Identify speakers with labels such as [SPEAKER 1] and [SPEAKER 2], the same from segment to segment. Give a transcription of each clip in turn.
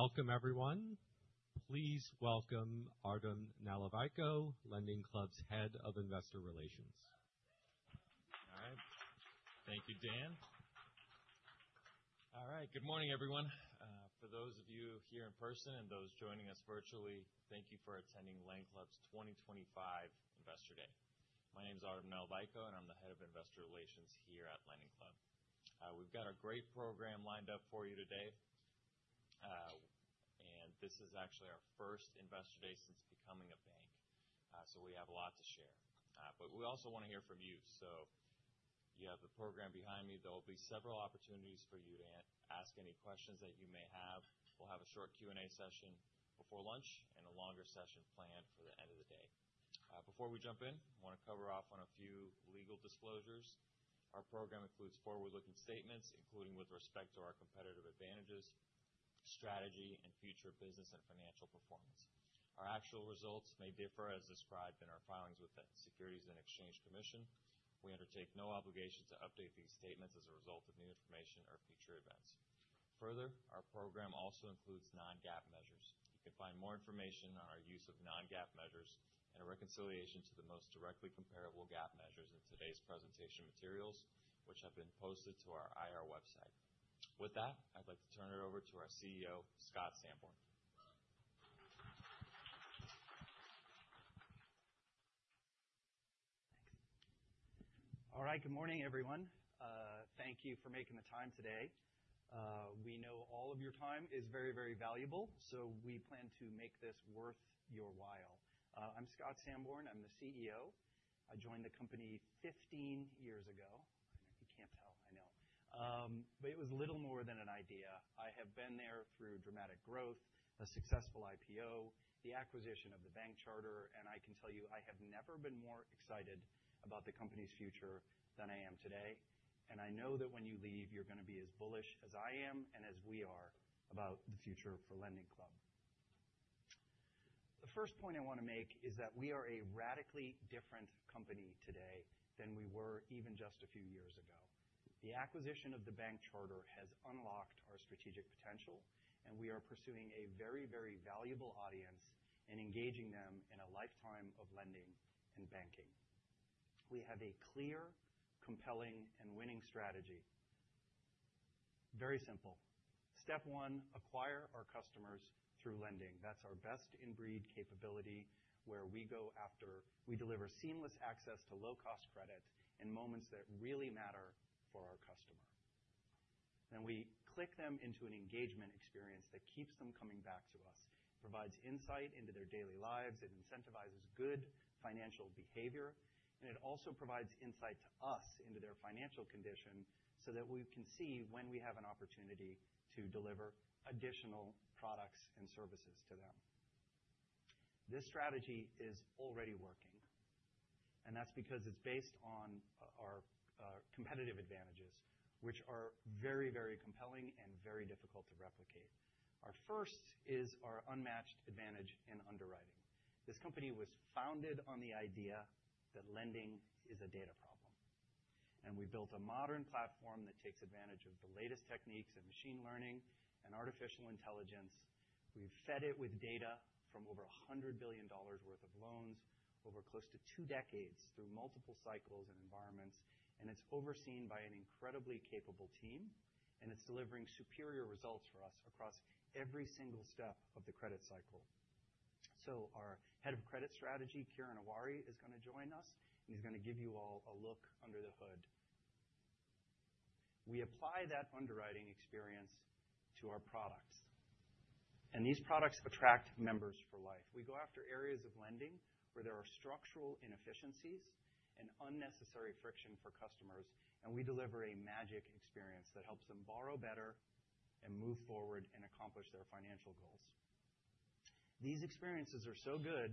[SPEAKER 1] Welcome, everyone. Please welcome Artem Nalivayko, LendingClub's Head of Investor Relations.
[SPEAKER 2] All right. Thank you, Dan. All right. Good morning, everyone. For those of you here in person and those joining us virtually, thank you for attending LendingClub's 2025 Investor Day. My name is Artem Nalivayko, and I'm the Head of Investor Relations here at LendingClub. We've got a great program lined up for you today, and this is actually our first Investor Day since becoming a bank, so we have a lot to share. But we also want to hear from you. So you have the program behind me. There will be several opportunities for you to ask any questions that you may have. We'll have a short Q&A session before lunch and a longer session planned for the end of the day. Before we jump in, I want to cover off on a few legal disclosures. Our program includes forward-looking statements, including with respect to our competitive advantages, strategy, and future business and financial performance. Our actual results may differ, as described in our filings with the Securities and Exchange Commission. We undertake no obligation to update these statements as a result of new information or future events. Further, our program also includes non-GAAP measures. You can find more information on our use of non-GAAP measures and a reconciliation to the most directly comparable GAAP measures in today's presentation materials, which have been posted to our IR website. With that, I'd like to turn it over to our CEO, Scott Sanborn.
[SPEAKER 3] All right. Good morning, everyone. Thank you for making the time today. We know all of your time is very, very valuable, so we plan to make this worth your while. I'm Scott Sanborn. I'm the CEO. I joined the company 15 years ago. I know you can't tell, I know, but it was little more than an idea. I have been there through dramatic growth, a successful IPO, the acquisition of the bank charter, and I can tell you I have never been more excited about the company's future than I am today, and I know that when you leave, you're going to be as bullish as I am and as we are about the future for LendingClub. The first point I want to make is that we are a radically different company today than we were even just a few years ago. The acquisition of the bank charter has unlocked our strategic potential, and we are pursuing a very, very valuable audience and engaging them in a lifetime of lending and banking. We have a clear, compelling, and winning strategy. Very simple. Step one: acquire our customers through lending. That's our best-in-breed capability where we go after we deliver seamless access to low-cost credit in moments that really matter for our customer. Then we click them into an engagement experience that keeps them coming back to us, provides insight into their daily lives, it incentivizes good financial behavior, and it also provides insight to us into their financial condition so that we can see when we have an opportunity to deliver additional products and services to them. This strategy is already working, and that's because it's based on our competitive advantages, which are very, very compelling and very difficult to replicate. Our first is our unmatched advantage in underwriting. This company was founded on the idea that lending is a data problem, and we built a modern platform that takes advantage of the latest techniques in machine learning and artificial intelligence. We've fed it with data from over $100 billion worth of loans over close to two decades through multiple cycles and environments, and it's overseen by an incredibly capable team, and it's delivering superior results for us across every single step of the credit cycle. Our Head of Credit Strategy, Kiran Aware, is going to join us, and he's going to give you all a look under the hood. We apply that underwriting experience to our products, and these products attract members for life. We go after areas of lending where there are structural inefficiencies and unnecessary friction for customers, and we deliver a magic experience that helps them borrow better and move forward and accomplish their financial goals. These experiences are so good,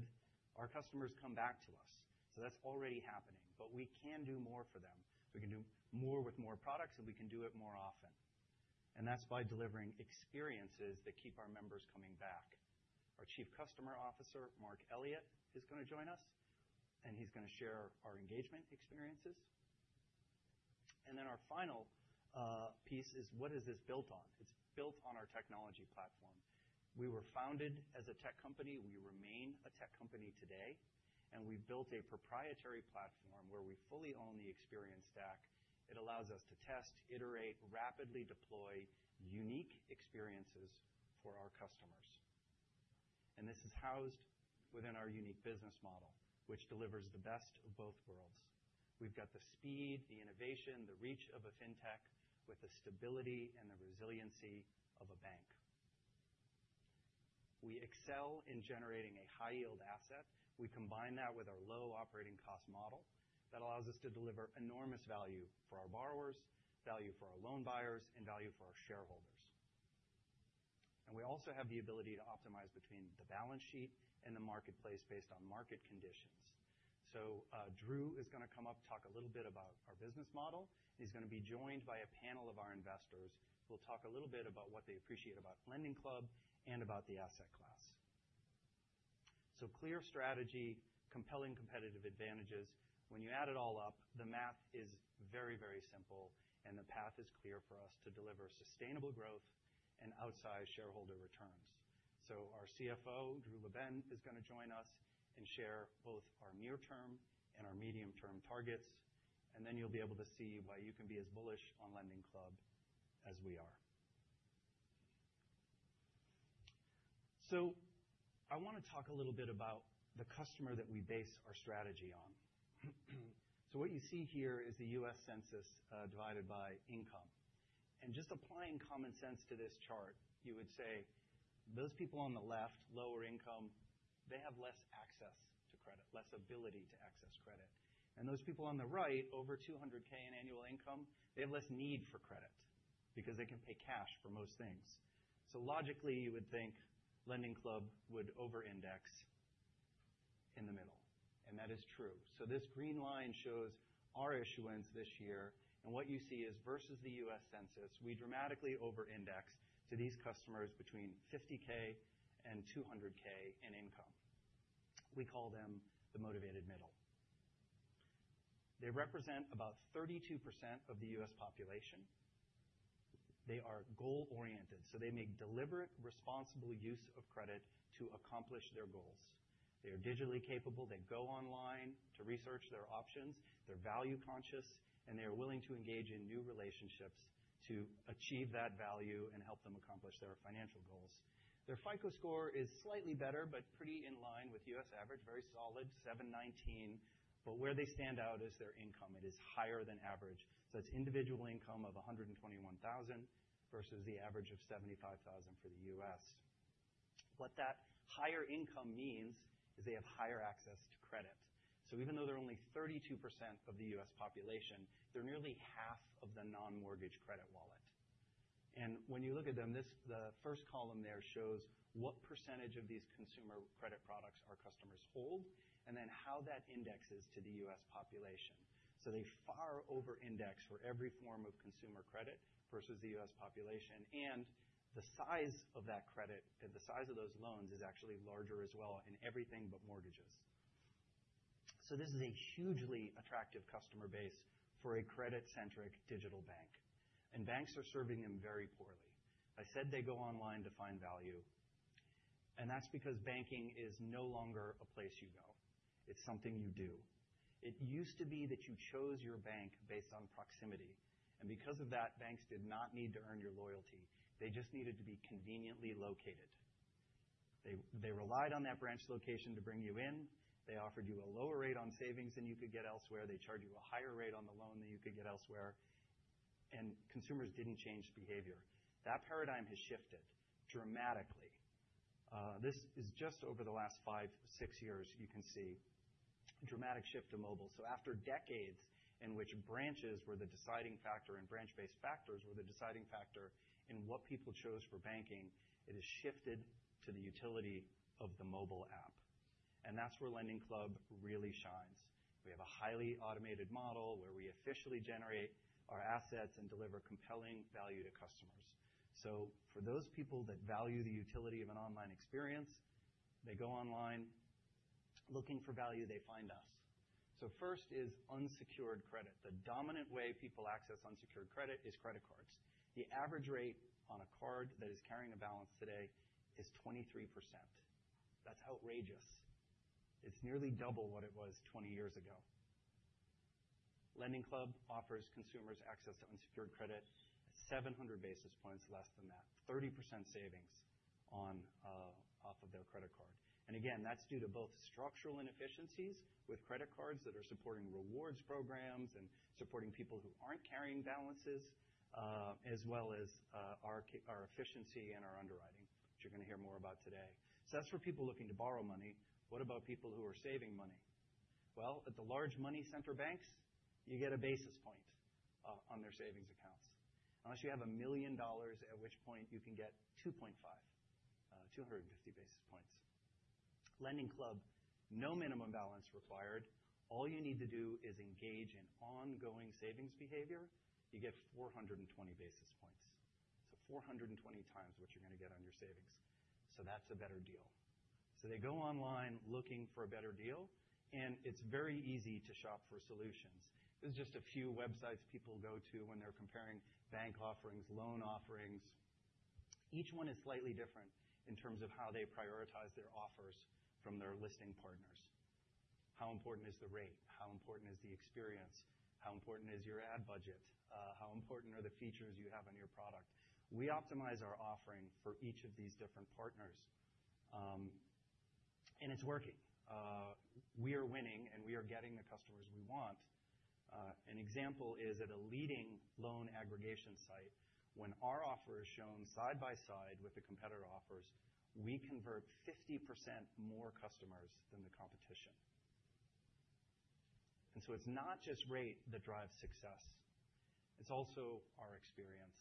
[SPEAKER 3] our customers come back to us. So that's already happening, but we can do more for them. We can do more with more products, and we can do it more often. And that's by delivering experiences that keep our members coming back. Our Chief Customer Officer, Mark Elliot, is going to join us, and he's going to share our engagement experiences. And then our final piece is, what is this built on? It's built on our technology platform. We were founded as a tech company. We remain a tech company today, and we've built a proprietary platform where we fully own the experience stack. It allows us to test, iterate, rapidly deploy unique experiences for our customers, and this is housed within our unique business model, which delivers the best of both worlds. We've got the speed, the innovation, the reach of a fintech with the stability and the resiliency of a bank. We excel in generating a high-yield asset. We combine that with our low operating cost model that allows us to deliver enormous value for our borrowers, value for our loan buyers, and value for our shareholders, and we also have the ability to optimize between the balance sheet and the marketplace based on market conditions, so Drew is going to come up, talk a little bit about our business model, and he's going to be joined by a panel of our investors who will talk a little bit about what they appreciate about LendingClub and about the asset class. Clear strategy, compelling competitive advantages. When you add it all up, the math is very, very simple, and the path is clear for us to deliver sustainable growth and outsized shareholder returns. Our CFO, Drew LaBenne, is going to join us and share both our near-term and our medium-term targets, and then you'll be able to see why you can be as bullish on LendingClub as we are. I want to talk a little bit about the customer that we base our strategy on. What you see here is the U.S. census divided by income. And just applying common sense to this chart, you would say those people on the left, lower income, they have less access to credit, less ability to access credit. And those people on the right, over 200K in annual income, they have less need for credit because they can pay cash for most things. So logically, you would think LendingClub would over-index in the middle, and that is true. So this green line shows our issuance this year, and what you see is versus the U.S. census, we dramatically over-index to these customers between 50K and 200K in income. We call them the motivated middle. They represent about 32% of the U.S. population. They are goal-oriented, so they make deliberate, responsible use of credit to accomplish their goals. They are digitally capable. They go online to research their options. They're value-conscious, and they are willing to engage in new relationships to achieve that value and help them accomplish their financial goals. Their FICO score is slightly better but pretty in line with U.S. average, very solid, 719. Where they stand out is their income. It is higher than average. It's individual income of $121,000 versus the average of $75,000 for the U.S. What that higher income means is they have higher access to credit. Even though they're only 32% of the U.S. population, they're nearly half of the non-mortgage credit wallet. When you look at them, the first column there shows what percentage of these consumer credit products our customers hold and then how that indexes to the U.S. population. They far over-index for every form of consumer credit versus the U.S. population, and the size of that credit and the size of those loans is actually larger as well in everything but mortgages. This is a hugely attractive customer base for a credit-centric digital bank, and banks are serving them very poorly. I said they go online to find value, and that's because banking is no longer a place you go. It's something you do. It used to be that you chose your bank based on proximity, and because of that, banks did not need to earn your loyalty. They just needed to be conveniently located. They relied on that branch location to bring you in. They offered you a lower rate on savings than you could get elsewhere. They charged you a higher rate on the loan than you could get elsewhere, and consumers didn't change behavior. That paradigm has shifted dramatically. This is just over the last five, six years. You can see a dramatic shift to mobile. So after decades in which branches were the deciding factor and branch-based factors were the deciding factor in what people chose for banking, it has shifted to the utility of the mobile app, and that's where LendingClub really shines. We have a highly automated model where we officially generate our assets and deliver compelling value to customers. So for those people that value the utility of an online experience, they go online looking for value. They find us. So first is unsecured credit. The dominant way people access unsecured credit is credit cards. The average rate on a card that is carrying a balance today is 23%. That's outrageous. It's nearly double what it was 20 years ago. LendingClub offers consumers access to unsecured credit 700 basis points less than that, 30% savings off of their credit card. And again, that's due to both structural inefficiencies with credit cards that are supporting rewards programs and supporting people who aren't carrying balances, as well as our efficiency and our underwriting, which you're going to hear more about today. So that's for people looking to borrow money. What about people who are saving money? Well, at the large money center banks, you get a basis point on their savings accounts unless you have a million dollars, at which point you can get 2.5, 250 basis points. LendingClub, no minimum balance required. All you need to do is engage in ongoing savings behavior. You get 420 basis points. So 420 times what you're going to get on your savings. So that's a better deal. So they go online looking for a better deal, and it's very easy to shop for solutions. There's just a few websites people go to when they're comparing bank offerings, loan offerings. Each one is slightly different in terms of how they prioritize their offers from their listing partners. How important is the rate? How important is the experience? How important is your ad budget? How important are the features you have on your product? We optimize our offering for each of these different partners, and it's working. We are winning, and we are getting the customers we want. An example is at a leading loan aggregation site, when our offer is shown side by side with the competitor offers, we convert 50% more customers than the competition. And so it's not just rate that drives success. It's also our experience.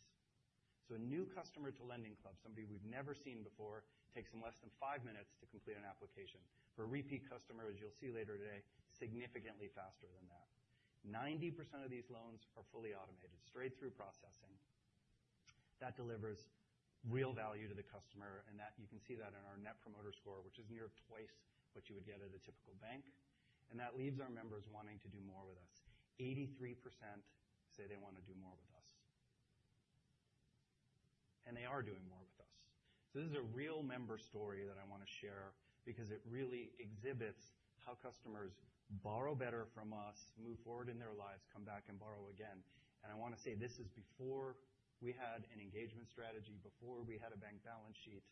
[SPEAKER 3] So a new customer to LendingClub, somebody we've never seen before, takes them less than five minutes to complete an application. For a repeat customer, as you'll see later today, significantly faster than that. 90% of these loans are fully automated, straight through processing. That delivers real value to the customer, and you can see that in our Net Promoter Score, which is near twice what you would get at a typical bank, and that leaves our members wanting to do more with us. 83% say they want to do more with us, and they are doing more with us, so this is a real member story that I want to share because it really exhibits how customers borrow better from us, move forward in their lives, come back and borrow again, and I want to say this is before we had an engagement strategy, before we had a bank balance sheet.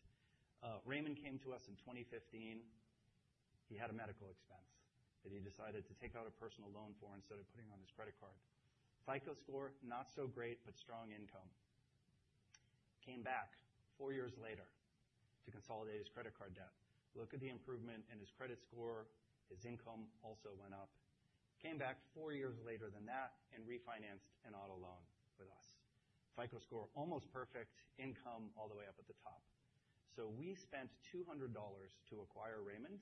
[SPEAKER 3] Raymond came to us in 2015. He had a medical expense that he decided to take out a personal loan for instead of putting on his credit card. FICO score, not so great, but strong income. Came back four years later to consolidate his credit card debt. Look at the improvement in his credit score. His income also went up. Came back four years later than that and refinanced an auto loan with us. FICO score, almost perfect, income all the way up at the top. So we spent $200 to acquire Raymond,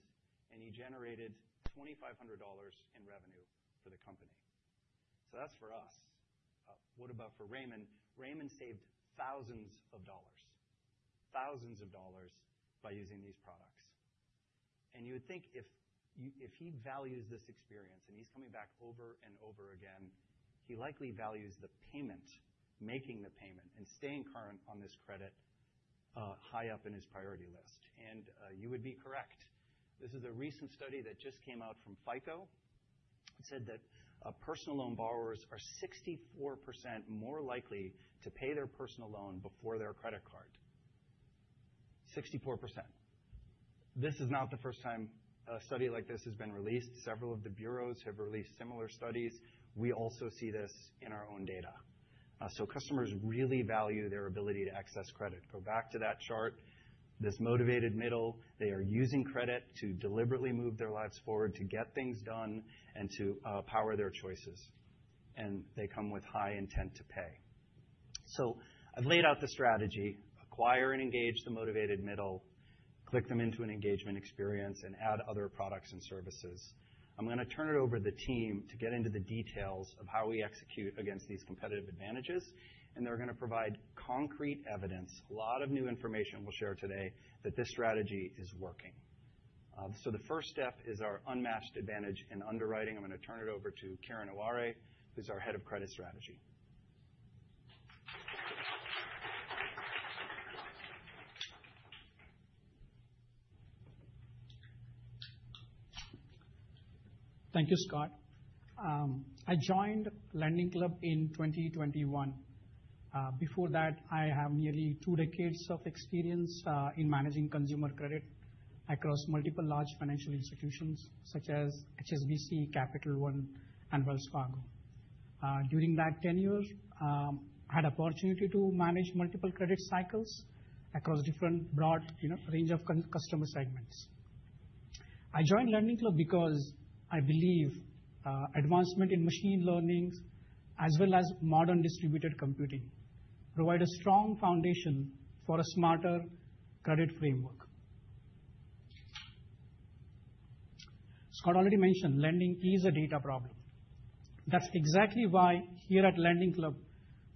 [SPEAKER 3] and he generated $2,500 in revenue for the company. So that's for us. What about for Raymond? Raymond saved thousands of dollars, thousands of dollars by using these products. You would think if he values this experience and he's coming back over and over again, he likely values the payment, making the payment and staying current on this credit high up in his priority list. You would be correct. This is a recent study that just came out from FICO. It said that personal loan borrowers are 64% more likely to pay their personal loan before their credit card. 64%. This is not the first time a study like this has been released. Several of the bureaus have released similar studies. We also see this in our own data. Customers really value their ability to access credit. Go back to that chart. This motivated middle, they are using credit to deliberately move their lives forward, to get things done, and to power their choices, and they come with high intent to pay. So I've laid out the strategy, acquire and engage the motivated middle, click them into an engagement experience, and add other products and services. I'm going to turn it over to the team to get into the details of how we execute against these competitive advantages, and they're going to provide concrete evidence, a lot of new information we'll share today, that this strategy is working. So the first step is our unmatched advantage in underwriting. I'm going to turn it over to Kiran Aware, who's our Head of Credit Strategy.
[SPEAKER 4] Thank you, Scott. I joined LendingClub in 2021. Before that, I have nearly two decades of experience in managing consumer credit across multiple large financial institutions such as HSBC, Capital One, and Wells Fargo. During that tenure, I had the opportunity to manage multiple credit cycles across a different broad range of customer segments. I joined LendingClub because I believe advancement in machine learning, as well as modern distributed computing, provide a strong foundation for a smarter credit framework. Scott already mentioned lending is a data problem. That's exactly why here at LendingClub,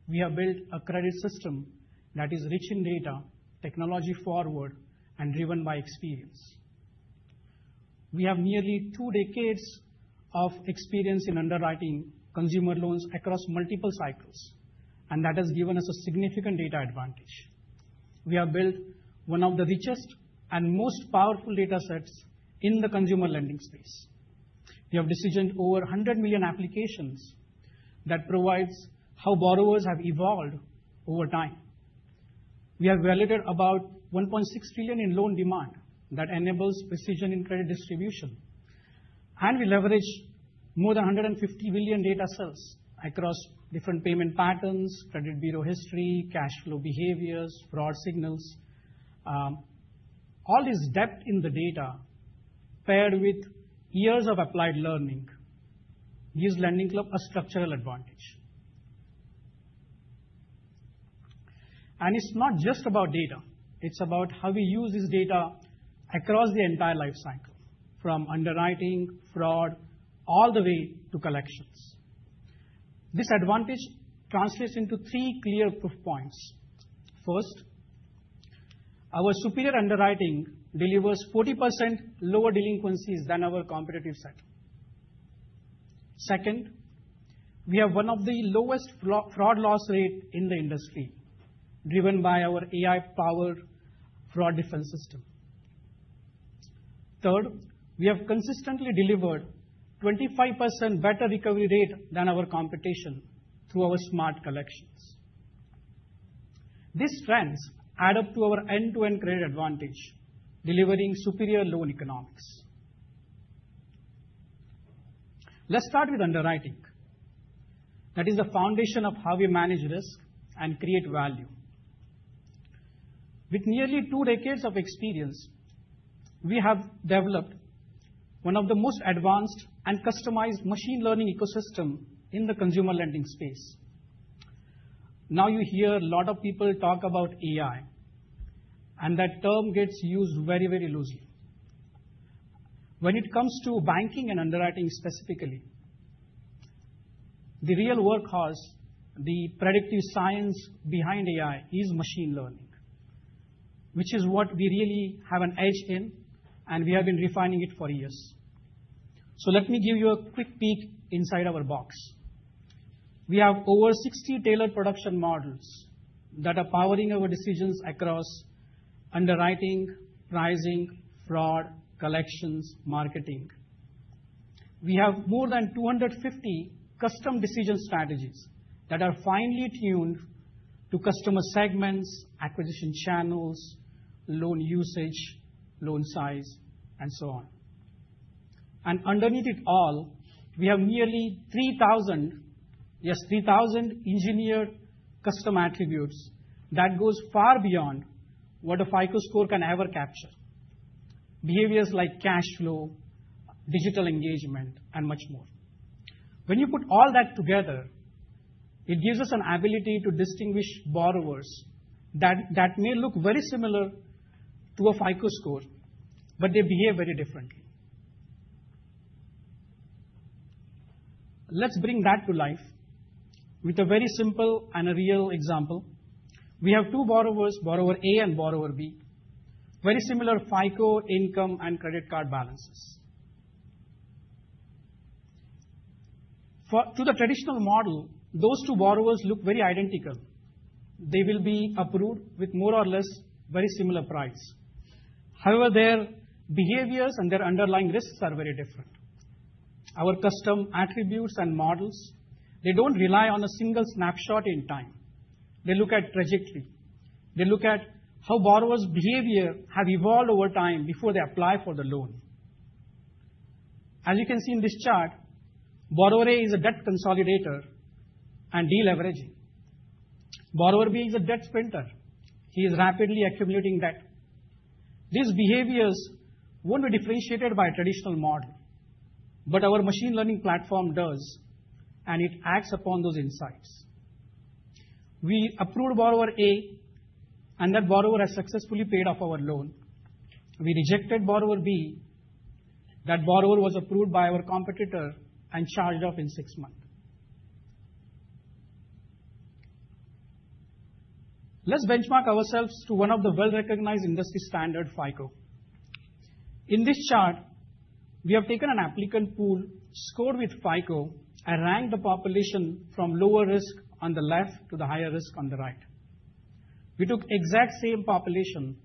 [SPEAKER 4] we have built a credit system that is rich in data, technology-forward, and driven by experience. We have nearly two decades of experience in underwriting consumer loans across multiple cycles, and that has given us a significant data advantage. We have built one of the richest and most powerful data sets in the consumer lending space. We have decisioned over 100 million applications that provide how borrowers have evolved over time. We have validated about 1.6 trillion in loan demand that enables precision in credit distribution, and we leverage more than 150 billion data sets across different payment patterns, credit bureau history, cash flow behaviors, fraud signals. All this depth in the data, paired with years of applied learning, gives LendingClub a structural advantage. And it's not just about data. It's about how we use this data across the entire life cycle, from underwriting, fraud, all the way to collections. This advantage translates into three clear proof points. First, our superior underwriting delivers 40% lower delinquencies than our competitive set. Second, we have one of the lowest fraud loss rates in the industry, driven by our AI-powered fraud defense system. Third, we have consistently delivered a 25% better recovery rate than our competition through our smart collections. These trends add up to our end-to-end credit advantage, delivering superior loan economics. Let's start with underwriting. That is the foundation of how we manage risk and create value. With nearly two decades of experience, we have developed one of the most advanced and customized machine learning ecosystems in the consumer lending space. Now you hear a lot of people talk about AI, and that term gets used very, very loosely. When it comes to banking and underwriting specifically, the real workhorse, the predictive science behind AI, is machine learning, which is what we really have an edge in, and we have been refining it for years. So let me give you a quick peek inside our box. We have over 60 tailored production models that are powering our decisions across underwriting, pricing, fraud, collections, marketing. We have more than 250 custom decision strategies that are finely tuned to customer segments, acquisition channels, loan usage, loan size, and so on. And underneath it all, we have nearly 3,000, yes, 3,000 engineered custom attributes that go far beyond what a FICO score can ever capture. Behaviors like cash flow, digital engagement, and much more. When you put all that together, it gives us an ability to distinguish borrowers that may look very similar to a FICO score, but they behave very differently. Let's bring that to life with a very simple and a real example. We have two borrowers, Borrower A and Borrower B, very similar FICO income and credit card balances. To the traditional model, those two borrowers look very identical. They will be approved with more or less very similar price. However, their behaviors and their underlying risks are very different. Our custom attributes and models, they don't rely on a single snapshot in time. They look at trajectory. They look at how borrowers' behavior has evolved over time before they apply for the loan. As you can see in this chart, Borrower A is a debt consolidator and deleveraging. Borrower B is a debt sprinter. He is rapidly accumulating debt. These behaviors won't be differentiated by a traditional model, but our machine learning platform does, and it acts upon those insights. We approved Borrower A, and that borrower has successfully paid off our loan. We rejected Borrower B. That borrower was approved by our competitor and charged off in six months. Let's benchmark ourselves to one of the well-recognized industry standards, FICO. In this chart, we have taken an applicant pool scored with FICO and ranked the population from lower risk on the left to the higher risk on the right. We took the exact same population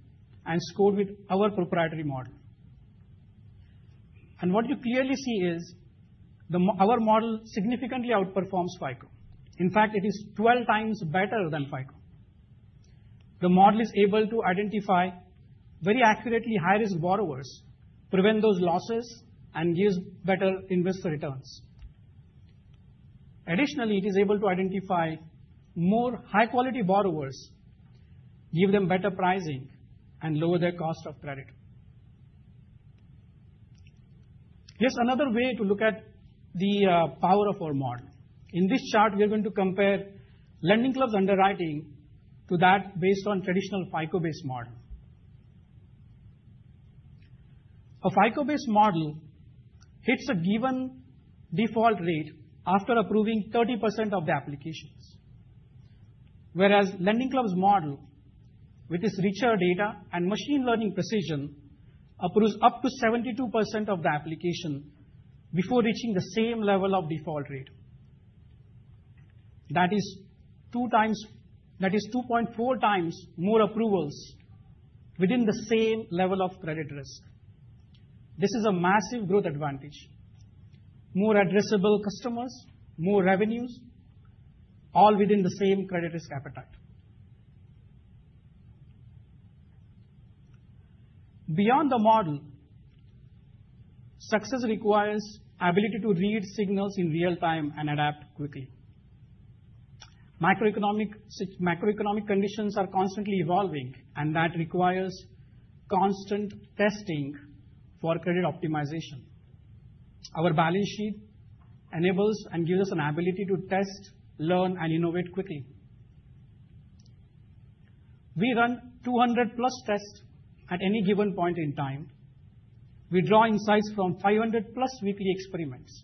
[SPEAKER 4] and scored with our proprietary model, and what you clearly see is our model significantly outperforms FICO. In fact, it is 12 times better than FICO. The model is able to identify very accurately high-risk borrowers, prevent those losses, and give better investor returns. Additionally, it is able to identify more high-quality borrowers, give them better pricing, and lower their cost of credit. Here's another way to look at the power of our model. In this chart, we are going to compare LendingClub's underwriting to that based on a traditional FICO-based model. A FICO-based model hits a given default rate after approving 30% of the applications, whereas LendingClub's model, with its richer data and machine learning precision, approves up to 72% of the applications before reaching the same level of default rate. That is 2.4 times more approvals within the same level of credit risk. This is a massive growth advantage. More addressable customers, more revenues, all within the same credit risk appetite. Beyond the model, success requires the ability to read signals in real time and adapt quickly. Microeconomic conditions are constantly evolving, and that requires constant testing for credit optimization. Our balance sheet enables and gives us an ability to test, learn, and innovate quickly. We run 200-plus tests at any given point in time. We draw insights from 500-plus weekly experiments.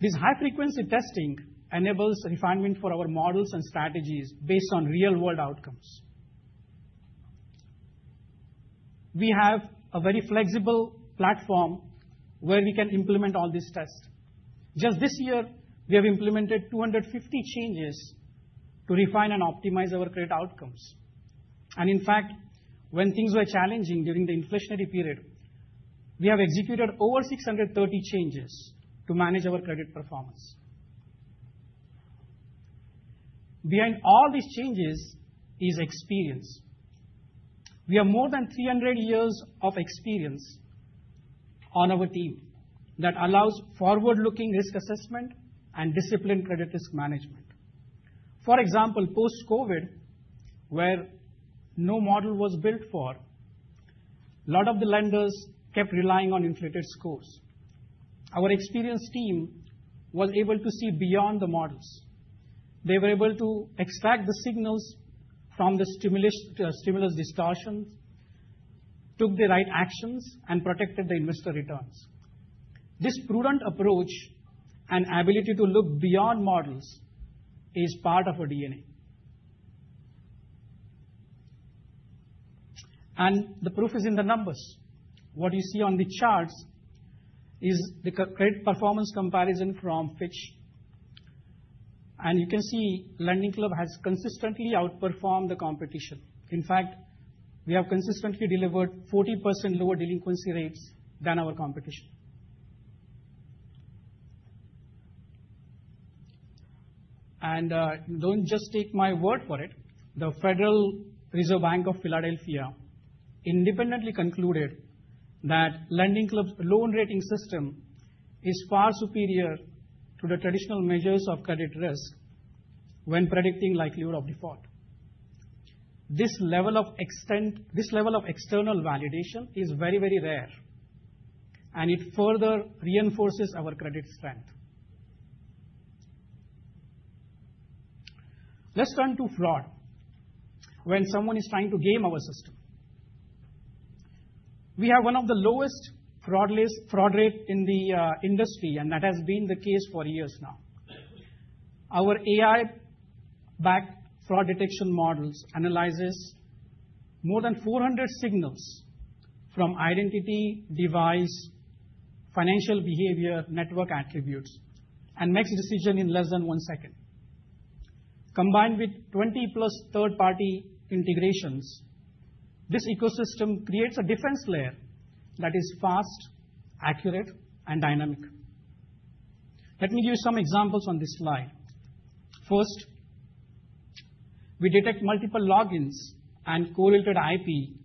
[SPEAKER 4] This high-frequency testing enables refinement for our models and strategies based on real-world outcomes. We have a very flexible platform where we can implement all these tests. Just this year, we have implemented 250 changes to refine and optimize our credit outcomes. And in fact, when things were challenging during the inflationary period, we have executed over 630 changes to manage our credit performance. Behind all these changes is experience. We have more than 300 years of experience on our team that allows forward-looking risk assessment and disciplined credit risk management. For example, post-COVID, where no model was built for, a lot of the lenders kept relying on inflated scores. Our experienced team was able to see beyond the models. They were able to extract the signals from the stimulus distortions, took the right actions, and protected the investor returns. This prudent approach and ability to look beyond models is part of our DNA. And the proof is in the numbers. What you see on the charts is the credit performance comparison from Fitch, and you can see LendingClub has consistently outperformed the competition. In fact, we have consistently delivered 40% lower delinquency rates than our competition, and don't just take my word for it. The Federal Reserve Bank of Philadelphia independently concluded that LendingClub's loan rating system is far superior to the traditional measures of credit risk when predicting likelihood of default. This level of external validation is very, very rare, and it further reinforces our credit strength. Let's turn to fraud. When someone is trying to game our system, we have one of the lowest fraud rates in the industry, and that has been the case for years now. Our AI-backed fraud detection models analyze more than 400 signals from identity, device, financial behavior, network attributes, and make decisions in less than one second. Combined with 20-plus third-party integrations, this ecosystem creates a defense layer that is fast, accurate, and dynamic. Let me give you some examples on this slide. First, we detect multiple logins and correlated IP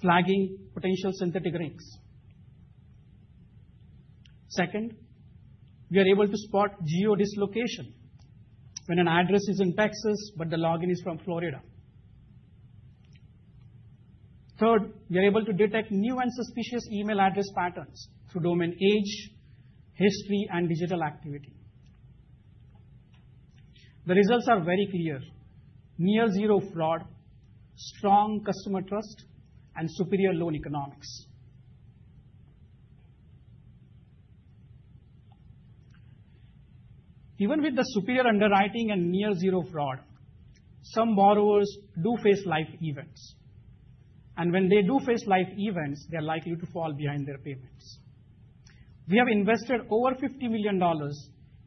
[SPEAKER 4] flagging potential synthetic rings. Second, we are able to spot geo-dislocation when an address is in Texas, but the login is from Florida. Third, we are able to detect new and suspicious email address patterns through domain age, history, and digital activity. The results are very clear: near-zero fraud, strong customer trust, and superior loan economics. Even with the superior underwriting and near-zero fraud, some borrowers do face life events. And when they do face life events, they are likely to fall behind their payments. We have invested over $50 million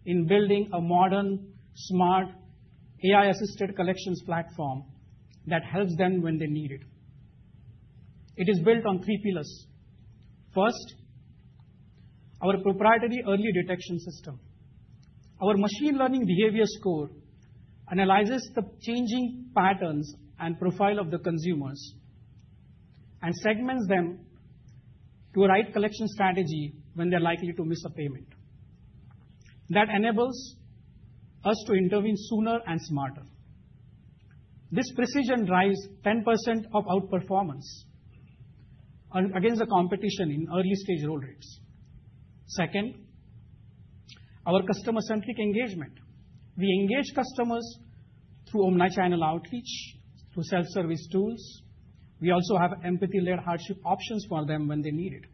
[SPEAKER 4] in building a modern, smart, AI-assisted collections platform that helps them when they need it. It is built on three pillars. First, our proprietary early detection system. Our machine learning behavior score analyzes the changing patterns and profile of the consumers and segments them to a right collection strategy when they're likely to miss a payment. That enables us to intervene sooner and smarter. This precision drives 10% outperformance against the competition in early-stage loan rates. Second, our customer-centric engagement. We engage customers through omnichannel outreach, through self-service tools. We also have empathy-led hardship options for them when they need it.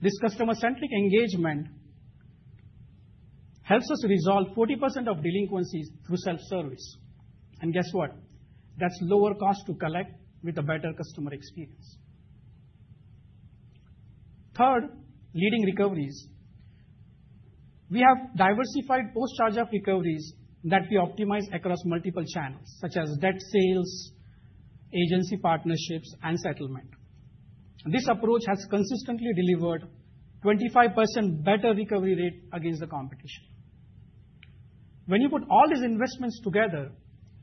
[SPEAKER 4] This customer-centric engagement helps us resolve 40% of delinquencies through self-service. And guess what? That's lower cost to collect with a better customer experience. Third, leading recoveries. We have diversified post-charge-off recoveries that we optimize across multiple channels, such as debt sales, agency partnerships, and settlement. This approach has consistently delivered a 25% better recovery rate against the competition. When you put all these investments together,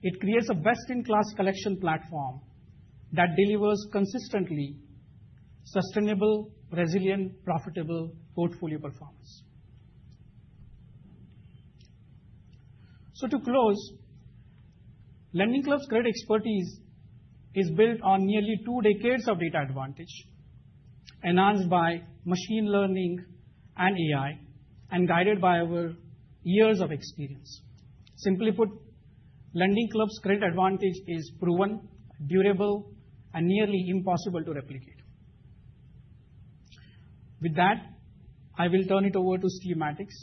[SPEAKER 4] it creates a best-in-class collection platform that delivers consistently sustainable, resilient, profitable portfolio performance. So to close, LendingClub's credit expertise is built on nearly two decades of data advantage enhanced by machine learning and AI and guided by our years of experience. Simply put, LendingClub's credit advantage is proven, durable, and nearly impossible to replicate. With that, I will turn it over to Steve Mattics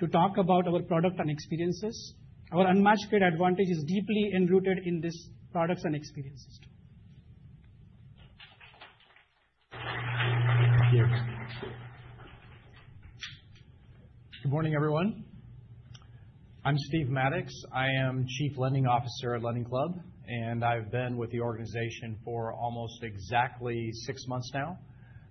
[SPEAKER 4] to talk about our product and experiences. Our unmatched credit advantage is deeply enrooted in this product and experience.
[SPEAKER 5] Good morning, everyone. I'm Steve Mattics. I am Chief Lending Officer at LendingClub, and I've been with the organization for almost exactly six months now.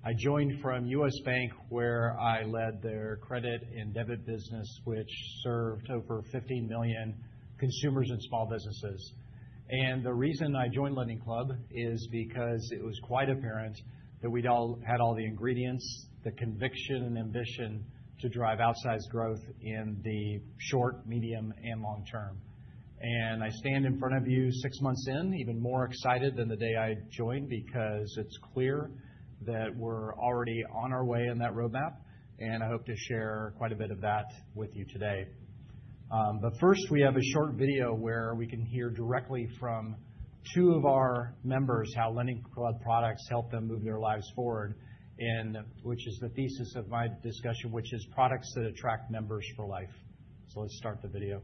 [SPEAKER 5] I joined from U.S. Bank, where I led their credit and debit business, which served over 15 million consumers and small businesses. And the reason I joined LendingClub is because it was quite apparent that we had all the ingredients, the conviction, and ambition to drive outsized growth in the short, medium, and long term. And I stand in front of you six months in, even more excited than the day I joined because it's clear that we're already on our way in that roadmap, and I hope to share quite a bit of that with you today. But first, we have a short video where we can hear directly from two of our members how LendingClub products help them move their lives forward, which is the thesis of my discussion, which is products that attract members for life. So let's start the video.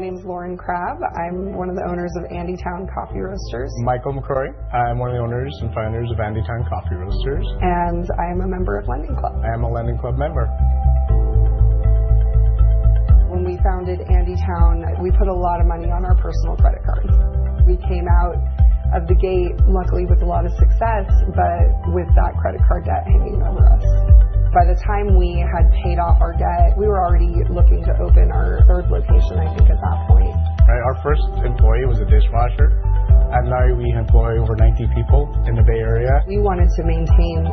[SPEAKER 5] My name is Lauren Crabbe. I'm one of the owners of Andytown Coffee Roasters.Michael McCrory. I'm one of the owners and founders of Andytown Coffee Roasters. I am a member of LendingClub. I am a LendingClub member. When we founded Andytown, we put a lot of money on our personal credit cards. We came out of the gate, luckily, with a lot of success, but with that credit card debt hanging over us. By the time we had paid off our debt, we were already looking to open our third location, I think, at that point. Our first employee was a dishwasher, and now we employ over 90 people in the Bay Area. We wanted to maintain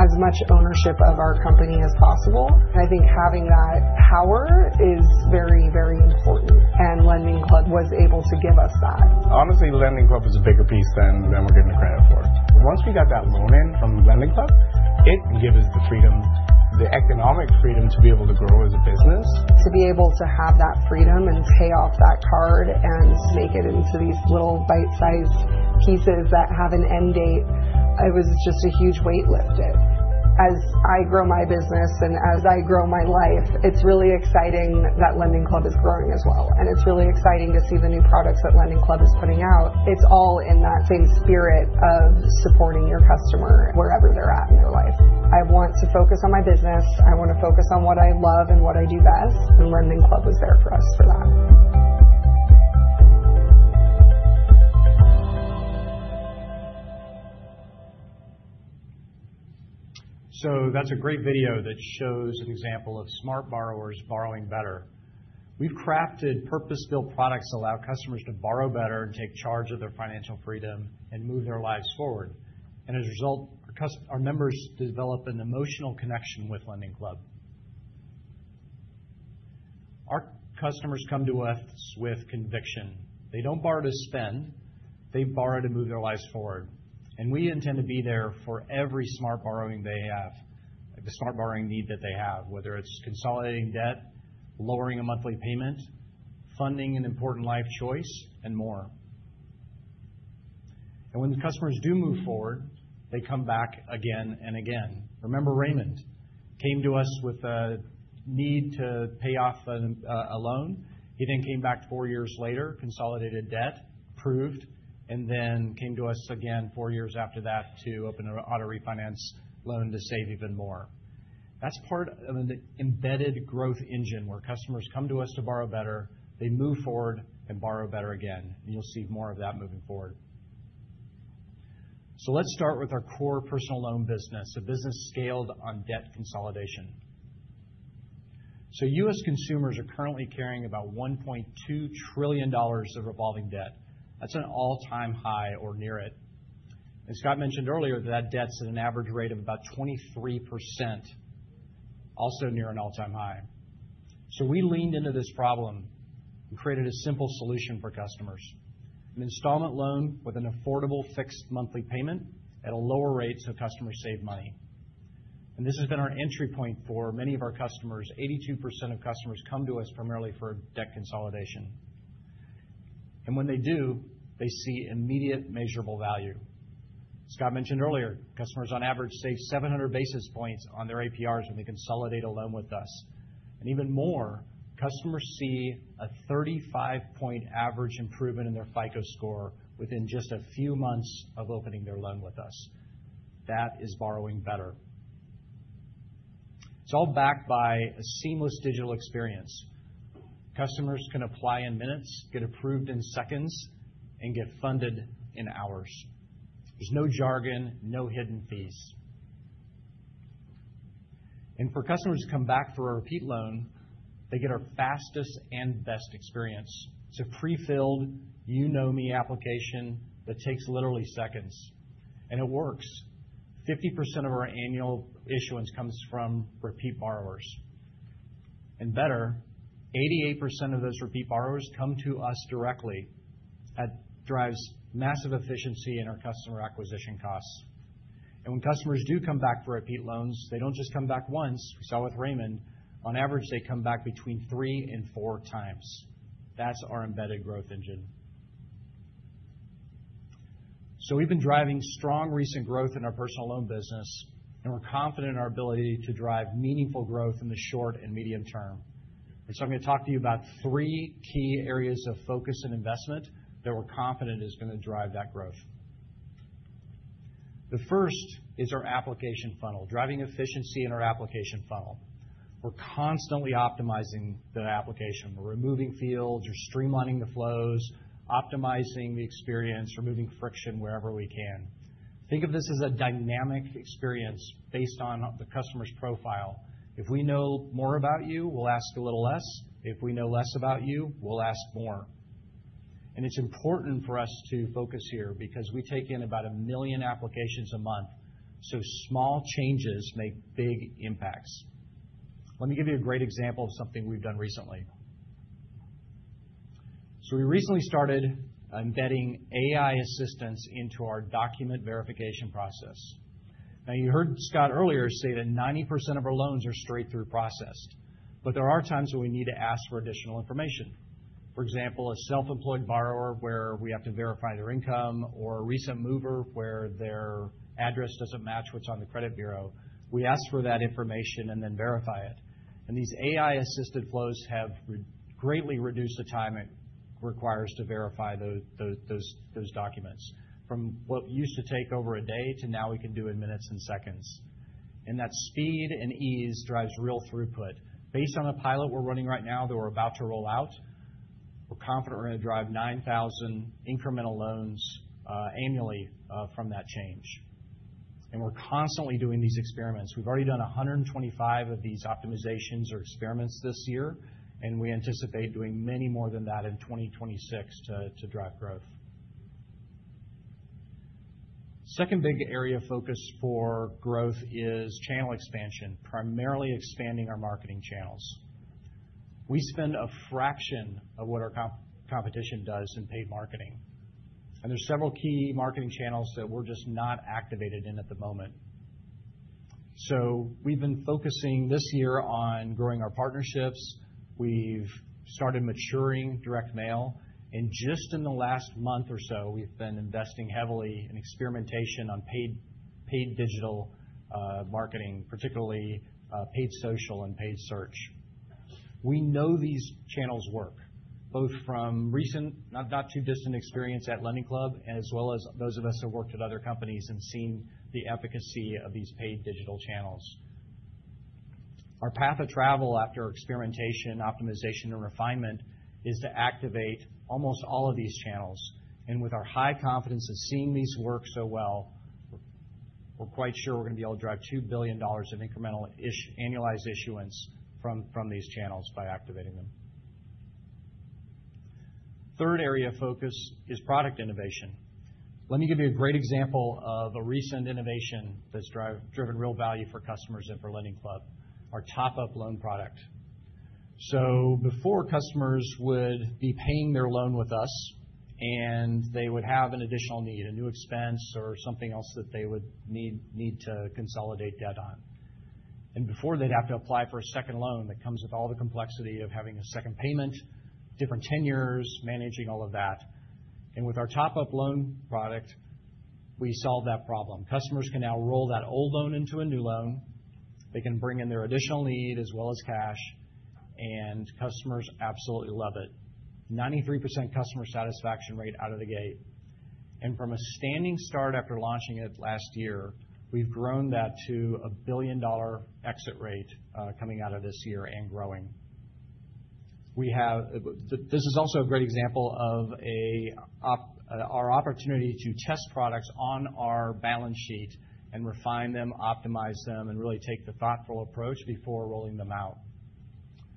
[SPEAKER 5] as much ownership of our company as possible. I think having that power is very, very important, and LendingClub was able to give us that. Honestly, LendingClub is a bigger piece than we're giving the credit for. Once we got that loan in from LendingClub, it gave us the freedom, the economic freedom to be able to grow as a business. To be able to have that freedom and pay off that card and make it into these little bite-sized pieces that have an end date, it was just a huge weight lifted. As I grow my business and as I grow my life, it's really exciting that LendingClub is growing as well. And it's really exciting to see the new products that LendingClub is putting out. It's all in that same spirit of supporting your customer wherever they're at in their life. I want to focus on my business. I want to focus on what I love and what I do best, and LendingClub was there for us for that. So that's a great video that shows an example of smart borrowers borrowing better. We've crafted purpose-built products that allow customers to borrow better and take charge of their financial freedom and move their lives forward. And as a result, our members develop an emotional connection with LendingClub. Our customers come to us with conviction. They don't borrow to spend. They borrow to move their lives forward. And we intend to be there for every smart borrowing they have, the smart borrowing need that they have, whether it's consolidating debt, lowering a monthly payment, funding an important life choice, and more. And when customers do move forward, they come back again and again. Remember Raymond came to us with a need to pay off a loan. He then came back four years later, consolidated debt, approved, and then came to us again four years after that to open an auto refinance loan to save even more. That's part of an embedded growth engine where customers come to us to borrow better. They move forward and borrow better again, and you'll see more of that moving forward, so let's start with our core personal loan business, a business scaled on debt consolidation, so U.S. consumers are currently carrying about $1.2 trillion of revolving debt. That's an all-time high or near it, and Scott mentioned earlier that that debt's at an average rate of about 23%, also near an all-time high, so we leaned into this problem and created a simple solution for customers: an installment loan with an affordable fixed monthly payment at a lower rate so customers save money. This has been our entry point for many of our customers. 82% of customers come to us primarily for debt consolidation. When they do, they see immediate measurable value. Scott mentioned earlier, customers on average save 700 basis points on their APRs when they consolidate a loan with us. Even more, customers see a 35-point average improvement in their FICO score within just a few months of opening their loan with us. That is borrowing better. It's all backed by a seamless digital experience. Customers can apply in minutes, get approved in seconds, and get funded in hours. There's no jargon, no hidden fees. For customers to come back for a repeat loan, they get our fastest and best experience. It's a pre-filled, you-know-me application that takes literally seconds. It works. 50% of our annual issuance comes from repeat borrowers. And better, 88% of those repeat borrowers come to us directly. That drives massive efficiency in our customer acquisition costs. And when customers do come back for repeat loans, they don't just come back once. We saw with Raymond, on average, they come back between three and four times. That's our embedded growth engine. So we've been driving strong recent growth in our personal loan business, and we're confident in our ability to drive meaningful growth in the short and medium term. And so I'm going to talk to you about three key areas of focus and investment that we're confident is going to drive that growth. The first is our application funnel, driving efficiency in our application funnel. We're constantly optimizing the application. We're removing fields. We're streamlining the flows, optimizing the experience, removing friction wherever we can. Think of this as a dynamic experience based on the customer's profile. If we know more about you, we'll ask a little less. If we know less about you, we'll ask more. And it's important for us to focus here because we take in about a million applications a month. So small changes make big impacts. Let me give you a great example of something we've done recently. So we recently started embedding AI assistants into our document verification process. Now, you heard Scott earlier say that 90% of our loans are straight-through processed, but there are times when we need to ask for additional information. For example, a self-employed borrower where we have to verify their income or a recent mover where their address doesn't match what's on the credit bureau. We ask for that information and then verify it. And these AI-assisted flows have greatly reduced the time it requires to verify those documents. From what used to take over a day to now we can do in minutes and seconds. And that speed and ease drives real throughput. Based on the pilot we're running right now that we're about to roll out, we're confident we're going to drive 9,000 incremental loans annually from that change. And we're constantly doing these experiments. We've already done 125 of these optimizations or experiments this year, and we anticipate doing many more than that in 2026 to drive growth. Second big area of focus for growth is channel expansion, primarily expanding our marketing channels. We spend a fraction of what our competition does in paid marketing. And there's several key marketing channels that we're just not activated in at the moment. So we've been focusing this year on growing our partnerships. We've started maturing direct mail, and just in the last month or so, we've been investing heavily in experimentation on paid digital marketing, particularly paid social and paid search. We know these channels work, both from recent, not too distant experience at LendingClub, as well as those of us who have worked at other companies and seen the efficacy of these paid digital channels. Our path of travel after experimentation, optimization, and refinement is to activate almost all of these channels, and with our high confidence of seeing these work so well, we're quite sure we're going to be able to drive $2 billion of incremental annualized issuance from these channels by activating them. Third area of focus is product innovation. Let me give you a great example of a recent innovation that's driven real value for customers and for LendingClub: our top-up loan product. So before, customers would be paying their loan with us, and they would have an additional need, a new expense or something else that they would need to consolidate debt on. And before, they'd have to apply for a second loan that comes with all the complexity of having a second payment, different tenures, managing all of that. And with our top-up loan product, we solve that problem. Customers can now roll that old loan into a new loan. They can bring in their additional need as well as cash, and customers absolutely love it. 93% customer satisfaction rate out of the gate. And from a standing start after launching it last year, we've grown that to a billion-dollar exit rate coming out of this year and growing. This is also a great example of our opportunity to test products on our balance sheet and refine them, optimize them, and really take the thoughtful approach before rolling them out.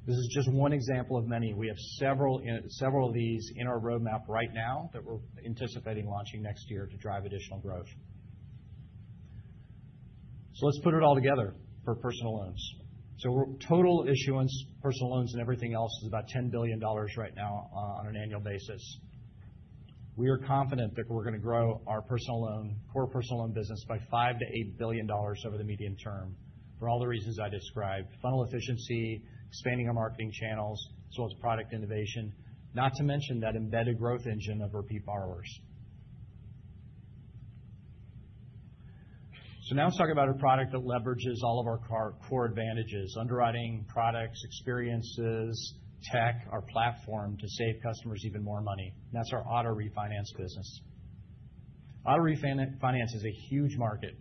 [SPEAKER 5] This is just one example of many. We have several of these in our roadmap right now that we're anticipating launching next year to drive additional growth, so let's put it all together for personal loans, so total issuance, personal loans, and everything else is about $10 billion right now on an annual basis. We are confident that we're going to grow our personal loan, core personal loan business, by $5-$8 billion over the medium term for all the reasons I described: funnel efficiency, expanding our marketing channels, as well as product innovation, not to mention that embedded growth engine of repeat borrowers. So now let's talk about a product that leverages all of our core advantages: underwriting, products, experiences, tech, our platform to save customers even more money. And that's our auto refinance business. Auto refinance is a huge market,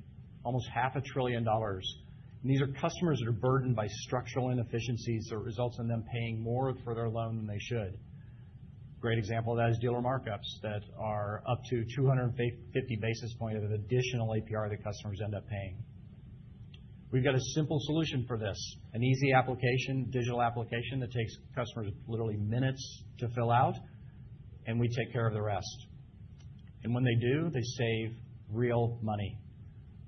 [SPEAKER 5] almost $500 billion. And these are customers that are burdened by structural inefficiencies that results in them paying more for their loan than they should. A great example of that is dealer markups that are up to 250 basis points of additional APR that customers end up paying. We've got a simple solution for this: an easy application, digital application that takes customers literally minutes to fill out, and we take care of the rest. And when they do, they save real money.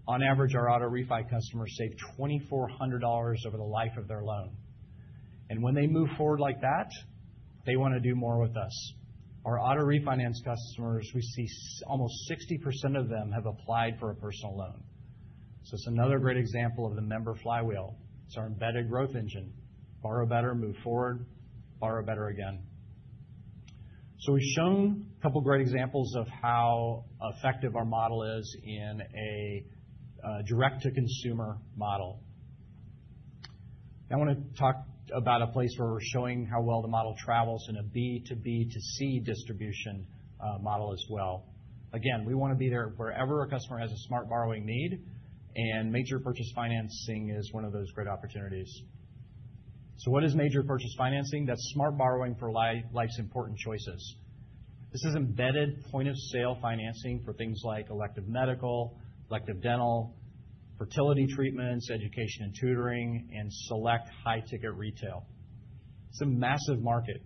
[SPEAKER 5] On average, our auto refinance customers save $2,400 over the life of their loan. When they move forward like that, they want to do more with us. Our auto refinance customers, we see almost 60% of them have applied for a personal loan. It's another great example of the member flywheel. It's our embedded growth engine: borrow better, move forward, borrow better again. We've shown a couple of great examples of how effective our model is in a direct-to-consumer model. Now, I want to talk about a place where we're showing how well the model travels in a B2B2C distribution model as well. Again, we want to be there wherever a customer has a smart borrowing need, and major purchase financing is one of those great opportunities. What is major purchase financing? That's smart borrowing for life's important choices. This is embedded point-of-sale financing for things like elective medical, elective dental, fertility treatments, education and tutoring, and select high-ticket retail. It's a massive market: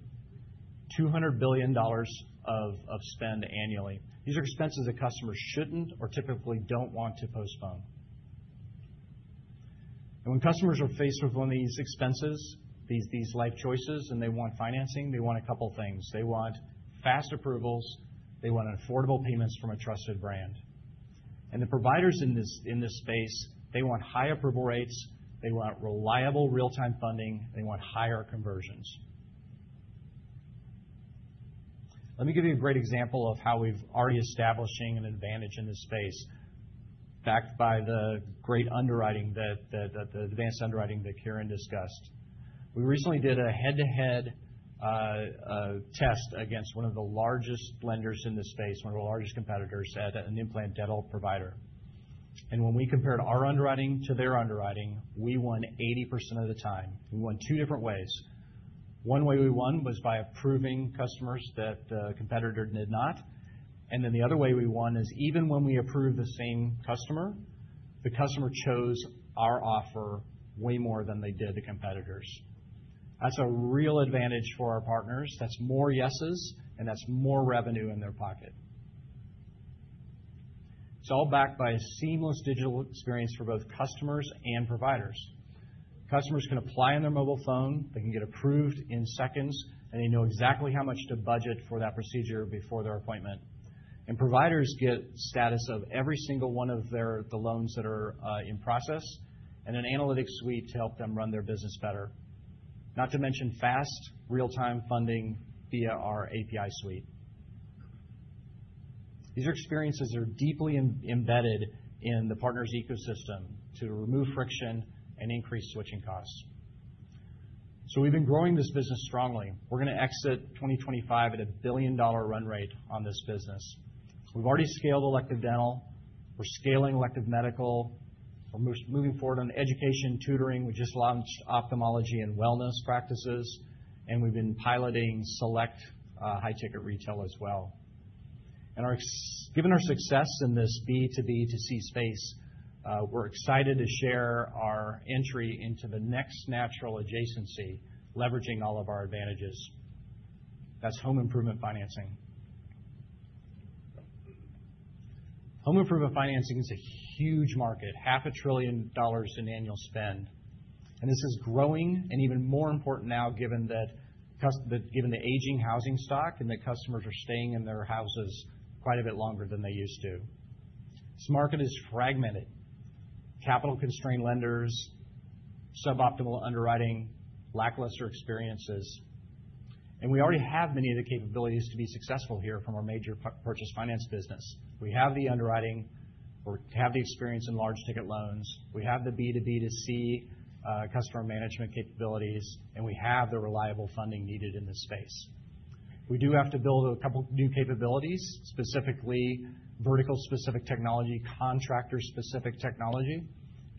[SPEAKER 5] $200 billion of spend annually. These are expenses that customers shouldn't or typically don't want to postpone. And when customers are faced with one of these expenses, these life choices, and they want financing, they want a couple of things. They want fast approvals. They want affordable payments from a trusted brand. And the providers in this space, they want high approval rates. They want reliable real-time funding. They want higher conversions. Let me give you a great example of how we've already established an advantage in this space, backed by the great underwriting, the advanced underwriting that Kiran discussed. We recently did a head-to-head test against one of the largest lenders in this space, one of our largest competitors at an implant dental provider. And when we compared our underwriting to their underwriting, we won 80% of the time. We won two different ways. One way we won was by approving customers that the competitor did not. Then the other way we won is even when we approved the same customer, the customer chose our offer way more than they did the competitor's. That's a real advantage for our partners. That's more yeses, and that's more revenue in their pocket. It's all backed by a seamless digital experience for both customers and providers. Customers can apply on their mobile phone. They can get approved in seconds, and they know exactly how much to budget for that procedure before their appointment. Providers get status of every single one of the loans that are in process and an analytics suite to help them run their business better, not to mention fast real-time funding via our API suite. These are experiences that are deeply embedded in the partner's ecosystem to remove friction and increase switching costs. So we've been growing this business strongly. We're going to exit 2025 at a $1 billion run rate on this business. We've already scaled elective dental. We're scaling elective medical. We're moving forward on education, tutoring. We just launched ophthalmology and wellness practices. And we've been piloting select high-ticket retail as well. And given our success in this B2B2C space, we're excited to share our entry into the next natural adjacency, leveraging all of our advantages. That's home improvement financing. Home improvement financing is a huge market, $500 billion in annual spend. And this is growing and even more important now, given the aging housing stock and that customers are staying in their houses quite a bit longer than they used to. This market is fragmented: capital-constrained lenders, suboptimal underwriting, lackluster experiences, and we already have many of the capabilities to be successful here from our major purchase finance business. We have the underwriting. We have the experience in large-ticket loans. We have the B2B2C customer management capabilities, and we have the reliable funding needed in this space. We do have to build a couple of new capabilities, specifically vertical-specific technology, contractor-specific technology,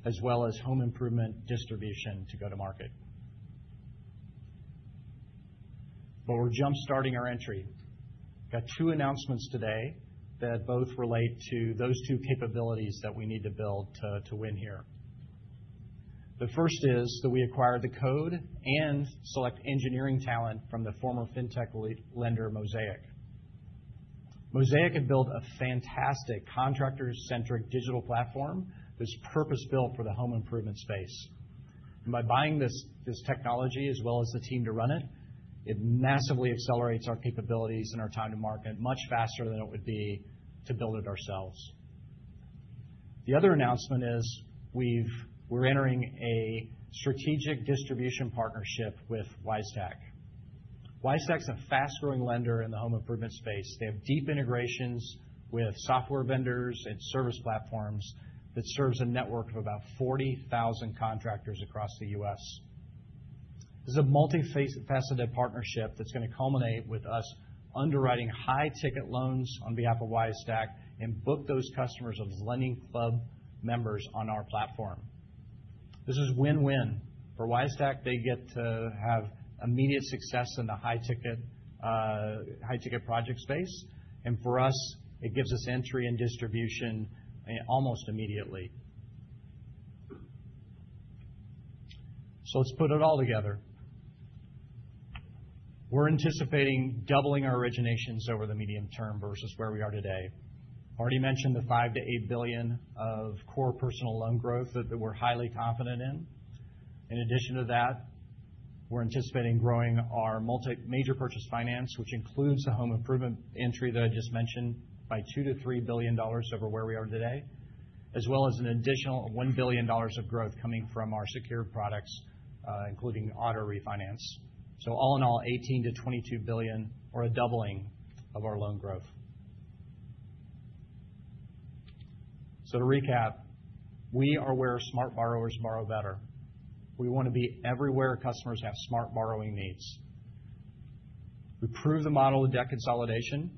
[SPEAKER 5] as well as home improvement distribution to go to market, but we're jump-starting our entry. Got two announcements today that both relate to those two capabilities that we need to build to win here. The first is that we acquired the code and select engineering talent from the former fintech lender Mosaic. Mosaic had built a fantastic contractor-centric digital platform that's purpose-built for the home improvement space. By buying this technology as well as the team to run it, it massively accelerates our capabilities and our time to market much faster than it would be to build it ourselves. The other announcement is we're entering a strategic distribution partnership with Wisetack. Wisetack is a fast-growing lender in the home improvement space. They have deep integrations with software vendors and service platforms that serve a network of about 40,000 contractors across the U.S. This is a multifaceted partnership that's going to culminate with us underwriting high-ticket loans on behalf of Wisetack and book those customers as LendingClub members on our platform. This is win-win. For Wisetack, they get to have immediate success in the high-ticket project space. And for us, it gives us entry and distribution almost immediately. Let's put it all together. We're anticipating doubling our originations over the medium term versus where we are today. I already mentioned the $5-$8 billion of core personal loan growth that we're highly confident in. In addition to that, we're anticipating growing our major purchase finance, which includes the home improvement entry that I just mentioned, by $2-$3 billion over where we are today, as well as an additional $1 billion of growth coming from our secured products, including auto refinance. So all in all, $18-$22 billion or a doubling of our loan growth. So to recap, we are where smart borrowers borrow better. We want to be everywhere customers have smart borrowing needs. We proved the model with debt consolidation,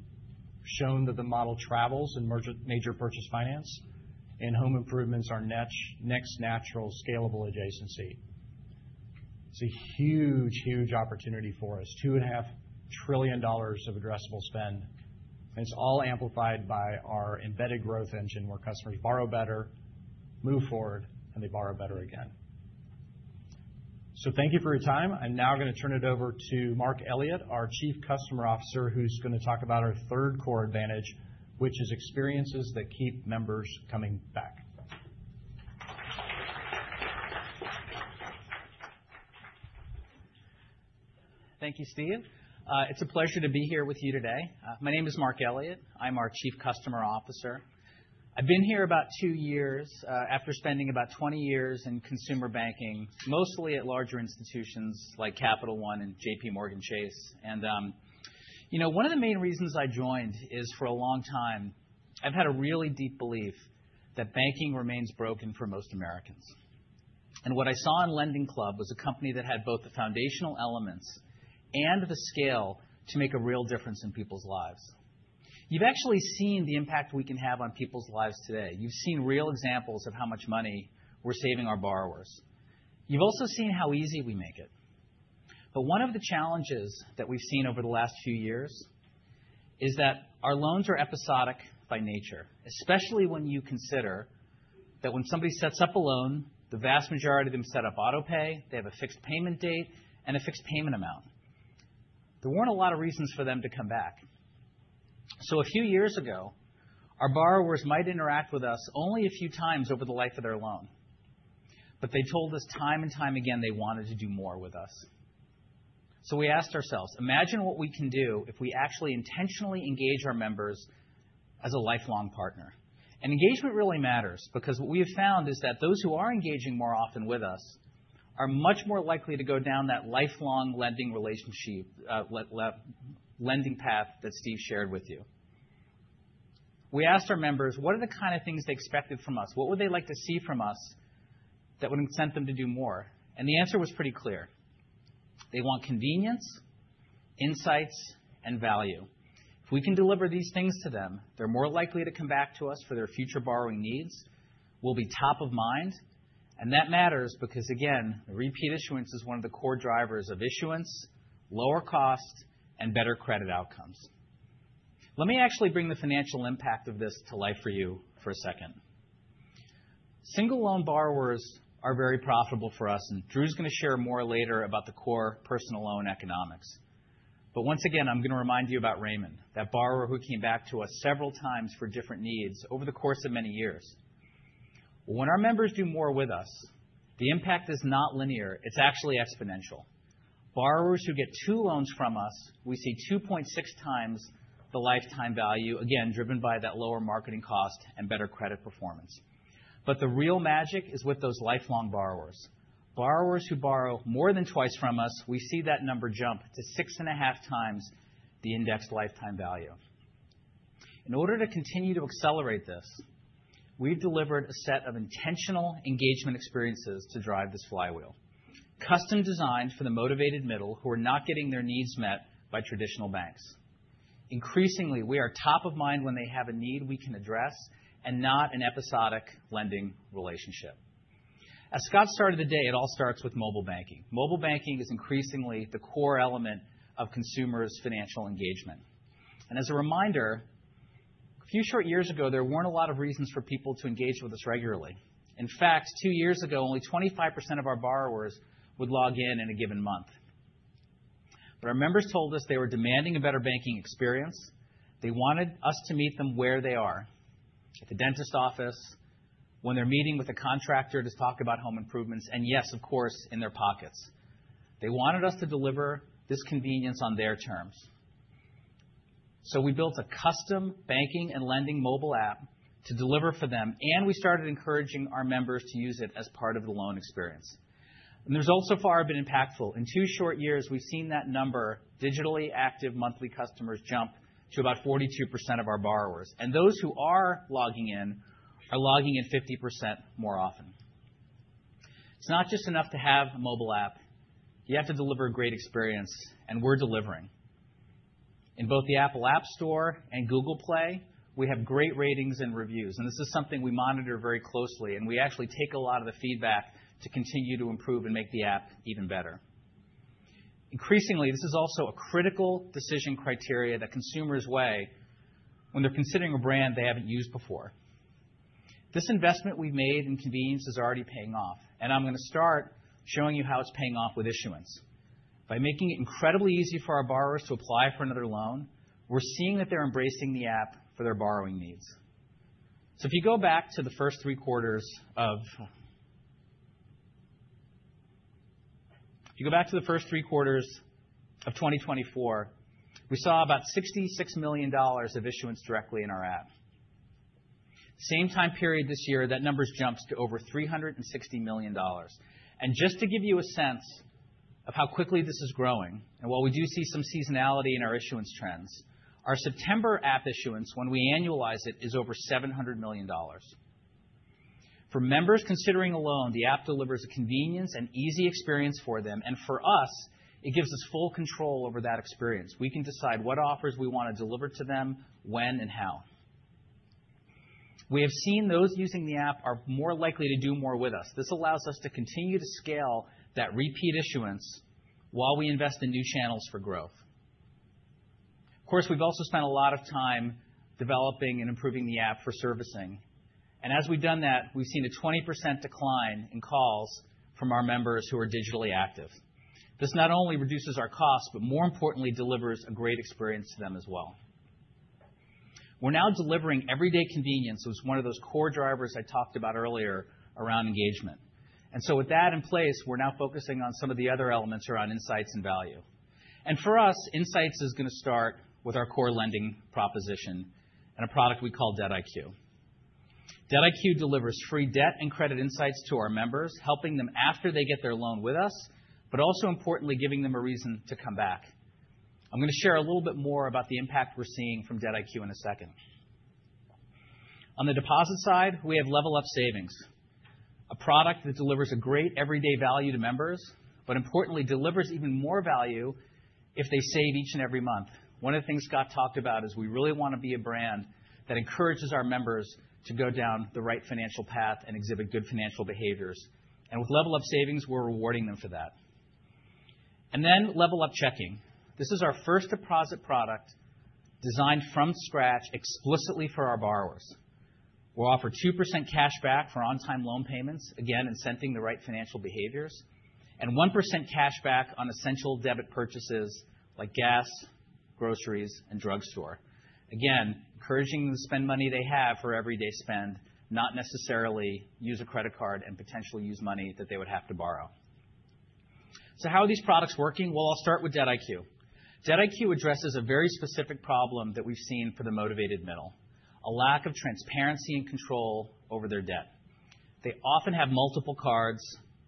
[SPEAKER 5] shown that the model travels in major purchase finance, and home improvements are next natural scalable adjacency. It's a huge, huge opportunity for us: $2.5 trillion of addressable spend, and it's all amplified by our embedded growth engine where customers borrow better, move forward, and they borrow better again. So thank you for your time. I'm now going to turn it over to Mark Elliot, our Chief Customer Officer, who's going to talk about our third core advantage, which is experiences that keep members coming back.
[SPEAKER 6] Thank you, Steve. It's a pleasure to be here with you today. My name is Mark Elliot. I'm our Chief Customer Officer. I've been here about two years after spending about 20 years in consumer banking, mostly at larger institutions like Capital One and JPMorgan Chase, and one of the main reasons I joined is for a long time, I've had a really deep belief that banking remains broken for most Americans. What I saw in LendingClub was a company that had both the foundational elements and the scale to make a real difference in people's lives. You've actually seen the impact we can have on people's lives today. You've seen real examples of how much money we're saving our borrowers. You've also seen how easy we make it. But one of the challenges that we've seen over the last few years is that our loans are episodic by nature, especially when you consider that when somebody sets up a loan, the vast majority of them set up autopay. They have a fixed payment date and a fixed payment amount. There weren't a lot of reasons for them to come back. So a few years ago, our borrowers might interact with us only a few times over the life of their loan. But they told us time and time again they wanted to do more with us. So we asked ourselves, imagine what we can do if we actually intentionally engage our members as a lifelong partner. And engagement really matters because what we have found is that those who are engaging more often with us are much more likely to go down that lifelong lending path that Steve shared with you. We asked our members, what are the kind of things they expected from us? What would they like to see from us that would incent them to do more? And the answer was pretty clear. They want convenience, insights, and value. If we can deliver these things to them, they're more likely to come back to us for their future borrowing needs. We'll be top of mind. And that matters because, again, the repeat issuance is one of the core drivers of issuance, lower cost, and better credit outcomes. Let me actually bring the financial impact of this to life for you for a second. Single loan borrowers are very profitable for us. And Drew's going to share more later about the core personal loan economics. But once again, I'm going to remind you about Raymond, that borrower who came back to us several times for different needs over the course of many years. When our members do more with us, the impact is not linear. It's actually exponential. Borrowers who get two loans from us, we see 2.6 times the lifetime value, again, driven by that lower marketing cost and better credit performance. But the real magic is with those lifelong borrowers. Borrowers who borrow more than twice from us, we see that number jump to 6.5 times the indexed lifetime value. In order to continue to accelerate this, we've delivered a set of intentional engagement experiences to drive this flywheel, custom designed for the motivated middle who are not getting their needs met by traditional banks. Increasingly, we are top of mind when they have a need we can address and not an episodic lending relationship. As Scott started the day, it all starts with mobile banking. Mobile banking is increasingly the core element of consumers' financial engagement. And as a reminder, a few short years ago, there weren't a lot of reasons for people to engage with us regularly. In fact, two years ago, only 25% of our borrowers would log in in a given month. But our members told us they were demanding a better banking experience. They wanted us to meet them where they are, at the dentist's office, when they're meeting with a contractor to talk about home improvements, and yes, of course, in their pockets. They wanted us to deliver this convenience on their terms. So we built a custom banking and lending mobile app to deliver for them. And we started encouraging our members to use it as part of the loan experience. And the results so far have been impactful. In two short years, we've seen that number, digitally active monthly customers, jump to about 42% of our borrowers. And those who are logging in are logging in 50% more often. It's not just enough to have a mobile app. You have to deliver a great experience. And we're delivering. In both the Apple App Store and Google Play, we have great ratings and reviews. This is something we monitor very closely. We actually take a lot of the feedback to continue to improve and make the app even better. Increasingly, this is also a critical decision criteria that consumers weigh when they're considering a brand they haven't used before. This investment we've made in convenience is already paying off. I'm going to start showing you how it's paying off with issuance. By making it incredibly easy for our borrowers to apply for another loan, we're seeing that they're embracing the app for their borrowing needs. If you go back to the first three quarters of 2024, we saw about $66 million of issuance directly in our app. Same time period this year, that number's jumped to over $360 million. Just to give you a sense of how quickly this is growing, and while we do see some seasonality in our issuance trends, our September app issuance, when we annualize it, is over $700 million. For members considering a loan, the app delivers a convenience and easy experience for them. For us, it gives us full control over that experience. We can decide what offers we want to deliver to them, when, and how. We have seen those using the app are more likely to do more with us. This allows us to continue to scale that repeat issuance while we invest in new channels for growth. Of course, we've also spent a lot of time developing and improving the app for servicing. As we've done that, we've seen a 20% decline in calls from our members who are digitally active. This not only reduces our cost, but more importantly, delivers a great experience to them as well. We're now delivering everyday convenience, which was one of those core drivers I talked about earlier around engagement. With that in place, we're now focusing on some of the other elements around insights and value. For us, insights is going to start with our core lending proposition and a product we call DebtIQ. DebtIQ delivers free debt and credit insights to our members, helping them after they get their loan with us, but also importantly, giving them a reason to come back. I'm going to share a little bit more about the impact we're seeing from DebtIQ in a second. On the deposit side, we have LevelUp Savings, a product that delivers a great everyday value to members, but importantly, delivers even more value if they save each and every month. One of the things Scott talked about is we really want to be a brand that encourages our members to go down the right financial path and exhibit good financial behaviors, and with LevelUp Savings, we're rewarding them for that, and then LevelUp Checking. This is our first deposit product designed from scratch explicitly for our borrowers. We'll offer 2% cash back for on-time loan payments, again, incenting the right financial behaviors, and 1% cash back on essential debit purchases like gas, groceries, and drugstore. Again, encouraging them to spend money they have for everyday spend, not necessarily use a credit card and potentially use money that they would have to borrow, so how are these products working? I'll start with DebtIQ. DebtIQ addresses a very specific problem that we've seen for the motivated middle: a lack of transparency and control over their debt. They often have multiple cards,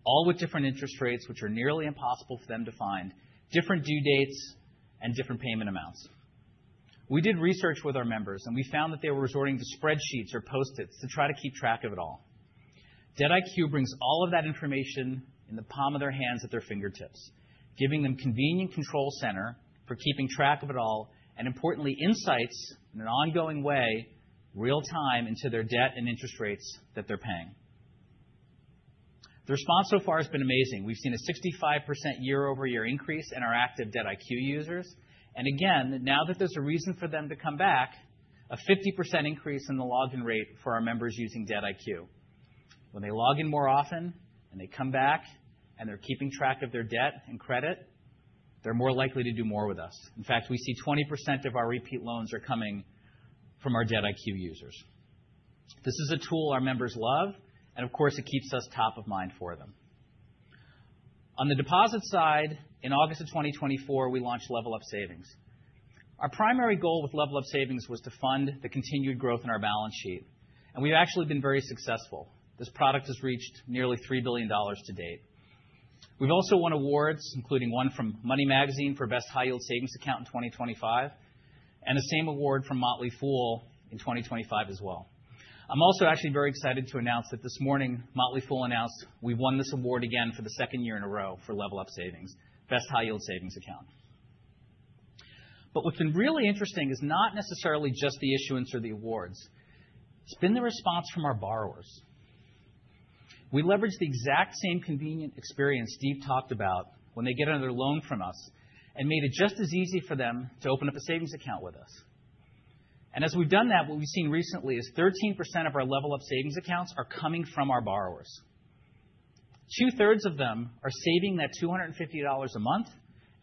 [SPEAKER 6] all with different interest rates, which are nearly impossible for them to find, different due dates, and different payment amounts. We did research with our members, and we found that they were resorting to spreadsheets or Post-its to try to keep track of it all. DebtIQ brings all of that information in the palm of their hands at their fingertips, giving them a convenient control center for keeping track of it all and, importantly, insights in an ongoing way, real-time into their debt and interest rates that they're paying. The response so far has been amazing. We've seen a 65% year-over-year increase in our active DebtIQ users. Again, now that there's a reason for them to come back, a 50% increase in the login rate for our members using DebtIQ. When they log in more often and they come back and they're keeping track of their debt and credit, they're more likely to do more with us. In fact, we see 20% of our repeat loans are coming from our DebtIQ users. This is a tool our members love. And of course, it keeps us top of mind for them. On the deposit side, in August of 2024, we launched LevelUp Savings. Our primary goal with LevelUp Savings was to fund the continued growth in our balance sheet. And we've actually been very successful. This product has reached nearly $3 billion to date. We've also won awards, including one from Money Magazine for Best High-Yield Savings Account in 2025 and the same award from Motley Fool in 2025 as well. I'm also actually very excited to announce that this morning, Motley Fool announced we've won this award again for the second year in a row for LevelUp Savings, Best High-Yield Savings Account, but what's been really interesting is not necessarily just the issuance or the awards. It's been the response from our borrowers. We leveraged the exact same convenient experience Steve talked about when they get another loan from us and made it just as easy for them to open up a savings account with us, and as we've done that, what we've seen recently is 13% of our LevelUp Savings accounts are coming from our borrowers. Two-thirds of them are saving that $250 a month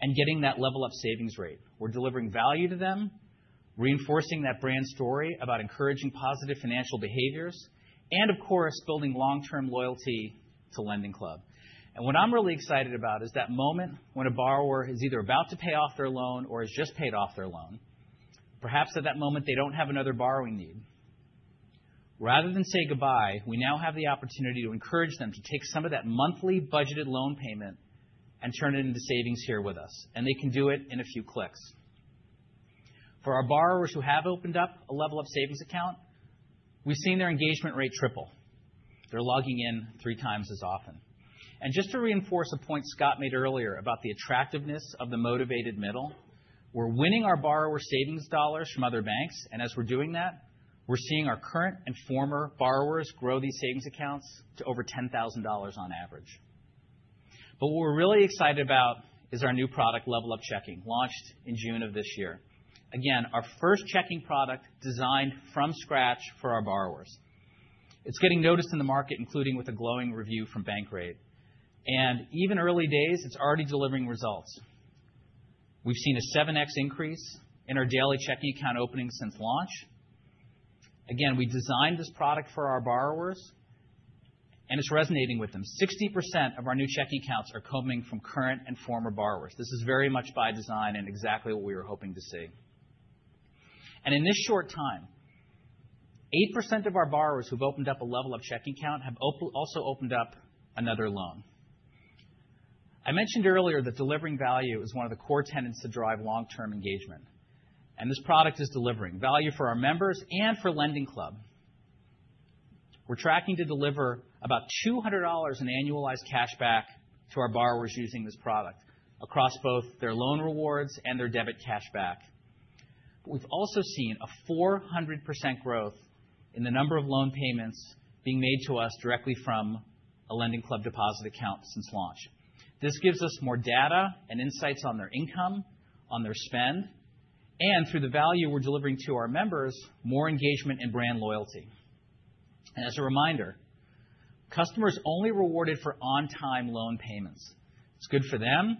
[SPEAKER 6] and getting that LevelUp Savings rate. We're delivering value to them, reinforcing that brand story about encouraging positive financial behaviors, and of course, building long-term loyalty to LendingClub. What I'm really excited about is that moment when a borrower is either about to pay off their loan or has just paid off their loan. Perhaps at that moment, they don't have another borrowing need. Rather than say goodbye, we now have the opportunity to encourage them to take some of that monthly budgeted loan payment and turn it into savings here with us. They can do it in a few clicks. For our borrowers who have opened up a LevelUp Savings account, we've seen their engagement rate triple. They're logging in three times as often. And just to reinforce a point Scott made earlier about the attractiveness of the motivated middle, we're winning our borrower savings dollars from other banks. And as we're doing that, we're seeing our current and former borrowers grow these savings accounts to over $10,000 on average. But what we're really excited about is our new product, LevelUp Checking, launched in June of this year. Again, our first checking product designed from scratch for our borrowers. It's getting noticed in the market, including with a glowing review from Bankrate. And even early days, it's already delivering results. We've seen a 7X increase in our daily checking account openings since launch. Again, we designed this product for our borrowers, and it's resonating with them. 60% of our new checking accounts are coming from current and former borrowers. This is very much by design and exactly what we were hoping to see. In this short time, 8% of our borrowers who've opened up a LevelUp Checking account have also opened up another loan. I mentioned earlier that delivering value is one of the core tenets to drive long-term engagement. This product is delivering value for our members and for LendingClub. We're tracking to deliver about $200 in annualized cash back to our borrowers using this product across both their loan rewards and their debit cash back. We've also seen a 400% growth in the number of loan payments being made to us directly from a LendingClub deposit account since launch. This gives us more data and insights on their income, on their spend, and through the value we're delivering to our members, more engagement and brand loyalty. As a reminder, customers are only rewarded for on-time loan payments. It's good for them.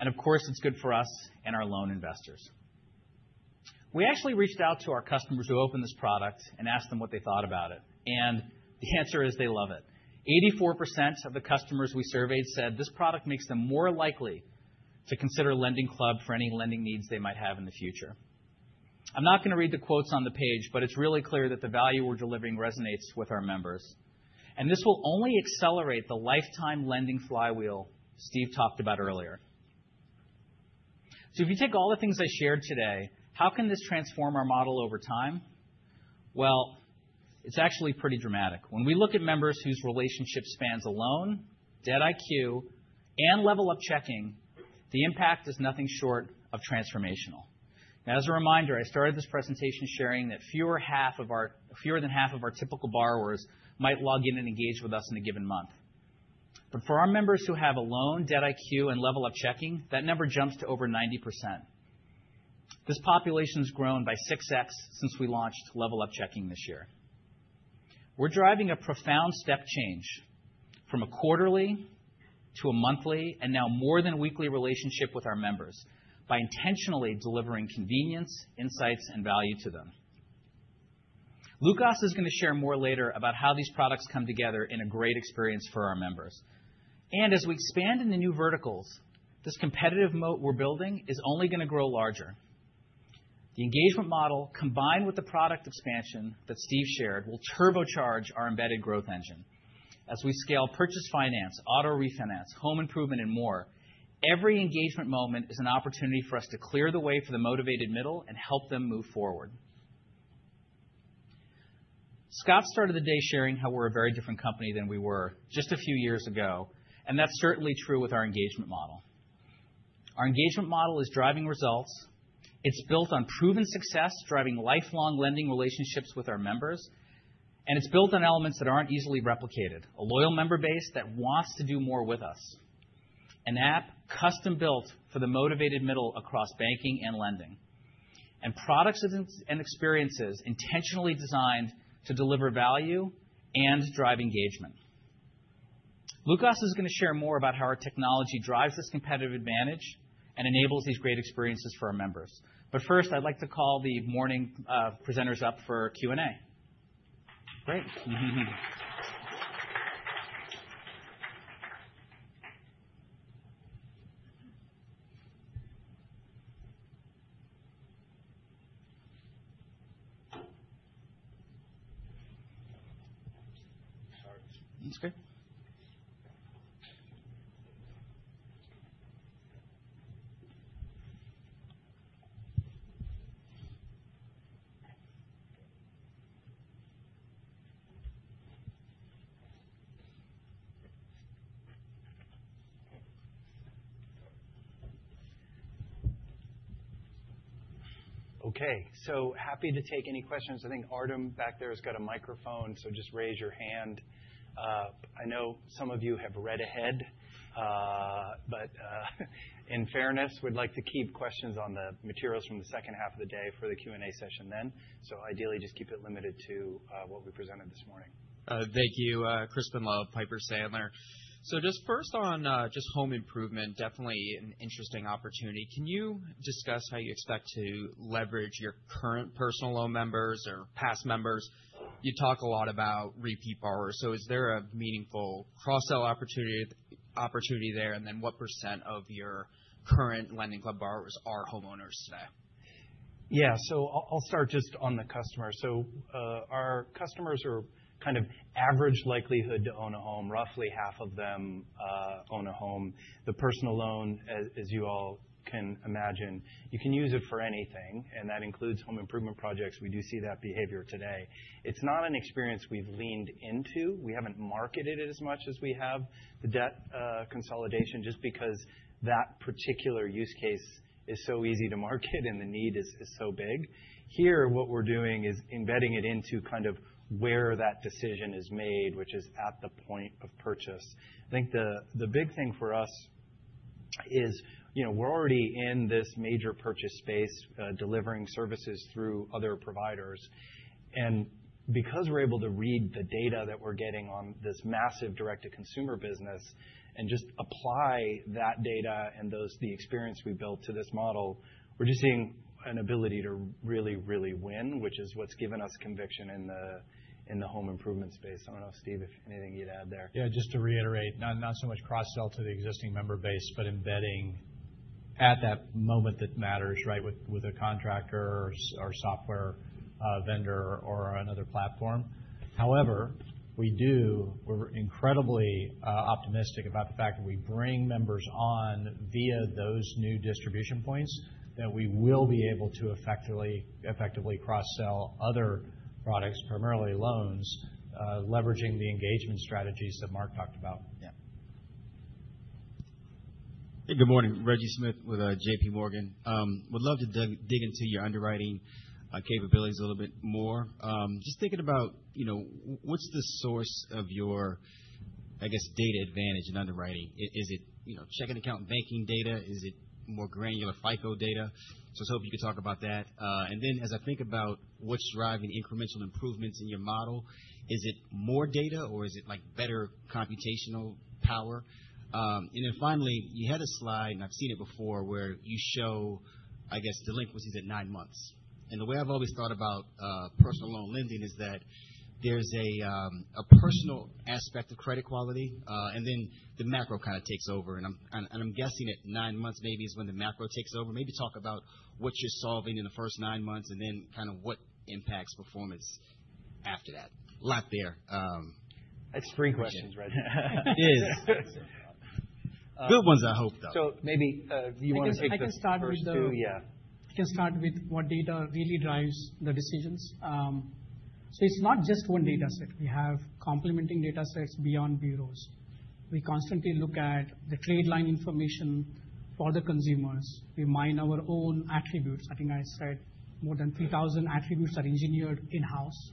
[SPEAKER 6] Of course, it's good for us and our loan investors. We actually reached out to our customers who opened this product and asked them what they thought about it. The answer is they love it. 84% of the customers we surveyed said this product makes them more likely to consider LendingClub for any lending needs they might have in the future. I'm not going to read the quotes on the page, but it's really clear that the value we're delivering resonates with our members. This will only accelerate the lifetime lending flywheel Steve talked about earlier. If you take all the things I shared today, how can this transform our model over time? It's actually pretty dramatic. When we look at members whose relationship spans a loan, DebtIQ, and LevelUp Checking, the impact is nothing short of transformational. As a reminder, I started this presentation sharing that fewer than half of our typical borrowers might log in and engage with us in a given month. But for our members who have a loan, DebtIQ, and LevelUp Checking, that number jumps to over 90%. This population has grown by 6X since we launched LevelUp Checking this year. We're driving a profound step change from a quarterly to a monthly and now more than weekly relationship with our members by intentionally delivering convenience, insights, and value to them. Lukasz is going to share more later about how these products come together in a great experience for our members. And as we expand into new verticals, this competitive moat we're building is only going to grow larger. The engagement model, combined with the product expansion that Steve shared, will turbocharge our embedded growth engine. As we scale purchase finance, auto refinance, home improvement, and more, every engagement moment is an opportunity for us to clear the way for the motivated middle and help them move forward. Scott started the day sharing how we're a very different company than we were just a few years ago, and that's certainly true with our engagement model. Our engagement model is driving results. It's built on proven success, driving lifelong lending relationships with our members, and it's built on elements that aren't easily replicated: a loyal member base that wants to do more with us, an app custom built for the motivated middle across banking and lending, and products and experiences intentionally designed to deliver value and drive engagement. Lukasz is going to share more about how our technology drives this competitive advantage and enables these great experiences for our members. But first, I'd like to call the morning presenters up for Q&A. Great. Okay. So happy to take any questions. I think Artem back there has got a microphone, so just raise your hand. I know some of you have read ahead, but in fairness, we'd like to keep questions on the materials from the second half of the day for the Q&A session then. So ideally, just keep it limited to what we presented this morning.
[SPEAKER 7] Thank you, Crispin Love, Piper Sandler. So just first on just home improvement, definitely an interesting opportunity. Can you discuss how you expect to leverage your current personal loan members or past members? You talk a lot about repeat borrowers. So is there a meaningful cross-sell opportunity there? And then what % of your current LendingClub borrowers are homeowners today?
[SPEAKER 3] Yeah. So I'll start just on the customer. Our customers are kind of average likelihood to own a home. Roughly half of them own a home. The personal loan, as you all can imagine, you can use it for anything. And that includes home improvement projects. We do see that behavior today. It's not an experience we've leaned into. We haven't marketed it as much as we have the debt consolidation, just because that particular use case is so easy to market and the need is so big. Here, what we're doing is embedding it into kind of where that decision is made, which is at the point of purchase. I think the big thing for us is we're already in this major purchase space, delivering services through other providers. And because we're able to read the data that we're getting on this massive direct-to-consumer business and just apply that data and the experience we built to this model, we're just seeing an ability to really, really win, which is what's given us conviction in the home improvement space. I don't know, Steve, if anything you'd add there.
[SPEAKER 5] Yeah. Just to reiterate, not so much cross-sell to the existing member base, but embedding at that moment that matters, right, with a contractor or software vendor or another platform. However, we're incredibly optimistic about the fact that we bring members on via those new distribution points that we will be able to effectively cross-sell other products, primarily loans, leveraging the engagement strategies that Mark talked about. Yeah.
[SPEAKER 8] Hey, good morning. Reggie Smith with JPMorgan. Would love to dig into your underwriting capabilities a little bit more. Just thinking about what's the source of your, I guess, data advantage in underwriting? Is it checking account and banking data? Is it more granular FICO data? So I was hoping you could talk about that. And then as I think about what's driving incremental improvements in your model, is it more data or is it better computational power? And then finally, you had a slide, and I've seen it before, where you show, I guess, delinquencies at nine months. And the way I've always thought about personal loan lending is that there's a personal aspect of credit quality. And then the macro kind of takes over. And I'm guessing at nine months maybe is when the macro takes over. Maybe talk about what you're solving in the first nine months and then kind of what impacts performance after that. Lot there.
[SPEAKER 3] Extreme questions, Reggie.
[SPEAKER 8] It is. Good ones, I hope, though.
[SPEAKER 3] So maybe do you want to take the first two? Yeah.
[SPEAKER 4] I can start with what data really drives the decisions. So it's not just one data set. We have complementing data sets beyond bureaus. We constantly look at the trade line information for the consumers. We mine our own attributes. I think I said more than 3,000 attributes are engineered in-house,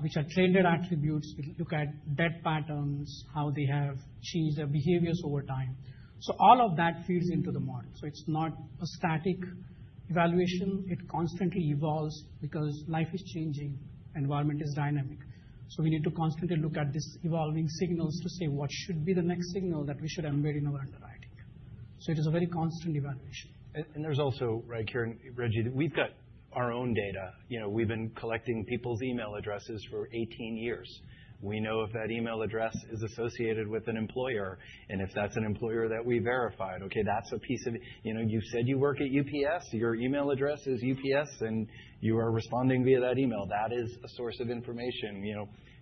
[SPEAKER 4] which are trained attributes. We look at debt patterns, how they have changed their behaviors over time. So all of that feeds into the model. So it's not a static evaluation. It constantly evolves because life is changing. Environment is dynamic. So we need to constantly look at these evolving signals to say what should be the next signal that we should embed in our underwriting. So it is a very constant evaluation.
[SPEAKER 3] There's also, right here, Reggie, that we've got our own data. We've been collecting people's email addresses for 18 years. We know if that email address is associated with an employer. If that's an employer that we verified, okay, that's a piece of it. You said you work at UPS. Your email address is UPS, and you are responding via that email. That is a source of information.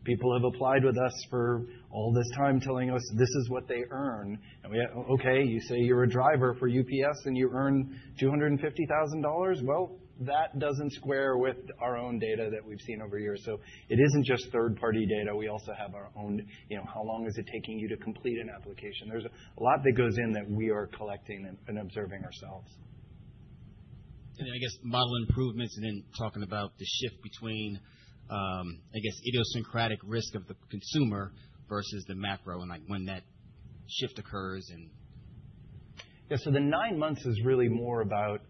[SPEAKER 3] People have applied with us for all this time telling us this is what they earn. We have, okay, you say you're a driver for UPS and you earn $250,000. Well, that doesn't square with our own data that we've seen over years. It isn't just third-party data. We also have our own, how long is it taking you to complete an application? There's a lot that goes in that we are collecting and observing ourselves.
[SPEAKER 8] I guess model improvements and then talking about the shift between, I guess, idiosyncratic risk of the consumer versus the macro and when that shift occurs.
[SPEAKER 3] Yeah. The nine months is really more about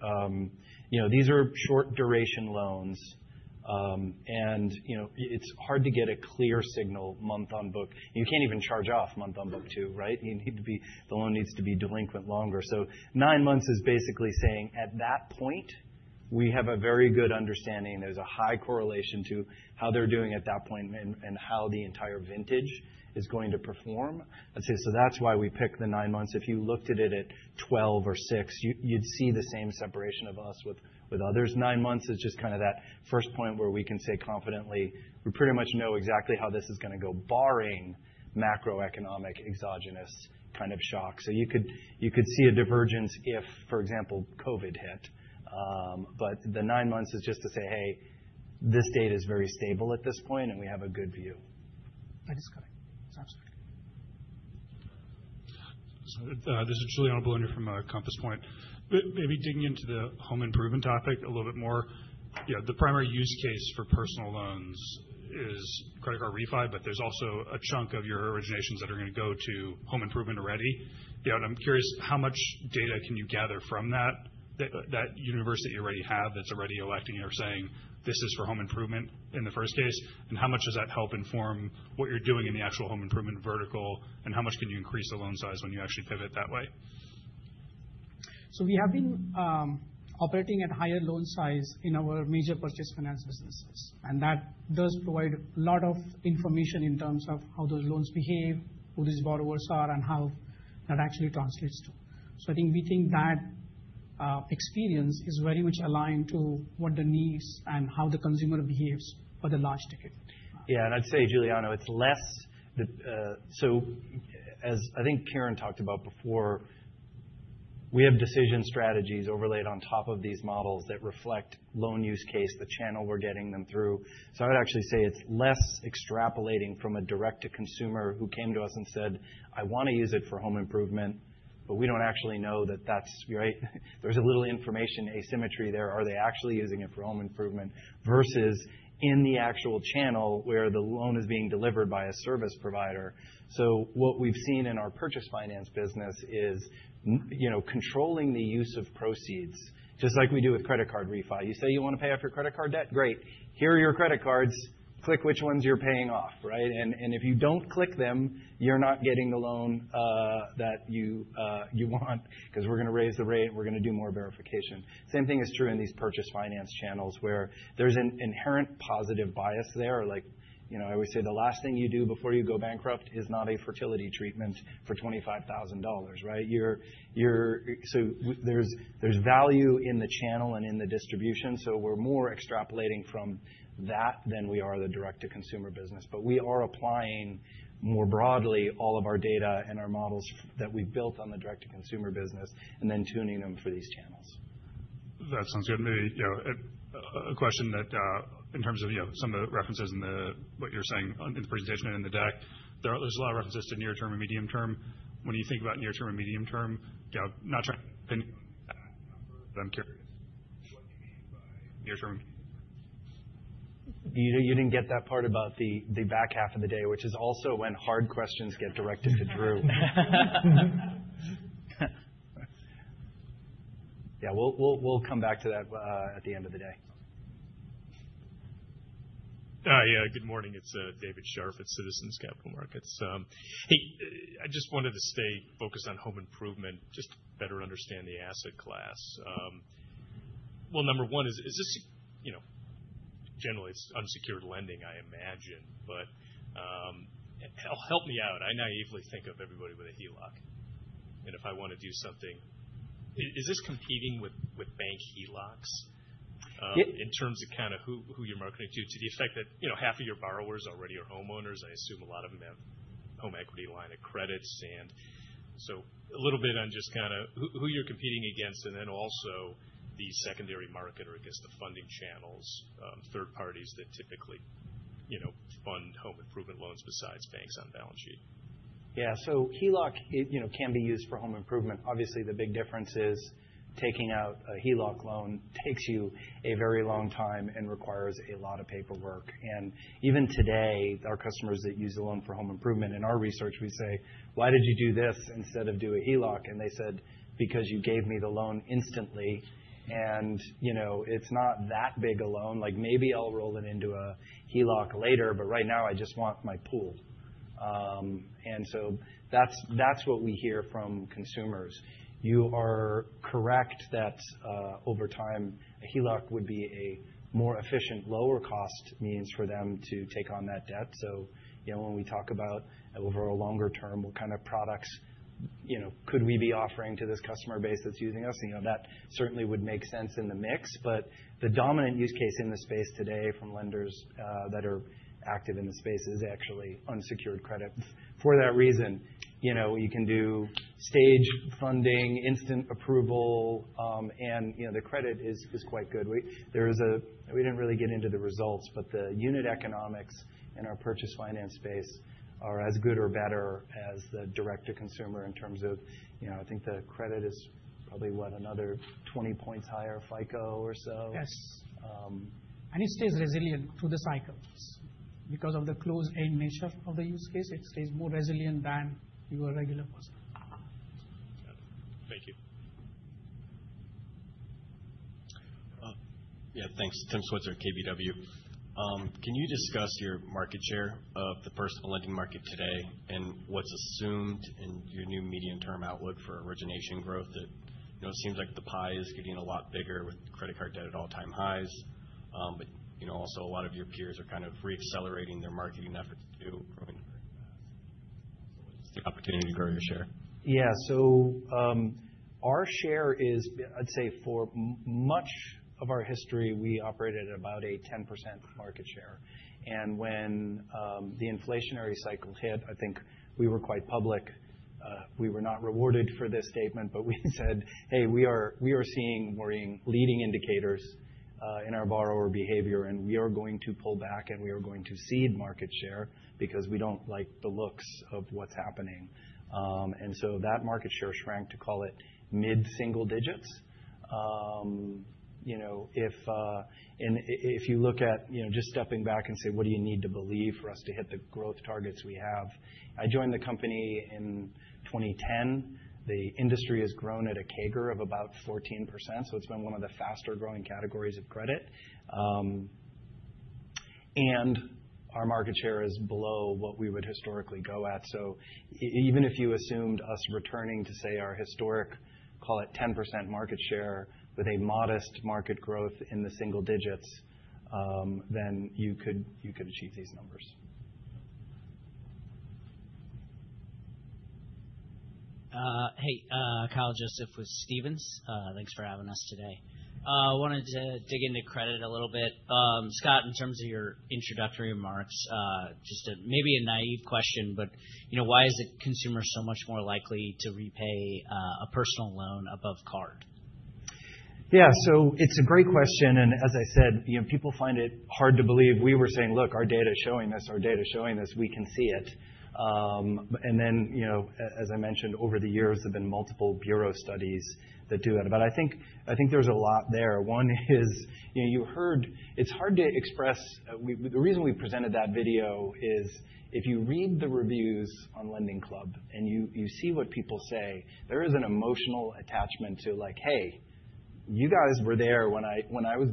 [SPEAKER 3] these are short-duration loans. It is hard to get a clear signal month on book. You cannot even charge off month on book too, right? The loan needs to be delinquent longer. Nine months is basically saying at that point, we have a very good understanding. There is a high correlation to how they are doing at that point and how the entire vintage is going to perform. That is why we pick the nine months. If you looked at it at 12 or six, you would see the same separation of us with others. Nine months is just kind of that first point where we can say confidently we pretty much know exactly how this is going to go, barring macroeconomic exogenous kind of shock. So you could see a divergence if, for example, COVID hit. But the nine months is just to say, hey, this data is very stable at this point, and we have a good view.
[SPEAKER 4] That is good. It's absolutely.
[SPEAKER 9] This is Giuliano Bologna from Compass Point. Maybe digging into the home improvement topic a little bit more. Yeah. The primary use case for personal loans is credit card refi, but there's also a chunk of your originations that are going to go to home improvement already. Yeah. And I'm curious, how much data can you gather from that universe that you already have that's already electing or saying, this is for home improvement in the first case? And how much does that help inform what you're doing in the actual home improvement vertical? And how much can you increase the loan size when you actually pivot that way?
[SPEAKER 4] So we have been operating at higher loan size in our major purchase finance businesses. And that does provide a lot of information in terms of how those loans behave, who these borrowers are, and how that actually translates to. So I think that experience is very much aligned to what the needs and how the consumer behaves for the large ticket.
[SPEAKER 3] Yeah. And I'd say, Giuliano, it's less so as I think Kiran talked about before, we have decision strategies overlaid on top of these models that reflect loan use case, the channel we're getting them through. So I would actually say it's less extrapolating from a direct-to-consumer who came to us and said, I want to use it for home improvement, but we don't actually know that that's right. There's a little information asymmetry there. Are they actually using it for home improvement versus in the actual channel where the loan is being delivered by a service provider? So what we've seen in our purchase finance business is controlling the use of proceeds, just like we do with credit card refi. You say you want to pay off your credit card debt? Great. Here are your credit cards. Click which ones you're paying off, right? And if you don't click them, you're not getting the loan that you want because we're going to raise the rate. We're going to do more verification. Same thing is true in these purchase finance channels where there's an inherent positive bias there. I always say the last thing you do before you go bankrupt is not a fertility treatment for $25,000, right? So there's value in the channel and in the distribution. So we're more extrapolating from that than we are the direct-to-consumer business. But we are applying more broadly all of our data and our models that we've built on the direct-to-consumer business and then tuning them for these channels.
[SPEAKER 9] That sounds good. Maybe a question that in terms of some of the references in what you're saying in the presentation and in the deck, there's a lot of references to near-term and medium-term. When you think about near-term and medium-term, yeah, not trying to pin that number, but I'm curious what you mean by near-term and medium-term.
[SPEAKER 3] You didn't get that part about the back half of the day, which is also when hard questions get directed to Drew. Yeah. We'll come back to that at the end of the day.
[SPEAKER 10] Yeah. Good morning. It's David Scharf at Citizens Capital Markets. Hey, I just wanted to stay focused on home improvement, just better understand the asset class. Well, number one is generally, it's unsecured lending, I imagine. But help me out. I naively think of everybody with a HELOC. And if I want to do something, is this competing with bank HELOCs in terms of kind of who you're marketing to, to the effect that half of your borrowers already are homeowners? I assume a lot of them have home equity line of credits. And so a little bit on just kind of who you're competing against and then also the secondary market or against the funding channels, third parties that typically fund home improvement loans besides banks on balance sheet.
[SPEAKER 3] Yeah. So HELOC can be used for home improvement. Obviously, the big difference is taking out a HELOC loan takes you a very long time and requires a lot of paperwork. And even today, our customers that use a loan for home improvement, in our research, we say, why did you do this instead of do a HELOC? And they said, because you gave me the loan instantly. And it's not that big a loan. Maybe I'll roll it into a HELOC later, but right now, I just want my pool. And so that's what we hear from consumers. You are correct that over time, a HELOC would be a more efficient, lower-cost means for them to take on that debt. So when we talk about over a longer term, what kind of products could we be offering to this customer base that's using us? That certainly would make sense in the mix. But the dominant use case in the space today from lenders that are active in the space is actually unsecured credit. For that reason, you can do stage funding, instant approval, and the credit is quite good. We didn't really get into the results, but the unit economics in our purchase finance space are as good or better as the direct-to-consumer in terms of I think the credit is probably what, another 20 points higher, FICO or so.
[SPEAKER 4] Yes, and it stays resilient to the cycles. Because of the closed-end nature of the use case, it stays more resilient than your regular person.
[SPEAKER 10] Got it. Thank you.
[SPEAKER 11] Yeah. Thanks. Tim Switzer, KBW. Can you discuss your market share of the personal lending market today and what's assumed in your new medium-term outlook for origination growth? It seems like the pie is getting a lot bigger with credit card debt at all-time highs. But also, a lot of your peers are kind of reaccelerating their marketing efforts too. It's the opportunity to grow your share.
[SPEAKER 3] Yeah. So our share is, I'd say, for much of our history, we operated at about a 10% market share. And when the inflationary cycle hit, I think we were quite public. We were not rewarded for this statement, but we said, hey, we are seeing worrying leading indicators in our borrower behavior, and we are going to pull back, and we are going to cede market share because we don't like the looks of what's happening. And so that market share shrank to call it mid-single digits. And if you look at just stepping back and say, what do you need to believe for us to hit the growth targets we have? I joined the company in 2010. The industry has grown at a CAGR of about 14%. So it's been one of the faster-growing categories of credit. And our market share is below what we would historically go at. So even if you assumed us returning to, say, our historic, call it 10% market share with a modest market growth in the single digits, then you could achieve these numbers.
[SPEAKER 12] Hey, Kyle Joseph with Stephens. Thanks for having us today. I wanted to dig into credit a little bit. Scott, in terms of your introductory remarks, just maybe a naive question, but why is the consumer so much more likely to repay a personal loan above card?
[SPEAKER 3] Yeah. So it's a great question. And as I said, people find it hard to believe. We were saying, look, our data is showing this. Our data is showing this. We can see it. And then, as I mentioned, over the years, there have been multiple bureau studies that do that. But I think there's a lot there. One is you heard it's hard to express. The reason we presented that video is if you read the reviews on LendingClub and you see what people say, there is an emotional attachment to like, hey, you guys were there when I was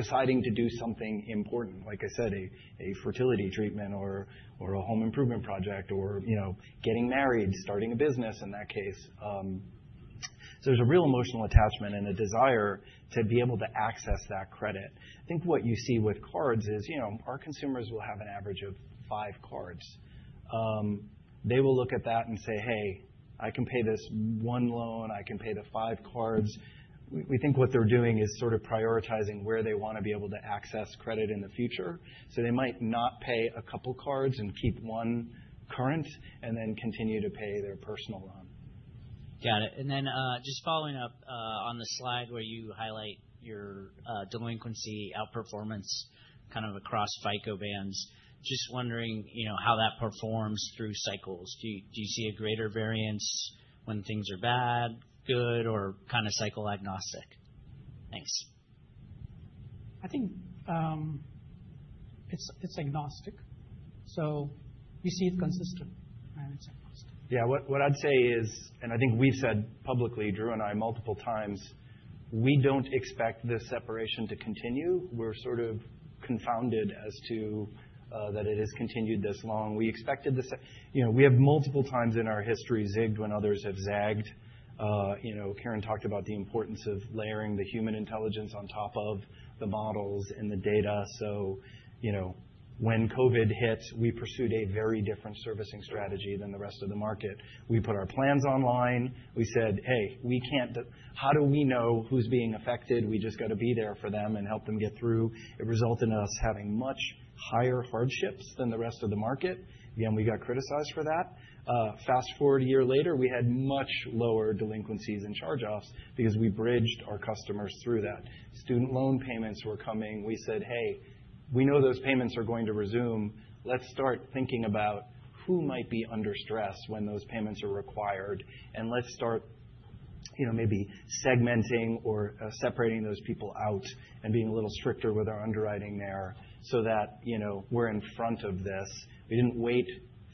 [SPEAKER 3] deciding to do something important, like I said, a fertility treatment or a home improvement project or getting married, starting a business in that case. So there's a real emotional attachment and a desire to be able to access that credit. I think what you see with cards is our consumers will have an average of five cards. They will look at that and say, hey, I can pay this one loan. I can pay the five cards. We think what they're doing is sort of prioritizing where they want to be able to access credit in the future. So they might not pay a couple of cards and keep one current and then continue to pay their personal loan.
[SPEAKER 12] Got it. And then just following up on the slide where you highlight your delinquency outperformance kind of across FICO bands, just wondering how that performs through cycles. Do you see a greater variance when things are bad, good, or kind of cycle agnostic? Thanks.
[SPEAKER 4] I think it's agnostic. So we see it consistent and it's agnostic.
[SPEAKER 3] Yeah. What I'd say is, and I think we've said publicly, Drew and I, multiple times, we don't expect this separation to continue. We're sort of confounded as to that it has continued this long. We expected this. We have multiple times in our history zigged when others have zagged. Kiran talked about the importance of layering the human intelligence on top of the models and the data. So when COVID hit, we pursued a very different servicing strategy than the rest of the market. We put our plans online. We said, hey, how do we know who's being affected? We just got to be there for them and help them get through. It resulted in us having much higher hardships than the rest of the market. Again, we got criticized for that. Fast forward a year later, we had much lower delinquencies and charge-offs because we bridged our customers through that. Student loan payments were coming. We said, hey, we know those payments are going to resume. Let's start thinking about who might be under stress when those payments are required, and let's start maybe segmenting or separating those people out and being a little stricter with our underwriting there so that we're in front of this. We didn't wait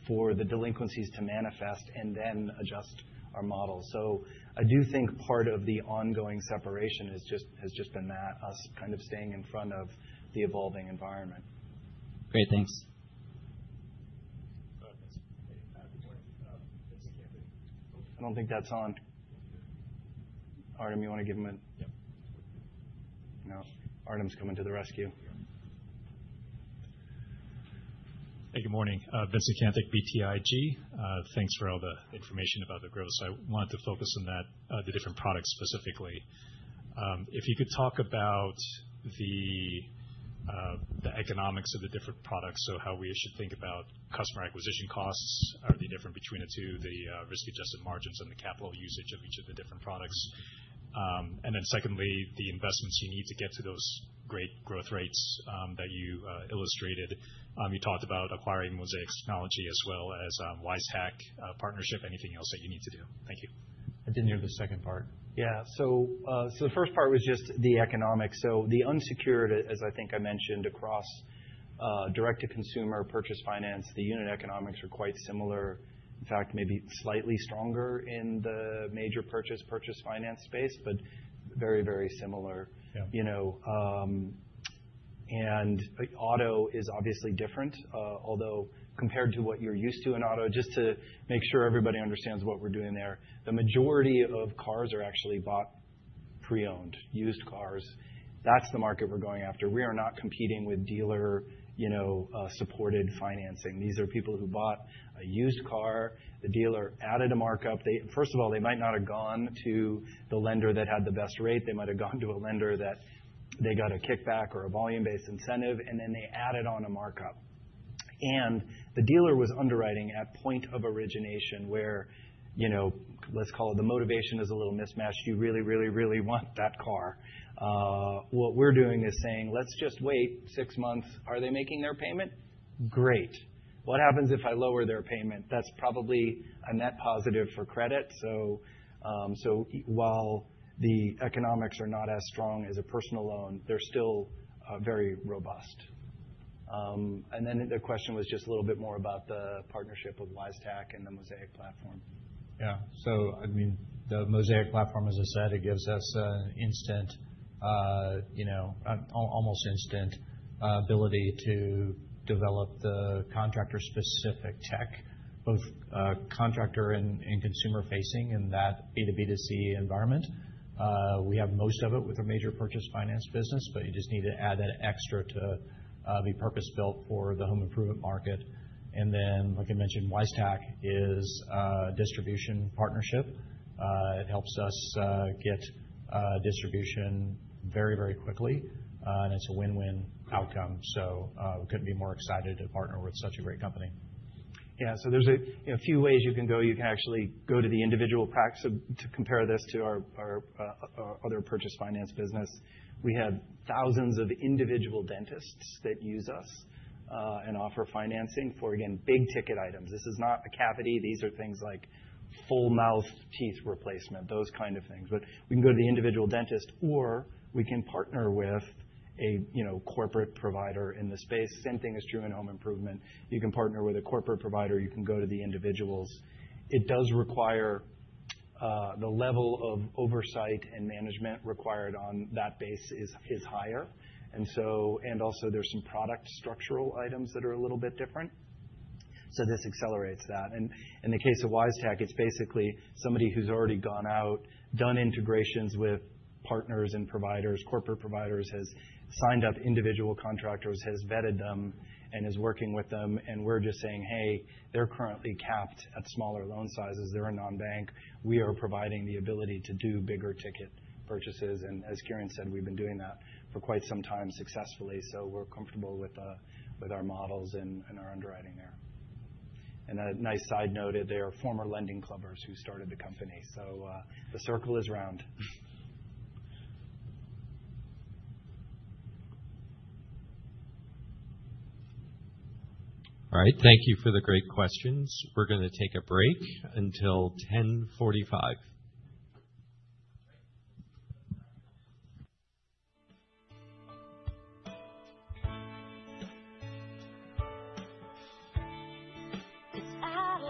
[SPEAKER 3] for the delinquencies to manifest and then adjust our model. So I do think part of the ongoing separation has just been that, us kind of staying in front of the evolving environment.
[SPEAKER 12] Great. Thanks.
[SPEAKER 3] I don't think that's on. Artem, you want to give him a no? Artem's coming to the rescue.
[SPEAKER 13] Hey, good morning. Vincent Caintic, BTIG. Thanks for all the information about the growth. I wanted to focus on the different products specifically. If you could talk about the economics of the different products, so how we should think about customer acquisition costs are the different between the two, the risk-adjusted margins and the capital usage of each of the different products. And then secondly, the investments you need to get to those great growth rates that you illustrated. You talked about acquiring Mosaic as well as Wisetack partnership, anything else that you need to do? Thank you.
[SPEAKER 3] I didn't hear the second part. Yeah. So the first part was just the economics. So the unsecured, as I think I mentioned, across direct-to-consumer purchase finance, the unit economics are quite similar. In fact, maybe slightly stronger in the major purchase finance space, but very, very similar, and auto is obviously different, although compared to what you're used to in auto, just to make sure everybody understands what we're doing there, the majority of cars are actually bought pre-owned, used cars. That's the market we're going after. We are not competing with dealer-supported financing. These are people who bought a used car. The dealer added a markup. First of all, they might not have gone to the lender that had the best rate. They might have gone to a lender that they got a kickback or a volume-based incentive, and then they added on a markup. And the dealer was underwriting at point of origination where, let's call it the motivation is a little mismatched. You really, really, really want that car. What we're doing is saying, let's just wait six months. Are they making their payment? Great. What happens if I lower their payment? That's probably a net positive for credit. So while the economics are not as strong as a personal loan, they're still very robust. And then the question was just a little bit more about the partnership of Wisetack and the Mosaic Platform.
[SPEAKER 5] Yeah. So I mean, the Mosaic Platform, as I said, it gives us almost instant ability to develop the contractor-specific tech, both contractor and consumer-facing in that B2B2C environment. We have most of it with our major purchase finance business, but you just need to add that extra to be purpose-built for the home improvement market. And then, like I mentioned, Wisetack is a distribution partnership. It helps us get distribution very, very quickly, and it's a win-win outcome. We couldn't be more excited to partner with such a great company.
[SPEAKER 3] Yeah. There's a few ways you can go. You can actually go to the individual practice to compare this to our other purchase finance business. We have thousands of individual dentists that use us and offer financing for, again, big ticket items. This is not a cavity. These are things like full mouth teeth replacement, those kind of things. But we can go to the individual dentist, or we can partner with a corporate provider in the space. Same thing is true in home improvement. You can partner with a corporate provider. You can go to the individuals. It does require the level of oversight and management required on that base is higher, and also, there's some product structural items that are a little bit different, so this accelerates that, and in the case of Wisetack, it's basically somebody who's already gone out, done integrations with partners and providers, corporate providers, has signed up individual contractors, has vetted them, and is working with them. And we're just saying, hey, they're currently capped at smaller loan sizes. They're a non-bank. We are providing the ability to do bigger ticket purchases, and as Kiran said, we've been doing that for quite some time successfully, so we're comfortable with our models and our underwriting there. And a nice side note, they are former LendingClubbers who started the company, so the circle is round.
[SPEAKER 1] All right. Thank you for the great questions. We're going to take a break until 10:45 A.M. It's out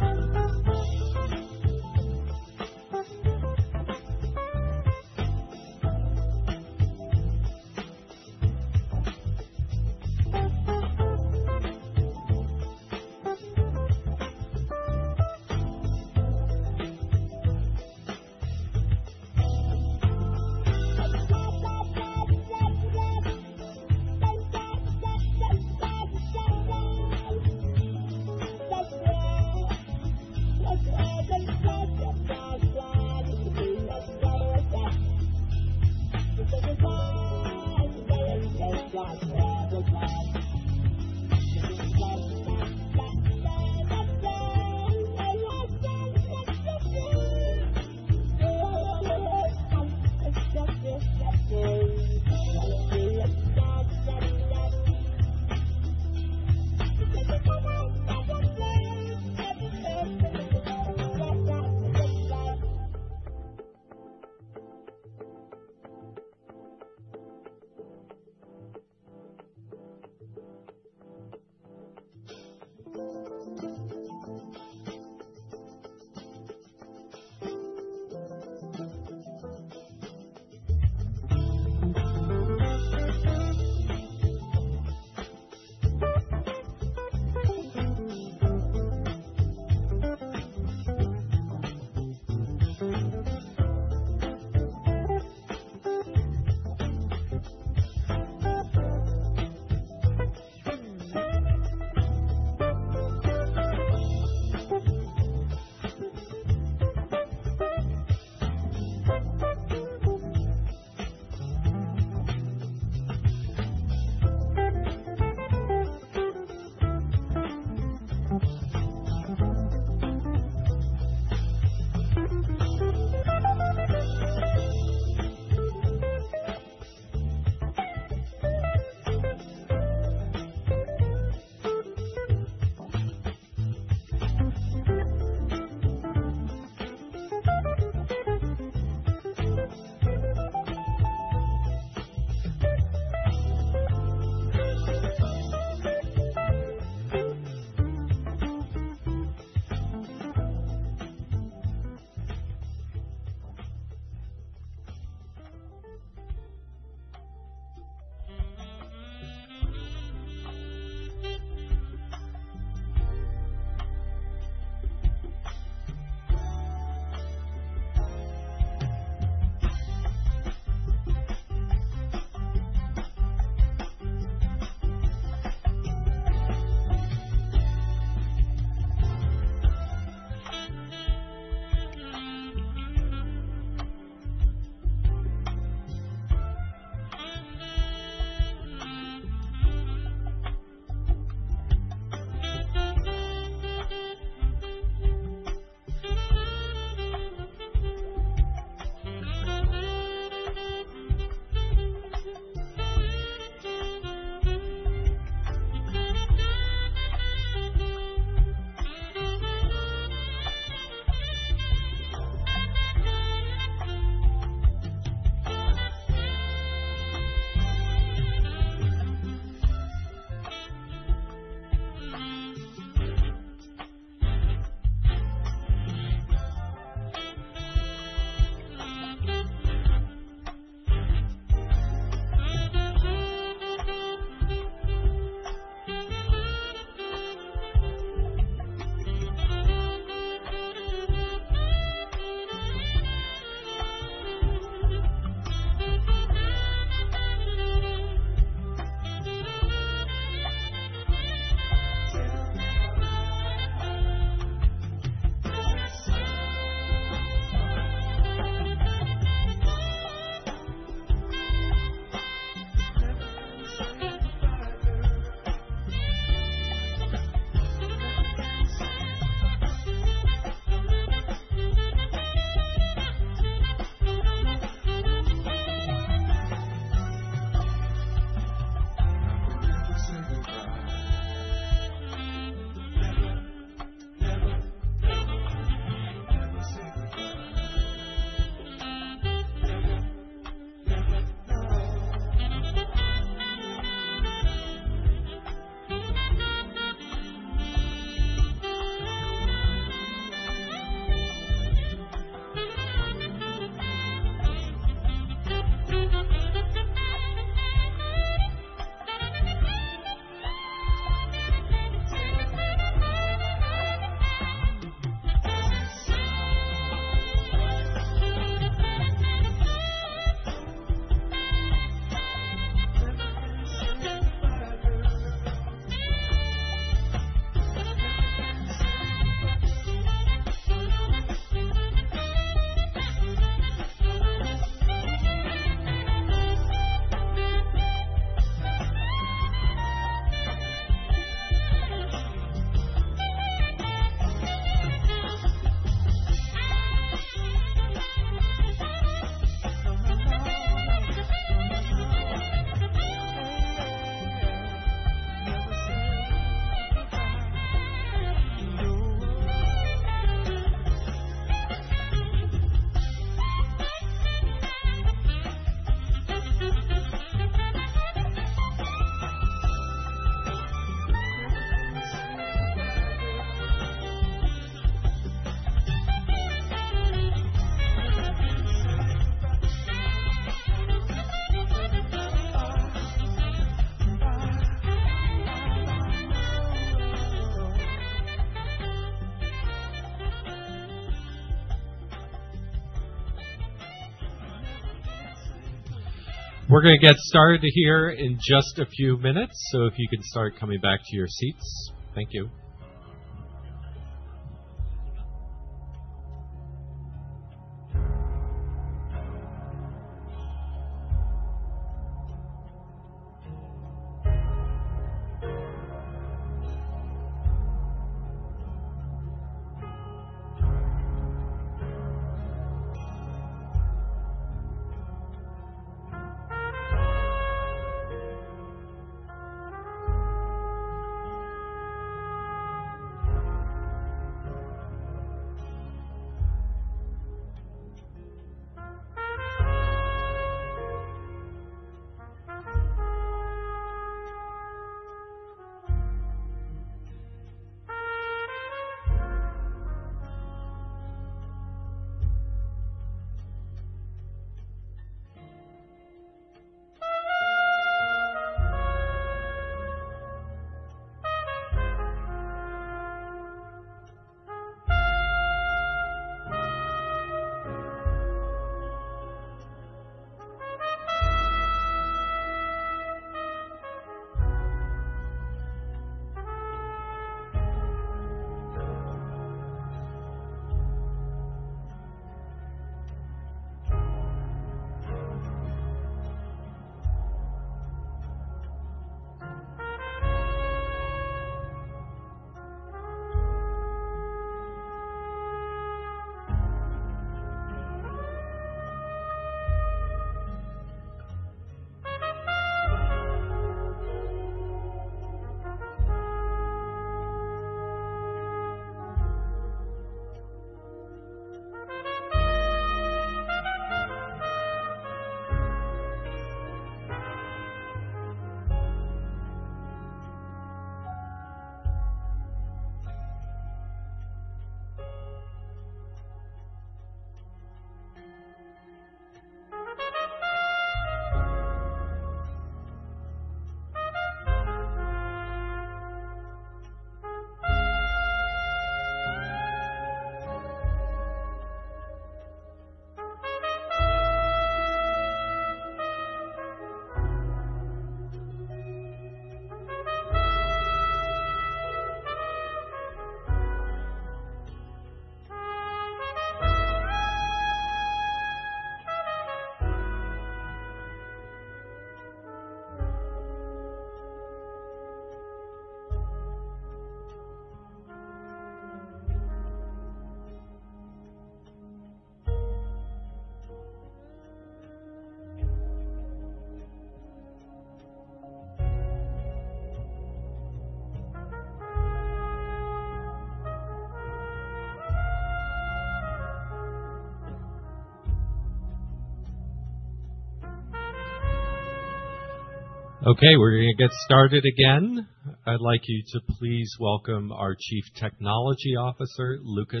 [SPEAKER 1] Okay, we're going to get started again. I'd like you to please welcome our Chief Technology Officer, Lukasz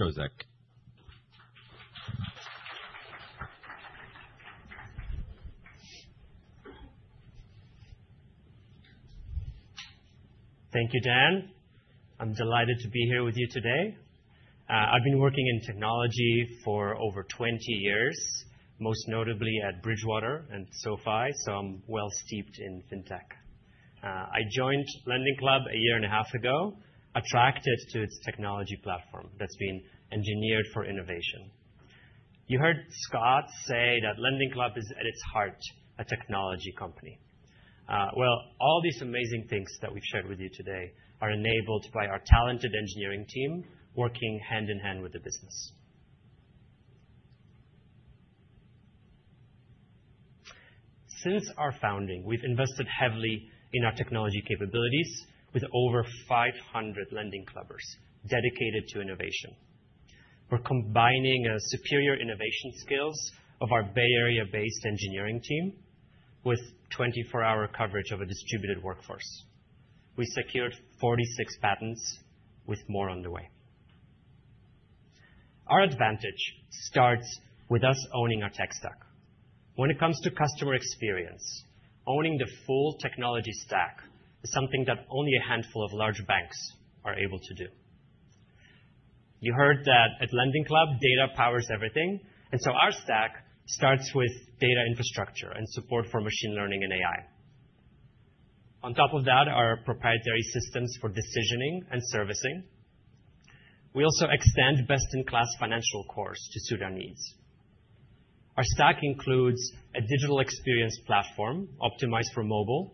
[SPEAKER 1] Strozek.
[SPEAKER 14] Thank you, Dan. I'm delighted to be here with you today. I've been working in technology for over 20 years, most notably at Bridgewater and SoFi, so I'm well steeped in fintech. I joined LendingClub a year and a half ago, attracted to its technology platform that's been engineered for innovation. You heard Scott say that LendingClub is, at its heart, a technology company. Well, all these amazing things that we've shared with you today are enabled by our talented engineering team working hand in hand with the business. Since our founding, we've invested heavily in our technology capabilities with over 500 LendingClubbers dedicated to innovation. We're combining superior innovation skills of our Bay Area-based engineering team with 24-hour coverage of a distributed workforce. We secured 46 patents, with more on the way. Our advantage starts with us owning our tech stack. When it comes to customer experience, owning the full technology stack is something that only a handful of large banks are able to do. You heard that at LendingClub, data powers everything, and so our stack starts with data infrastructure and support for machine learning and AI. On top of that, our proprietary systems for decisioning and servicing. We also extend best-in-class financial cores to suit our needs. Our stack includes a digital experience platform optimized for mobile,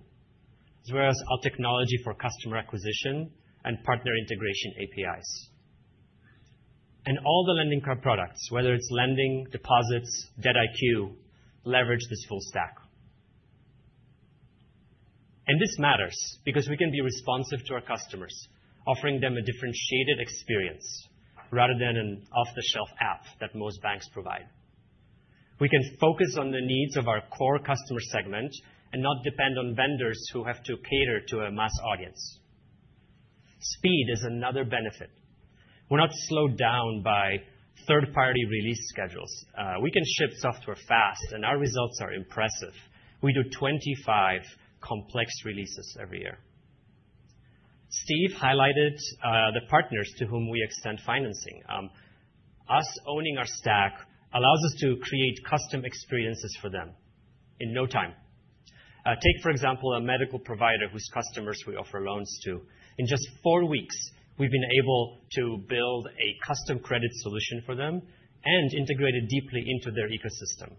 [SPEAKER 14] as well as our technology for customer acquisition and partner integration APIs, and all the LendingClub products, whether it's lending, deposits, DebtIQ, leverage this full stack, and this matters because we can be responsive to our customers, offering them a differentiated experience rather than an off-the-shelf app that most banks provide. We can focus on the needs of our core customer segment and not depend on vendors who have to cater to a mass audience. Speed is another benefit. We're not slowed down by third-party release schedules. We can ship software fast, and our results are impressive. We do 25 complex releases every year. Steve highlighted the partners to whom we extend financing. Our owning our stack allows us to create custom experiences for them in no time. Take, for example, a medical provider whose customers we offer loans to. In just four weeks, we've been able to build a custom credit solution for them and integrate it deeply into their ecosystem,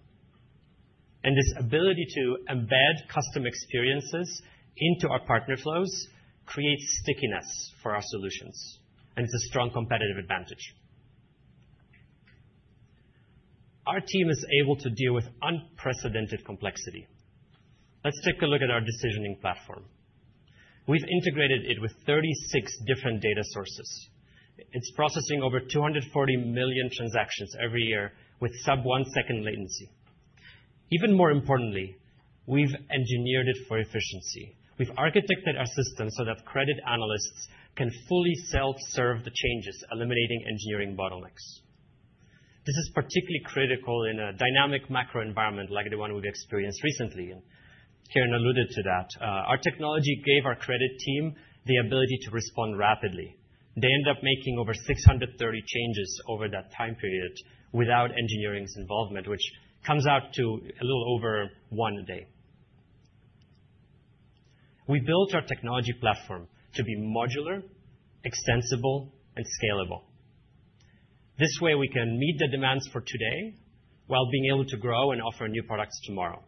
[SPEAKER 14] and this ability to embed custom experiences into our partner flows creates stickiness for our solutions, and it's a strong competitive advantage. Our team is able to deal with unprecedented complexity. Let's take a look at our decisioning platform. We've integrated it with 36 different data sources. It's processing over 240 million transactions every year with sub-one-second latency. Even more importantly, we've engineered it for efficiency. We've architected our system so that credit analysts can fully self-serve the changes, eliminating engineering bottlenecks. This is particularly critical in a dynamic macro environment like the one we've experienced recently. Kiran alluded to that. Our technology gave our credit team the ability to respond rapidly. They ended up making over 630 changes over that time period without engineering's involvement, which comes out to a little over one day. We built our technology platform to be modular, extensible, and scalable. This way, we can meet the demands for today while being able to grow and offer new products tomorrow.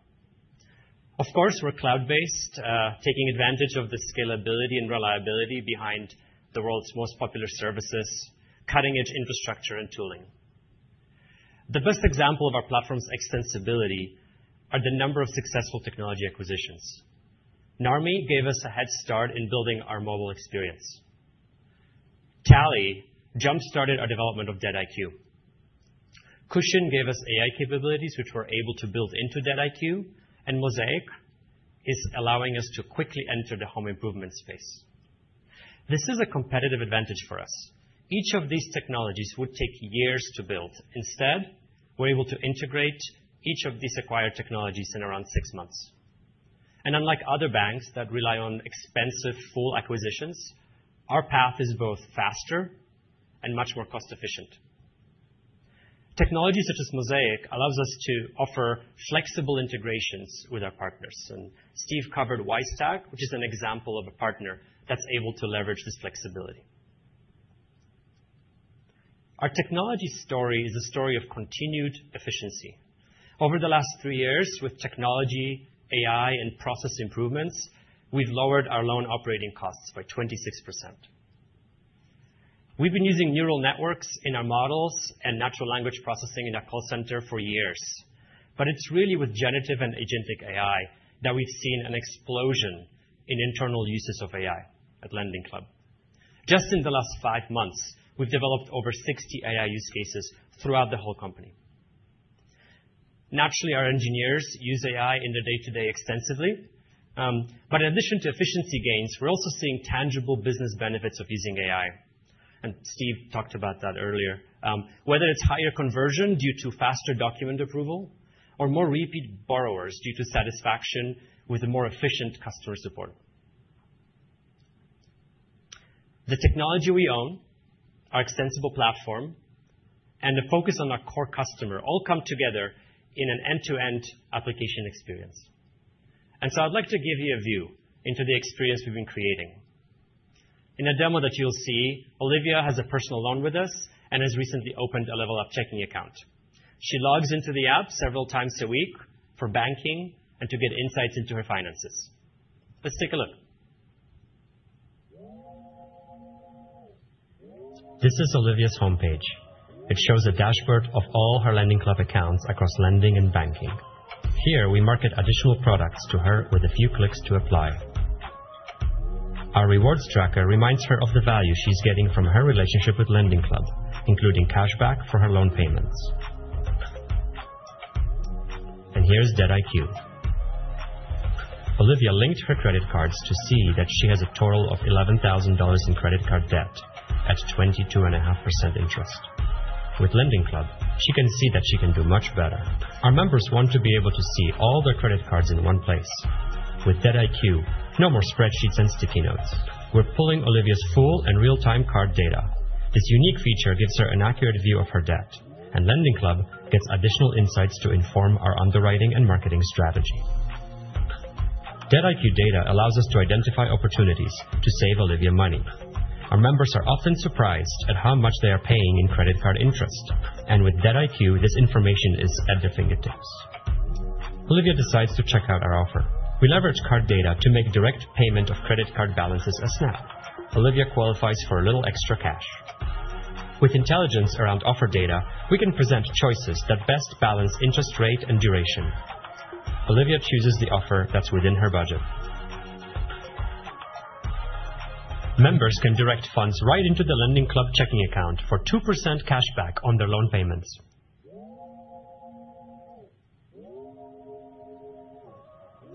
[SPEAKER 14] Of course, we're cloud-based, taking advantage of the scalability and reliability behind the world's most popular services, cutting-edge infrastructure and tooling. The best example of our platform's extensibility is the number of successful technology acquisitions. Narmi gave us a head start in building our mobile experience. Tally jump-started our development of DebtIQ. Cushion gave us AI capabilities, which we're able to build into DebtIQ, and Mosaic is allowing us to quickly enter the home improvement space. This is a competitive advantage for us. Each of these technologies would take years to build. Instead, we're able to integrate each of these acquired technologies in around six months, and unlike other banks that rely on expensive full acquisitions, our path is both faster and much more cost-efficient. Technology such as Mosaic allows us to offer flexible integrations with our partners, and Steve covered Wisetack, which is an example of a partner that's able to leverage this flexibility. Our technology story is a story of continued efficiency. Over the last three years, with technology, AI, and process improvements, we've lowered our loan operating costs by 26%. We've been using neural networks in our models and natural language processing in our call center for years, but it's really with generative and agentic AI that we've seen an explosion in internal uses of AI at LendingClub. Just in the last five months, we've developed over 60 AI use cases throughout the whole company. Naturally, our engineers use AI in their day-to-day extensively, but in addition to efficiency gains, we're also seeing tangible business benefits of using AI. And Steve talked about that earlier, whether it's higher conversion due to faster document approval or more repeat borrowers due to satisfaction with more efficient customer support. The technology we own, our extensible platform, and the focus on our core customer all come together in an end-to-end application experience. And so I'd like to give you a view into the experience we've been creating. In a demo that you'll see, Olivia has a personal loan with us and has recently opened a LevelUp Checking account. She logs into the app several times a week for banking and to get insights into her finances. Let's take a look. This is Olivia's homepage. It shows a dashboard of all her LendingClub accounts across lending and banking. Here, we market additional products to her with a few clicks to apply. Our rewards tracker reminds her of the value she's getting from her relationship with LendingClub, including cash back for her loan payments. And here's DebtIQ. Olivia linked her credit cards to see that she has a total of $11,000 in credit card debt at 22.5% interest. With LendingClub, she can see that she can do much better. Our members want to be able to see all their credit cards in one place. With DebtIQ, no more spreadsheets and sticky notes. We're pulling Olivia's full and real-time card data. This unique feature gives her an accurate view of her debt, and LendingClub gets additional insights to inform our underwriting and marketing strategy. DebtIQ data allows us to identify opportunities to save Olivia money. Our members are often surprised at how much they are paying in credit card interest, and with DebtIQ, this information is at their fingertips. Olivia decides to check out our offer. We leverage card data to make direct payment of credit card balances a snap. Olivia qualifies for a little extra cash. With intelligence around offer data, we can present choices that best balance interest rate and duration. Olivia chooses the offer that's within her budget. Members can direct funds right into the LendingClub checking account for 2% cash back on their loan payments.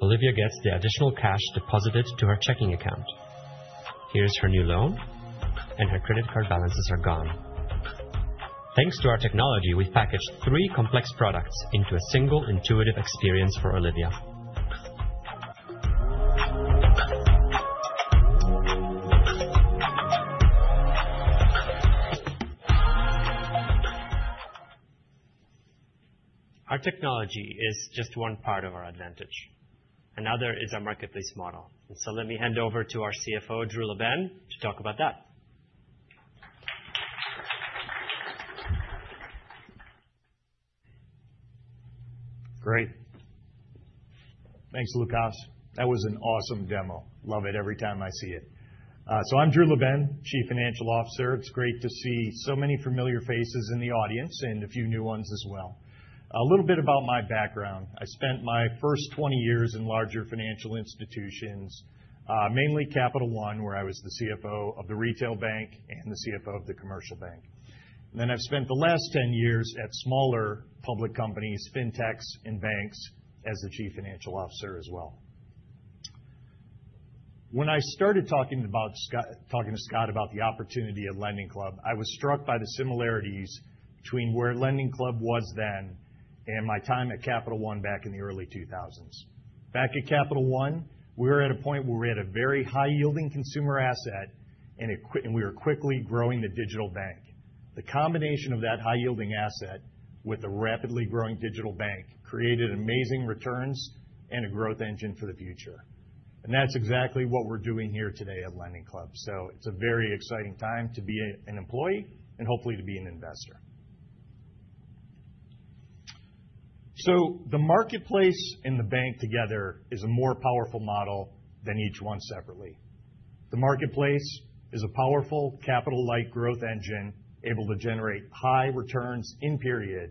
[SPEAKER 14] Olivia gets the additional cash deposited to her checking account. Here's her new loan, and her credit card balances are gone. Thanks to our technology, we've packaged three complex products into a single, intuitive experience for Olivia. Our technology is just one part of our advantage. Another is our marketplace model. And so let me hand over to our CFO, Drew LaBenne, to talk about that.
[SPEAKER 15] Great. Thanks, Lukasz. That was an awesome demo. Love it every time I see it. So I'm Drew LaBenne, Chief Financial Officer. It's great to see so many familiar faces in the audience and a few new ones as well. A little bit about my background. I spent my first 20 years in larger financial institutions, mainly Capital One, where I was the CFO of the retail bank and the CFO of the commercial bank, and then I've spent the last 10 years at smaller public companies, fintechs, and banks as the Chief Financial Officer as well. When I started talking to Scott about the opportunity of LendingClub, I was struck by the similarities between where LendingClub was then and my time at Capital One back in the early 2000s. Back at Capital One, we were at a point where we had a very high-yielding consumer asset, and we were quickly growing the digital bank. The combination of that high-yielding asset with the rapidly growing digital bank created amazing returns and a growth engine for the future, and that's exactly what we're doing here today at LendingClub. So it's a very exciting time to be an employee and hopefully to be an investor. So the marketplace and the bank together is a more powerful model than each one separately. The marketplace is a powerful capital-light growth engine able to generate high returns in period,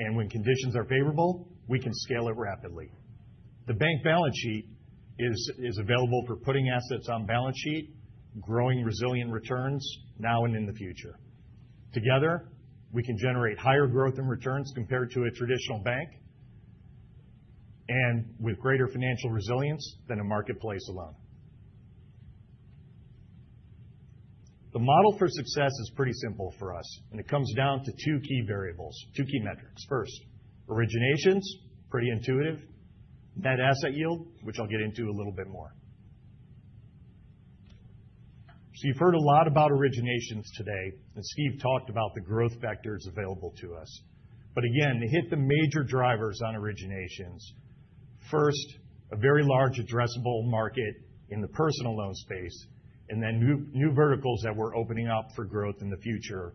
[SPEAKER 15] and when conditions are favorable, we can scale it rapidly. The bank balance sheet is available for putting assets on balance sheet, growing resilient returns now and in the future. Together, we can generate higher growth and returns compared to a traditional bank and with greater financial resilience than a marketplace alone. The model for success is pretty simple for us, and it comes down to two key variables, two key metrics. First, originations, pretty intuitive, net asset yield, which I'll get into a little bit more. So you've heard a lot about originations today, and Steve talked about the growth vectors available to us. But again, to hit the major drivers on originations, first, a very large addressable market in the personal loan space, and then new verticals that we're opening up for growth in the future,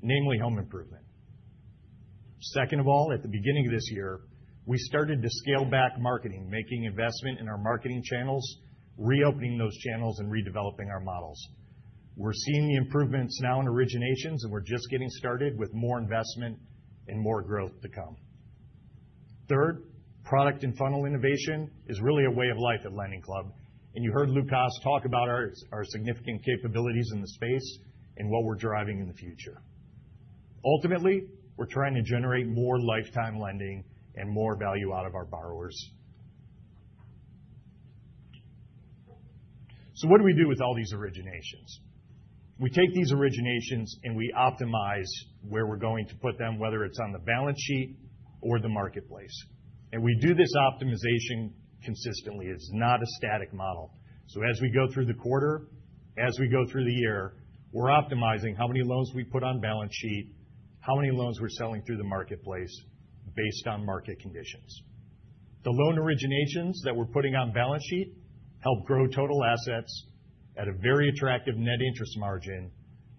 [SPEAKER 15] namely home improvement. Second of all, at the beginning of this year, we started to scale back marketing, making investment in our marketing channels, reopening those channels, and redeveloping our models. We're seeing the improvements now in originations, and we're just getting started with more investment and more growth to come. Third, product and funnel innovation is really a way of life at LendingClub, and you heard Lukasz talk about our significant capabilities in the space and what we're driving in the future. Ultimately, we're trying to generate more lifetime lending and more value out of our borrowers. So what do we do with all these originations? We take these originations and we optimize where we're going to put them, whether it's on the balance sheet or the marketplace. And we do this optimization consistently. It's not a static model. So as we go through the quarter, as we go through the year, we're optimizing how many loans we put on balance sheet, how many loans we're selling through the marketplace based on market conditions. The loan originations that we're putting on balance sheet help grow total assets at a very attractive net interest margin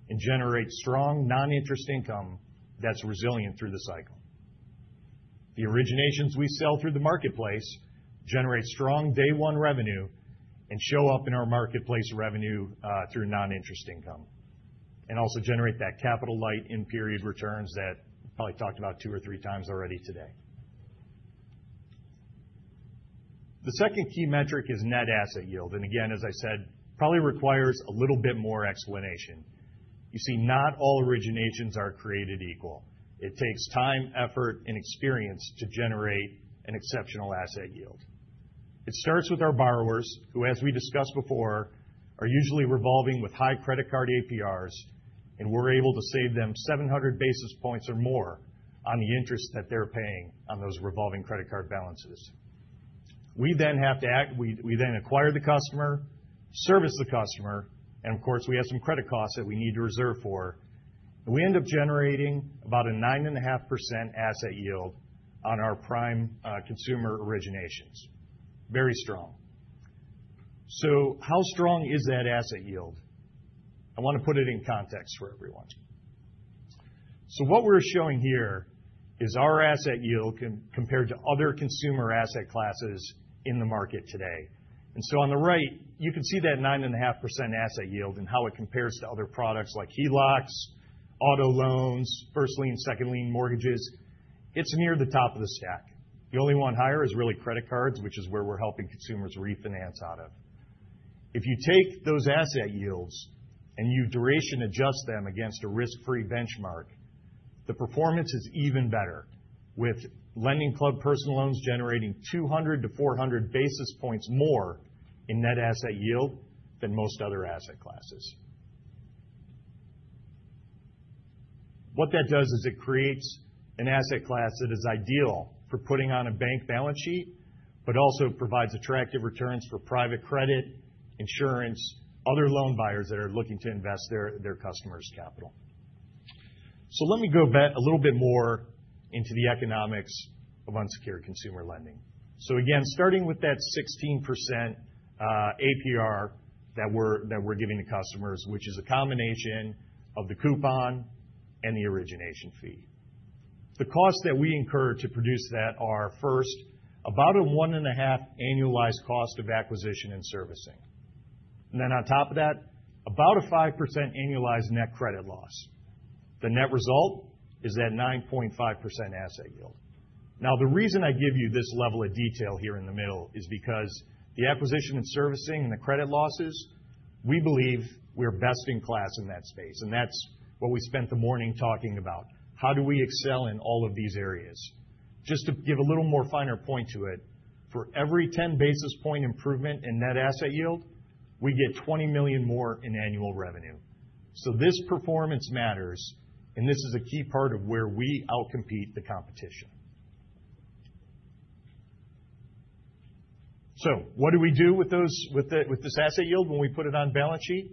[SPEAKER 15] and generate strong non-interest income that's resilient through the cycle. The originations we sell through the marketplace generate strong day-one revenue and show up in our marketplace revenue through non-interest income and also generate that capital-light in-period returns that we probably talked about two or three times already today. The second key metric is net asset yield, and again, as I said, probably requires a little bit more explanation. You see, not all originations are created equal. It takes time, effort, and experience to generate an exceptional asset yield. It starts with our borrowers, who, as we discussed before, are usually revolving with high credit card APRs, and we're able to save them 700 basis points or more on the interest that they're paying on those revolving credit card balances. We then have to act. We then acquire the customer, service the customer, and of course, we have some credit costs that we need to reserve for. And we end up generating about a 9.5% asset yield on our prime consumer originations. Very strong, so how strong is that asset yield? I want to put it in context for everyone. What we're showing here is our asset yield compared to other consumer asset classes in the market today. And so on the right, you can see that 9.5% asset yield and how it compares to other products like HELOCs, auto loans, first lien, second lien mortgages. It's near the top of the stack. The only one higher is really credit cards, which is where we're helping consumers refinance out of. If you take those asset yields and you duration adjust them against a risk-free benchmark, the performance is even better, with LendingClub personal loans generating 200-400 basis points more in net asset yield than most other asset classes. What that does is it creates an asset class that is ideal for putting on a bank balance sheet, but also provides attractive returns for private credit, insurance, other loan buyers that are looking to invest their customers' capital. So let me go back a little bit more into the economics of unsecured consumer lending. So again, starting with that 16% APR that we're giving to customers, which is a combination of the coupon and the origination fee. The costs that we incur to produce that are, first, about a one-and-a-half annualized cost of acquisition and servicing. And then on top of that, about a 5% annualized net credit loss. The net result is that 9.5% asset yield. Now, the reason I give you this level of detail here in the middle is because the acquisition and servicing and the credit losses, we believe we're best in class in that space, and that's what we spent the morning talking about. How do we excel in all of these areas? Just to give a little more finer point to it, for every 10 basis points improvement in net asset yield, we get $20 million more in annual revenue, so this performance matters, and this is a key part of where we outcompete the competition, so what do we do with this asset yield when we put it on balance sheet?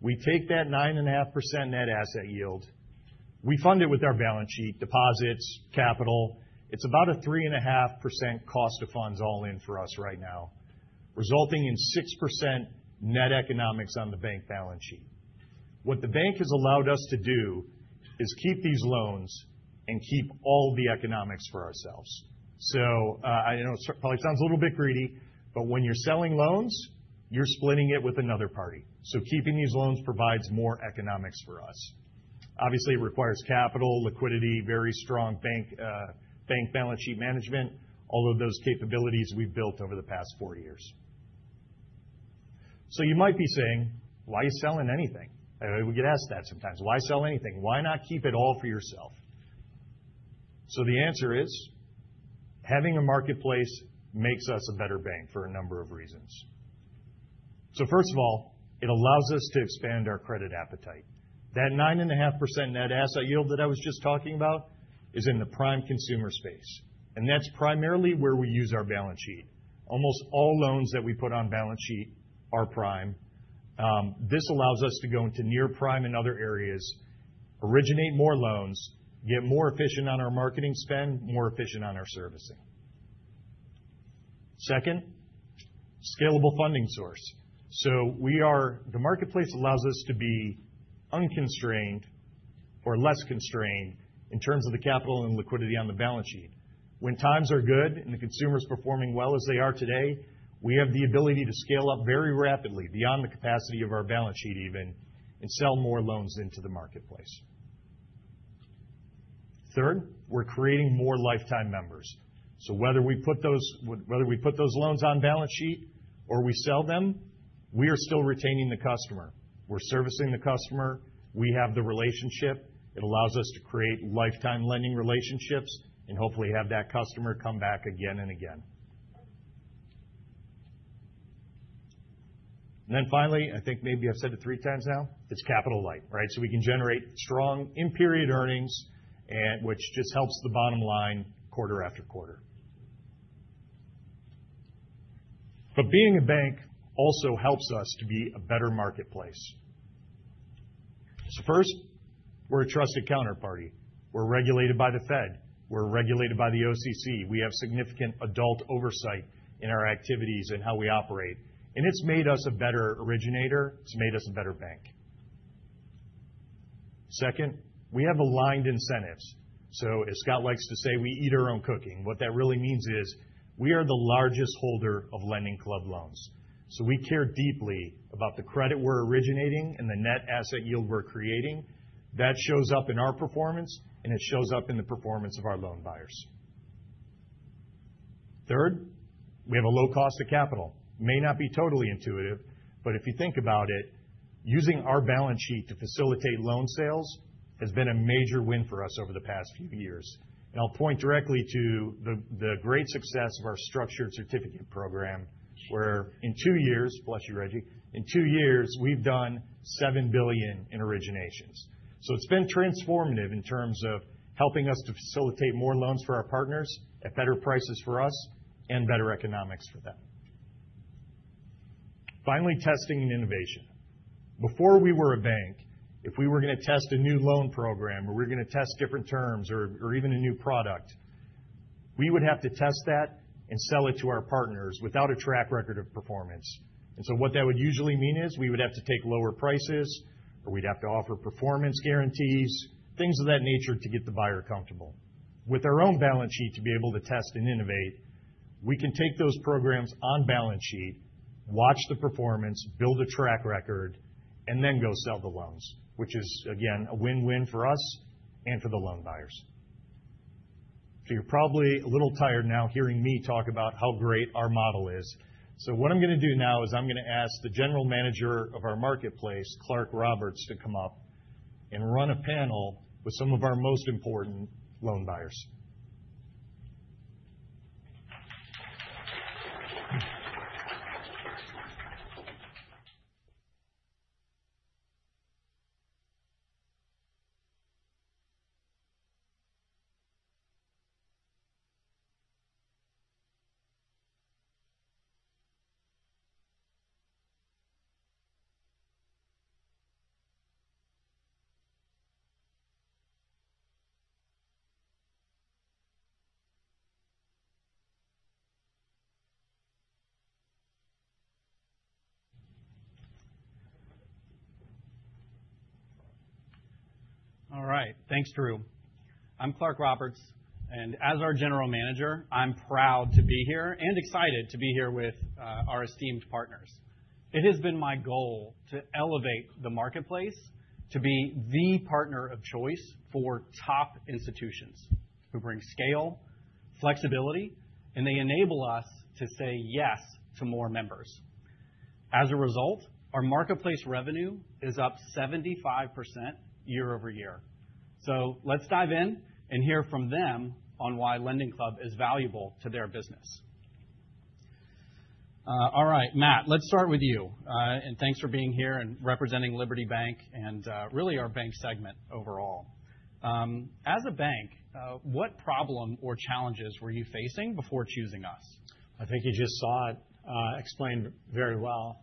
[SPEAKER 15] We take that 9.5% net asset yield. We fund it with our balance sheet, deposits, capital. It's about a 3.5% cost of funds all in for us right now, resulting in 6% net economics on the bank balance sheet. What the bank has allowed us to do is keep these loans and keep all the economics for ourselves. So I know it probably sounds a little bit greedy, but when you're selling loans, you're splitting it with another party. So keeping these loans provides more economics for us. Obviously, it requires capital, liquidity, very strong bank balance sheet management, all of those capabilities we've built over the past four years. So you might be saying, "Why are you selling anything?" We get asked that sometimes. "Why sell anything? Why not keep it all for yourself?" So the answer is having a marketplace makes us a better bank for a number of reasons. So first of all, it allows us to expand our credit appetite. That 9.5% net asset yield that I was just talking about is in the prime consumer space, and that's primarily where we use our balance sheet. Almost all loans that we put on balance sheet are prime. This allows us to go into near prime in other areas, originate more loans, get more efficient on our marketing spend, more efficient on our servicing. Second, scalable funding source. So the marketplace allows us to be unconstrained or less constrained in terms of the capital and liquidity on the balance sheet. When times are good and the consumer is performing well as they are today, we have the ability to scale up very rapidly beyond the capacity of our balance sheet even and sell more loans into the marketplace. Third, we're creating more lifetime members. So whether we put those loans on balance sheet or we sell them, we are still retaining the customer. We're servicing the customer. We have the relationship. It allows us to create lifetime lending relationships and hopefully have that customer come back again and again. And then finally, I think maybe I've said it three times now, it's capital-light, right? So we can generate strong in-period earnings, which just helps the bottom line quarter after quarter. But being a bank also helps us to be a better marketplace. So first, we're a trusted counterparty. We're regulated by the Fed. We're regulated by the OCC. We have significant audit oversight in our activities and how we operate. And it's made us a better originator. It's made us a better bank. Second, we have aligned incentives. So as Scott likes to say, we eat our own cooking. What that really means is we are the largest holder of LendingClub loans. So we care deeply about the credit we're originating and the net asset yield we're creating. That shows up in our performance, and it shows up in the performance of our loan buyers. Third, we have a low cost of capital. May not be totally intuitive, but if you think about it, using our balance sheet to facilitate loan sales has been a major win for us over the past few years. And I'll point directly to the great success of our structured certificate program, where in two years, bless you, Reggie, in two years, we've done $7 billion in originations. So it's been transformative in terms of helping us to facilitate more loans for our partners, at better prices for us, and better economics for them. Finally, testing and innovation. Before we were a bank, if we were going to test a new loan program or we were going to test different terms or even a new product, we would have to test that and sell it to our partners without a track record of performance. And so what that would usually mean is we would have to take lower prices, or we'd have to offer performance guarantees, things of that nature to get the buyer comfortable. With our own balance sheet to be able to test and innovate, we can take those programs on balance sheet, watch the performance, build a track record, and then go sell the loans, which is, again, a win-win for us and for the loan buyers. So you're probably a little tired now hearing me talk about how great our model is. So what I'm going to do now is I'm going to ask the general manager of our marketplace, Clarke Roberts, to come up and run a panel with some of our most important loan buyers.
[SPEAKER 16] All right. Thanks, Drew. I'm Clarke Roberts, and as our general manager, I'm proud to be here and excited to be here with our esteemed partners. It has been my goal to elevate the marketplace to be the partner of choice for top institutions who bring scale, flexibility, and they enable us to say yes to more members. As a result, our marketplace revenue is up 75% year over year. So let's dive in and hear from them on why LendingClub is valuable to their business. All right, Matt, let's start with you. And thanks for being here and representing Liberty Bank and really our bank segment overall. As a bank, what problem or challenges were you facing before choosing us?
[SPEAKER 17] I think you just saw it explained very well.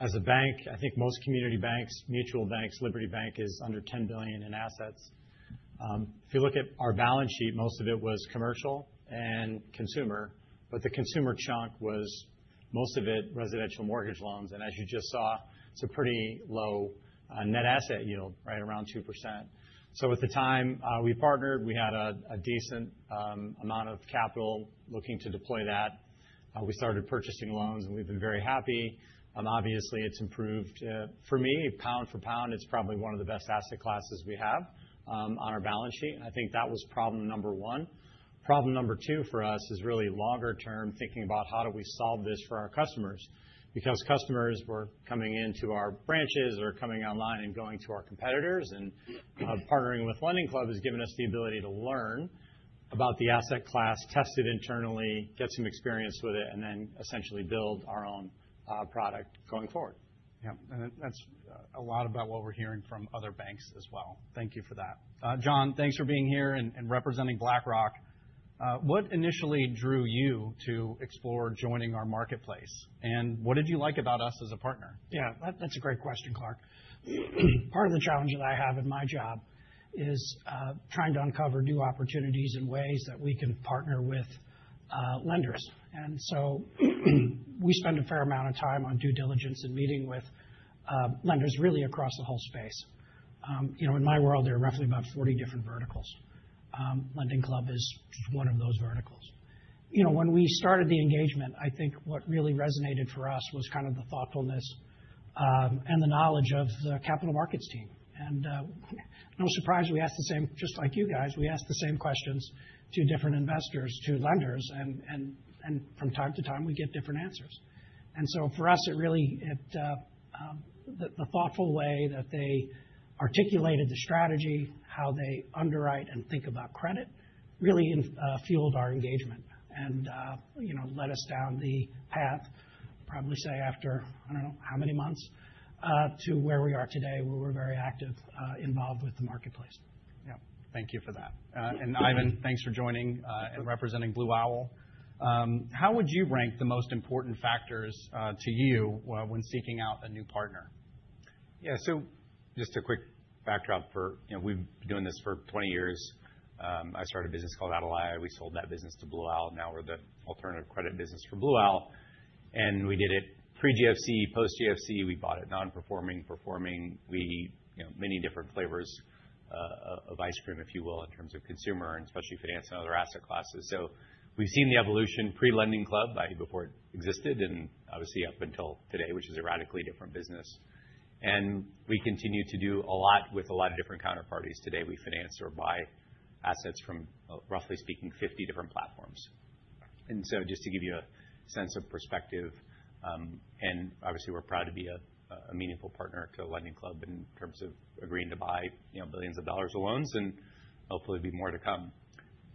[SPEAKER 17] As a bank, I think most community banks, mutual banks, Liberty Bank is under $10 billion in assets. If you look at our balance sheet, most of it was commercial and consumer, but the consumer chunk was most of it residential mortgage loans. And as you just saw, it's a pretty low net asset yield, right around 2%. So at the time we partnered, we had a decent amount of capital looking to deploy that. We started purchasing loans, and we've been very happy. Obviously, it's improved. For me, pound for pound, it's probably one of the best asset classes we have on our balance sheet. I think that was problem number one. Problem number two for us is really longer-term thinking about how do we solve this for our customers? Because customers were coming into our branches or coming online and going to our competitors, and partnering with LendingClub has given us the ability to learn about the asset class, test it internally, get some experience with it, and then essentially build our own product going forward.
[SPEAKER 16] Yeah. And that's a lot about what we're hearing from other banks as well. Thank you for that. Jon, thanks for being here and representing BlackRock. What initially drew you to explore joining our marketplace, and what did you like about us as a partner?
[SPEAKER 18] Yeah, that's a great question, Clarke. Part of the challenge that I have in my job is trying to uncover new opportunities and ways that we can partner with lenders. And so we spend a fair amount of time on due diligence and meeting with lenders really across the whole space. In my world, there are roughly about 40 different verticals. LendingClub is one of those verticals. When we started the engagement, I think what really resonated for us was kind of the thoughtfulness and the knowledge of the capital markets team. And no surprise, we ask the same, just like you guys, we ask the same questions to different investors, to lenders, and from time to time, we get different answers. And so for us, it really, the thoughtful way that they articulated the strategy, how they underwrite and think about credit, really fueled our engagement and led us down the path, probably say after, I don't know how many months, to where we are today, where we're very active involved with the marketplace. Yeah.
[SPEAKER 16] Thank you for that. Ivan, thanks for joining and representing Blue Owl. How would you rank the most important factors to you when seeking out a new partner?
[SPEAKER 19] Yeah. So just a quick backdrop. We've been doing this for 20 years. I started a business called Atalaya. We sold that business to Blue Owl. Now we're the alternative credit business for Blue Owl. We did it pre-GFC, post-GFC. We bought non-performing, performing. Many different flavors of ice cream, if you will, in terms of consumer and especially finance and other asset classes. So we've seen the evolution pre-LendingClub before it existed and obviously up until today, which is a radically different business. We continue to do a lot with a lot of different counterparties. Today, we finance or buy assets from, roughly speaking, 50 different platforms. And so just to give you a sense of perspective, and obviously, we're proud to be a meaningful partner to LendingClub in terms of agreeing to buy billions of dollars of loans and hopefully be more to come.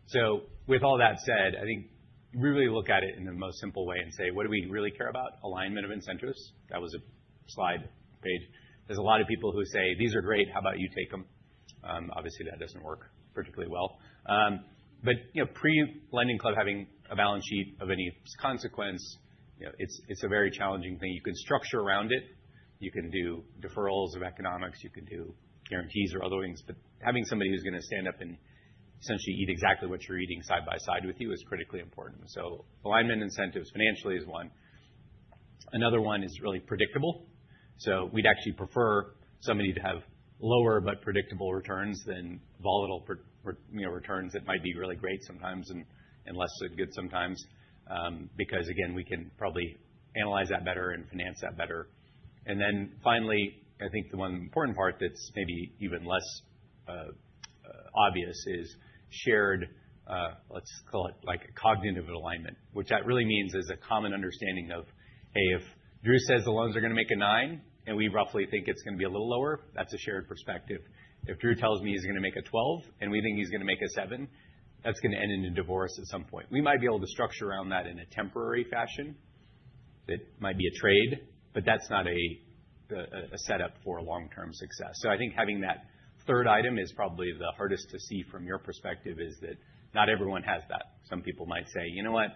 [SPEAKER 19] So with all that said, I think we really look at it in the most simple way and say, "What do we really care about? Alignment of incentives." That was a slide page. There's a lot of people who say, "These are great. How about you take them?" Obviously, that doesn't work particularly well. But pre-LendingClub, having a balance sheet of any consequence, it's a very challenging thing. You can structure around it. You can do deferrals of economics. You can do guarantees or other things. But having somebody who's going to stand up and essentially eat exactly what you're eating side by side with you is critically important. Alignment incentives financially is one. Another one is really predictable. We'd actually prefer somebody to have lower but predictable returns than volatile returns that might be really great sometimes and less good sometimes because, again, we can probably analyze that better and finance that better. Then finally, I think the one important part that's maybe even less obvious is shared, let's call it like a cognitive alignment, which that really means is a common understanding of, "Hey, if Drew says the loans are going to make a nine and we roughly think it's going to be a little lower, that's a shared perspective. If Drew tells me he's going to make a 12 and we think he's going to make a seven, that's going to end in a divorce at some point." We might be able to structure around that in a temporary fashion. It might be a trade, but that's not a setup for long-term success. So I think having that third item is probably the hardest to see from your perspective, is that not everyone has that. Some people might say, "You know what?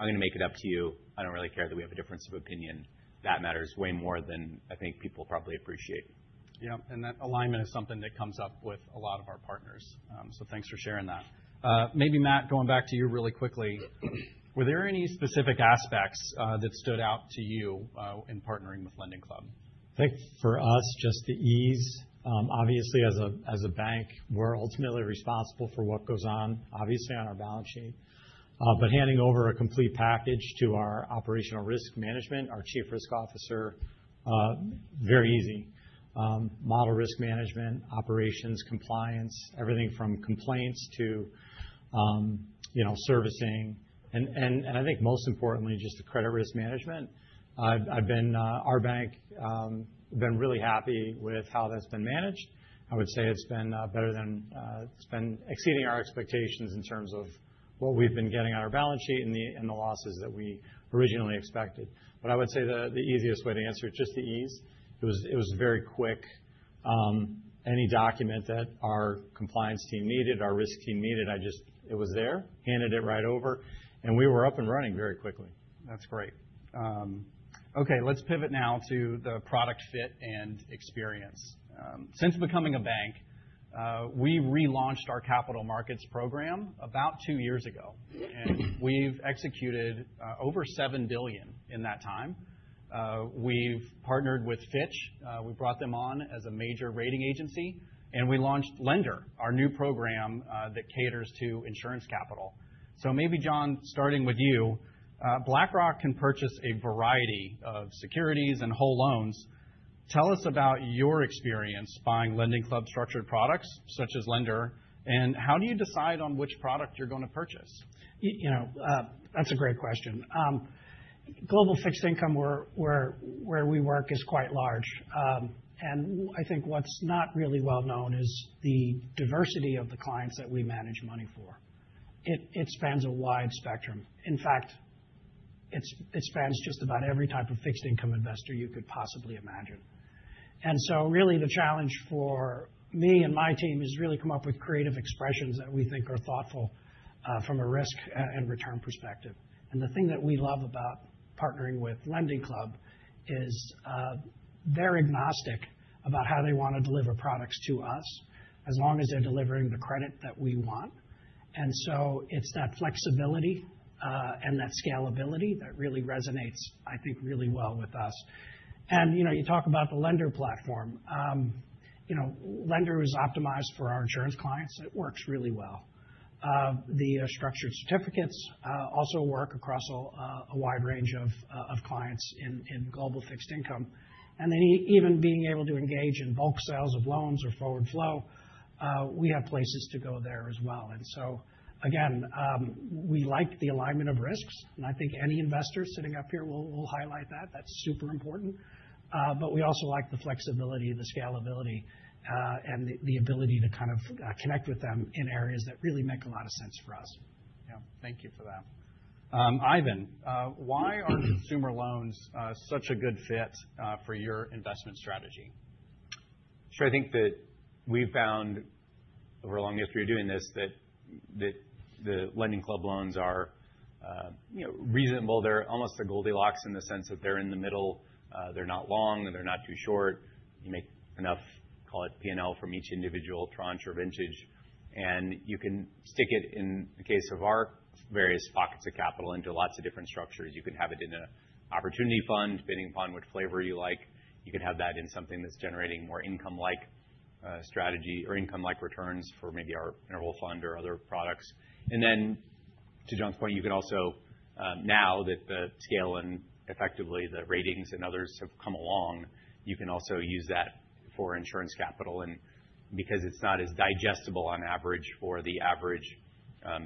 [SPEAKER 19] I'm going to make it up to you. I don't really care that we have a difference of opinion." That matters way more than I think people probably appreciate.
[SPEAKER 16] Yeah, and that alignment is something that comes up with a lot of our partners, so thanks for sharing that. Maybe, Matt, going back to you really quickly, were there any specific aspects that stood out to you in partnering with LendingClub?
[SPEAKER 17] I think for us, just the ease. Obviously, as a bank, we're ultimately responsible for what goes on, obviously, on our balance sheet. But handing over a complete package to our operational risk management, our Chief Risk Officer, very easy. Model risk management, operations, compliance, everything from complaints to servicing. And I think most importantly, just the credit risk management. Our bank has been really happy with how that's been managed. I would say it's been better than it's been exceeding our expectations in terms of what we've been getting on our balance sheet and the losses that we originally expected. But I would say the easiest way to answer it, just the ease. It was very quick. Any document that our compliance team needed, our risk team needed, it was there, handed it right over, and we were up and running very quickly. That's great.
[SPEAKER 16] Okay. Let's pivot now to the product fit and experience. Since becoming a bank, we relaunched our capital markets program about two years ago. And we've executed over $7 billion in that time. We've partnered with Fitch. We brought them on as a major rating agency. And we launched lender, our new program that caters to insurance capital. So maybe, Jon, starting with you, BlackRock can purchase a variety of securities and whole loans. Tell us about your experience buying LendingClub structured products such as lender, and how do you decide on which product you're going to purchase?
[SPEAKER 18] That's a great question. Global fixed income where we work is quite large. And I think what's not really well known is the diversity of the clients that we manage money for. It spans a wide spectrum. In fact, it spans just about every type of fixed income investor you could possibly imagine. And so really, the challenge for me and my team is really to come up with creative expressions that we think are thoughtful from a risk and return perspective. And the thing that we love about partnering with LendingClub is they're agnostic about how they want to deliver products to us as long as they're delivering the credit that we want. And so it's that flexibility and that scalability that really resonates, I think, really well with us. And you talk about the Lender platform. Lender is optimized for our insurance clients. It works really well. The structured certificates also work across a wide range of clients in global fixed income. And then even being able to engage in bulk sales of loans or forward flow, we have places to go there as well. And so, again, we like the alignment of risks. I think any investor sitting up here will highlight that. That's super important. We also like the flexibility, the scalability, and the ability to kind of connect with them in areas that really make a lot of sense for us.
[SPEAKER 16] Yeah. Thank you for that. Ivan, why are consumer loans such a good fit for your investment strategy?
[SPEAKER 19] Sure. I think that we've found over a long history of doing this that the LendingClub loans are reasonable. They're almost the Goldilocks in the sense that they're in the middle. They're not long. They're not too short. You make enough, call it P&L, from each individual tranche or vintage. You can stick it, in the case of our various pockets of capital, into lots of different structures. You can have it in an opportunity fund, depending upon which flavor you like. You can have that in something that's generating more income-like strategy or income-like returns for maybe our interval fund or other products. To John's point, you can also, now that the scale and effectively the ratings and others have come along, use that for insurance capital. Because it's not as digestible on average for the average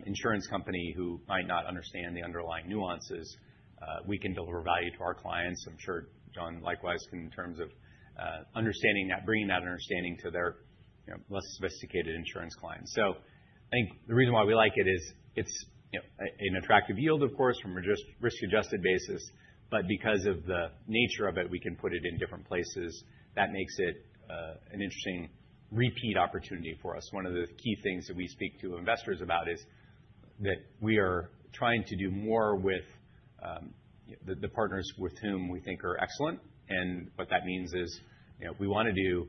[SPEAKER 19] insurance company who might not understand the underlying nuances, we can deliver value to our clients. I'm sure Jon likewise can in terms of understanding that, bringing that understanding to their less sophisticated insurance clients. The reason why we like it is it's an attractive yield, of course, from a risk-adjusted basis. Because of the nature of it, we can put it in different places. That makes it an interesting repeat opportunity for us. One of the key things that we speak to investors about is that we are trying to do more with the partners with whom we think are excellent. And what that means is we want to do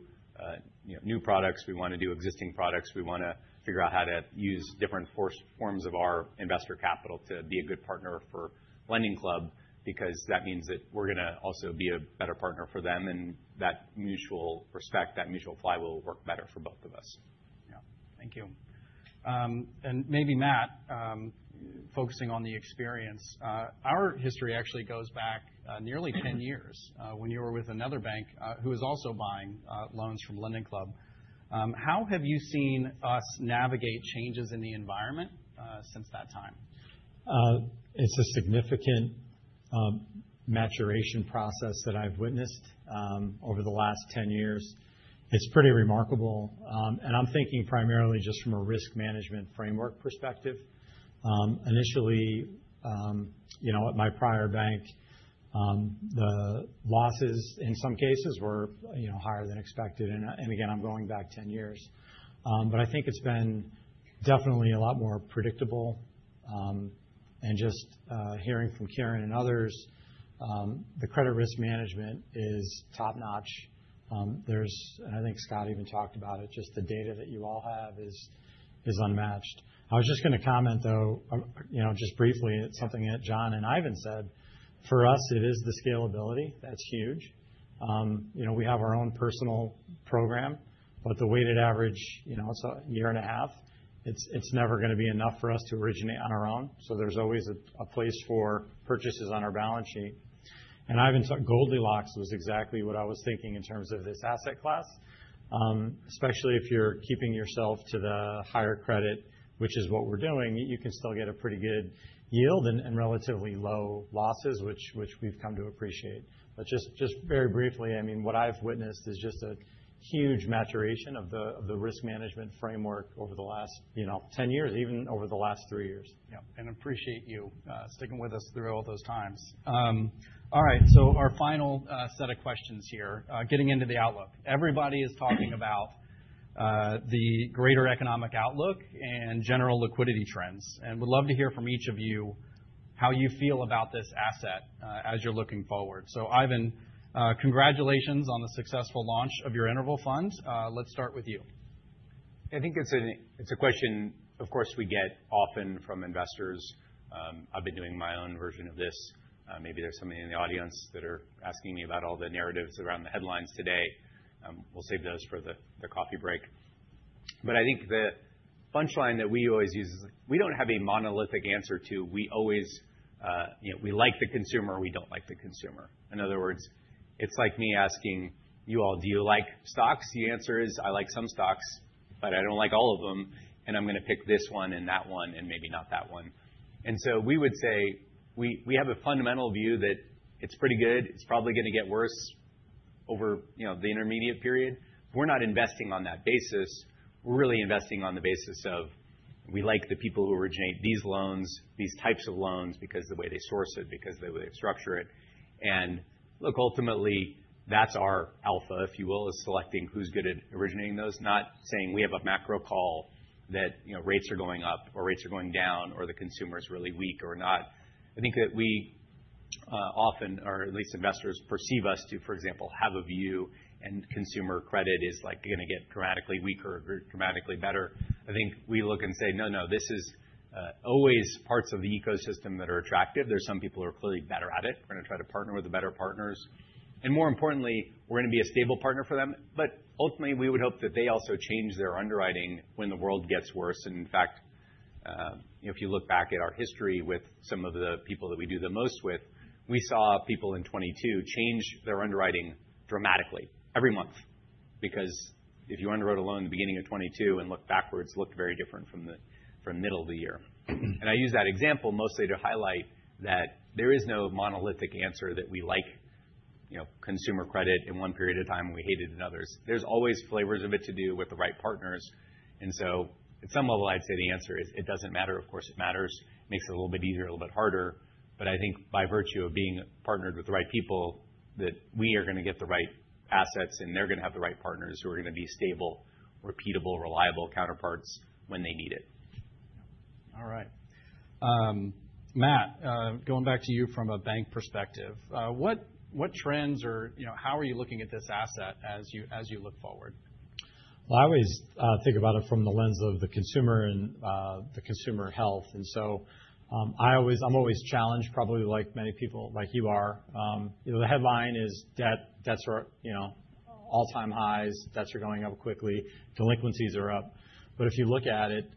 [SPEAKER 19] new products. We want to do existing products. We want to figure out how to use different forms of our investor capital to be a good partner for LendingClub because that means that we're going to also be a better partner for them. And that mutual respect, that mutual vibe will work better for both of us.
[SPEAKER 16] Yeah. Thank you. And maybe, Matt, focusing on the experience, our history actually goes back nearly 10 years when you were with another bank who was also buying loans from LendingClub. How have you seen us navigate changes in the environment since that time?
[SPEAKER 17] It's a significant maturation process that I've witnessed over the last 10 years. It's pretty remarkable, and I'm thinking primarily just from a risk management framework perspective. Initially, at my prior bank, the losses in some cases were higher than expected, and again, I'm going back 10 years, but I think it's been definitely a lot more predictable, and just hearing from Kiran and others, the credit risk management is top-notch, and I think Scott even talked about it. Just the data that you all have is unmatched. I was just going to comment, though, just briefly, something that Jon and Ivan said. For us, it is the scalability. That's huge. We have our own personal program, but the weighted average, it's a year and a half. It's never going to be enough for us to originate on our own. So there's always a place for purchases on our balance sheet. And Ivan, Goldilocks was exactly what I was thinking in terms of this asset class. Especially if you're keeping yourself to the higher credit, which is what we're doing, you can still get a pretty good yield and relatively low losses, which we've come to appreciate. But just very briefly, I mean, what I've witnessed is just a huge maturation of the risk management framework over the last 10 years, even over the last three years.
[SPEAKER 16] Yeah. And appreciate you sticking with us through all those times. All right. So our final set of questions here, getting into the outlook. Everybody is talking about the greater economic outlook and general liquidity trends. And we'd love to hear from each of you how you feel about this asset as you're looking forward. Ivan, congratulations on the successful launch of your interval fund. Let's start with you.
[SPEAKER 19] I think it's a question, of course, we get often from investors. I've been doing my own version of this. Maybe there's somebody in the audience that are asking me about all the narratives around the headlines today. We'll save those for the coffee break. But I think the punchline that we always use is we don't have a monolithic answer to we always like the consumer or we don't like the consumer. In other words, it's like me asking you all, "Do you like stocks?" The answer is, "I like some stocks, but I don't like all of them. And I'm going to pick this one and that one and maybe not that one." And so we would say we have a fundamental view that it's pretty good. It's probably going to get worse over the intermediate period. We're not investing on that basis. We're really investing on the basis of we like the people who originate these loans, these types of loans because of the way they source it, because of the way they structure it. And look, ultimately, that's our alpha, if you will, is selecting who's good at originating those, not saying we have a macro call that rates are going up or rates are going down or the consumer is really weak or not. I think that we often, or at least investors, perceive us to, for example, have a view and consumer credit is going to get dramatically weaker or dramatically better. I think we look and say, "No, no, this is always parts of the ecosystem that are attractive. There's some people who are clearly better at it. We're going to try to partner with the better partners." And more importantly, we're going to be a stable partner for them. But ultimately, we would hope that they also change their underwriting when the world gets worse. And in fact, if you look back at our history with some of the people that we do the most with, we saw people in 2022 change their underwriting dramatically every month because if you underwrote a loan in the beginning of 2022 and looked backwards, it looked very different from the middle of the year. And I use that example mostly to highlight that there is no monolithic answer that we like consumer credit in one period of time and we hate it in others. There's always flavors of it to do with the right partners. And so at some level, I'd say the answer is it doesn't matter. Of course, it matters. It makes it a little bit easier, a little bit harder, but I think by virtue of being partnered with the right people, that we are going to get the right assets and they're going to have the right partners who are going to be stable, repeatable, reliable counterparts when they need it.
[SPEAKER 16] All right. Matt, going back to you from a bank perspective, what trends or how are you looking at this asset as you look forward?
[SPEAKER 17] Well, I always think about it from the lens of the consumer and the consumer health, and so I'm always challenged, probably like many people like you are. The headline is debt's at all-time highs. Debts are going up quickly. Delinquencies are up, but if you look at it,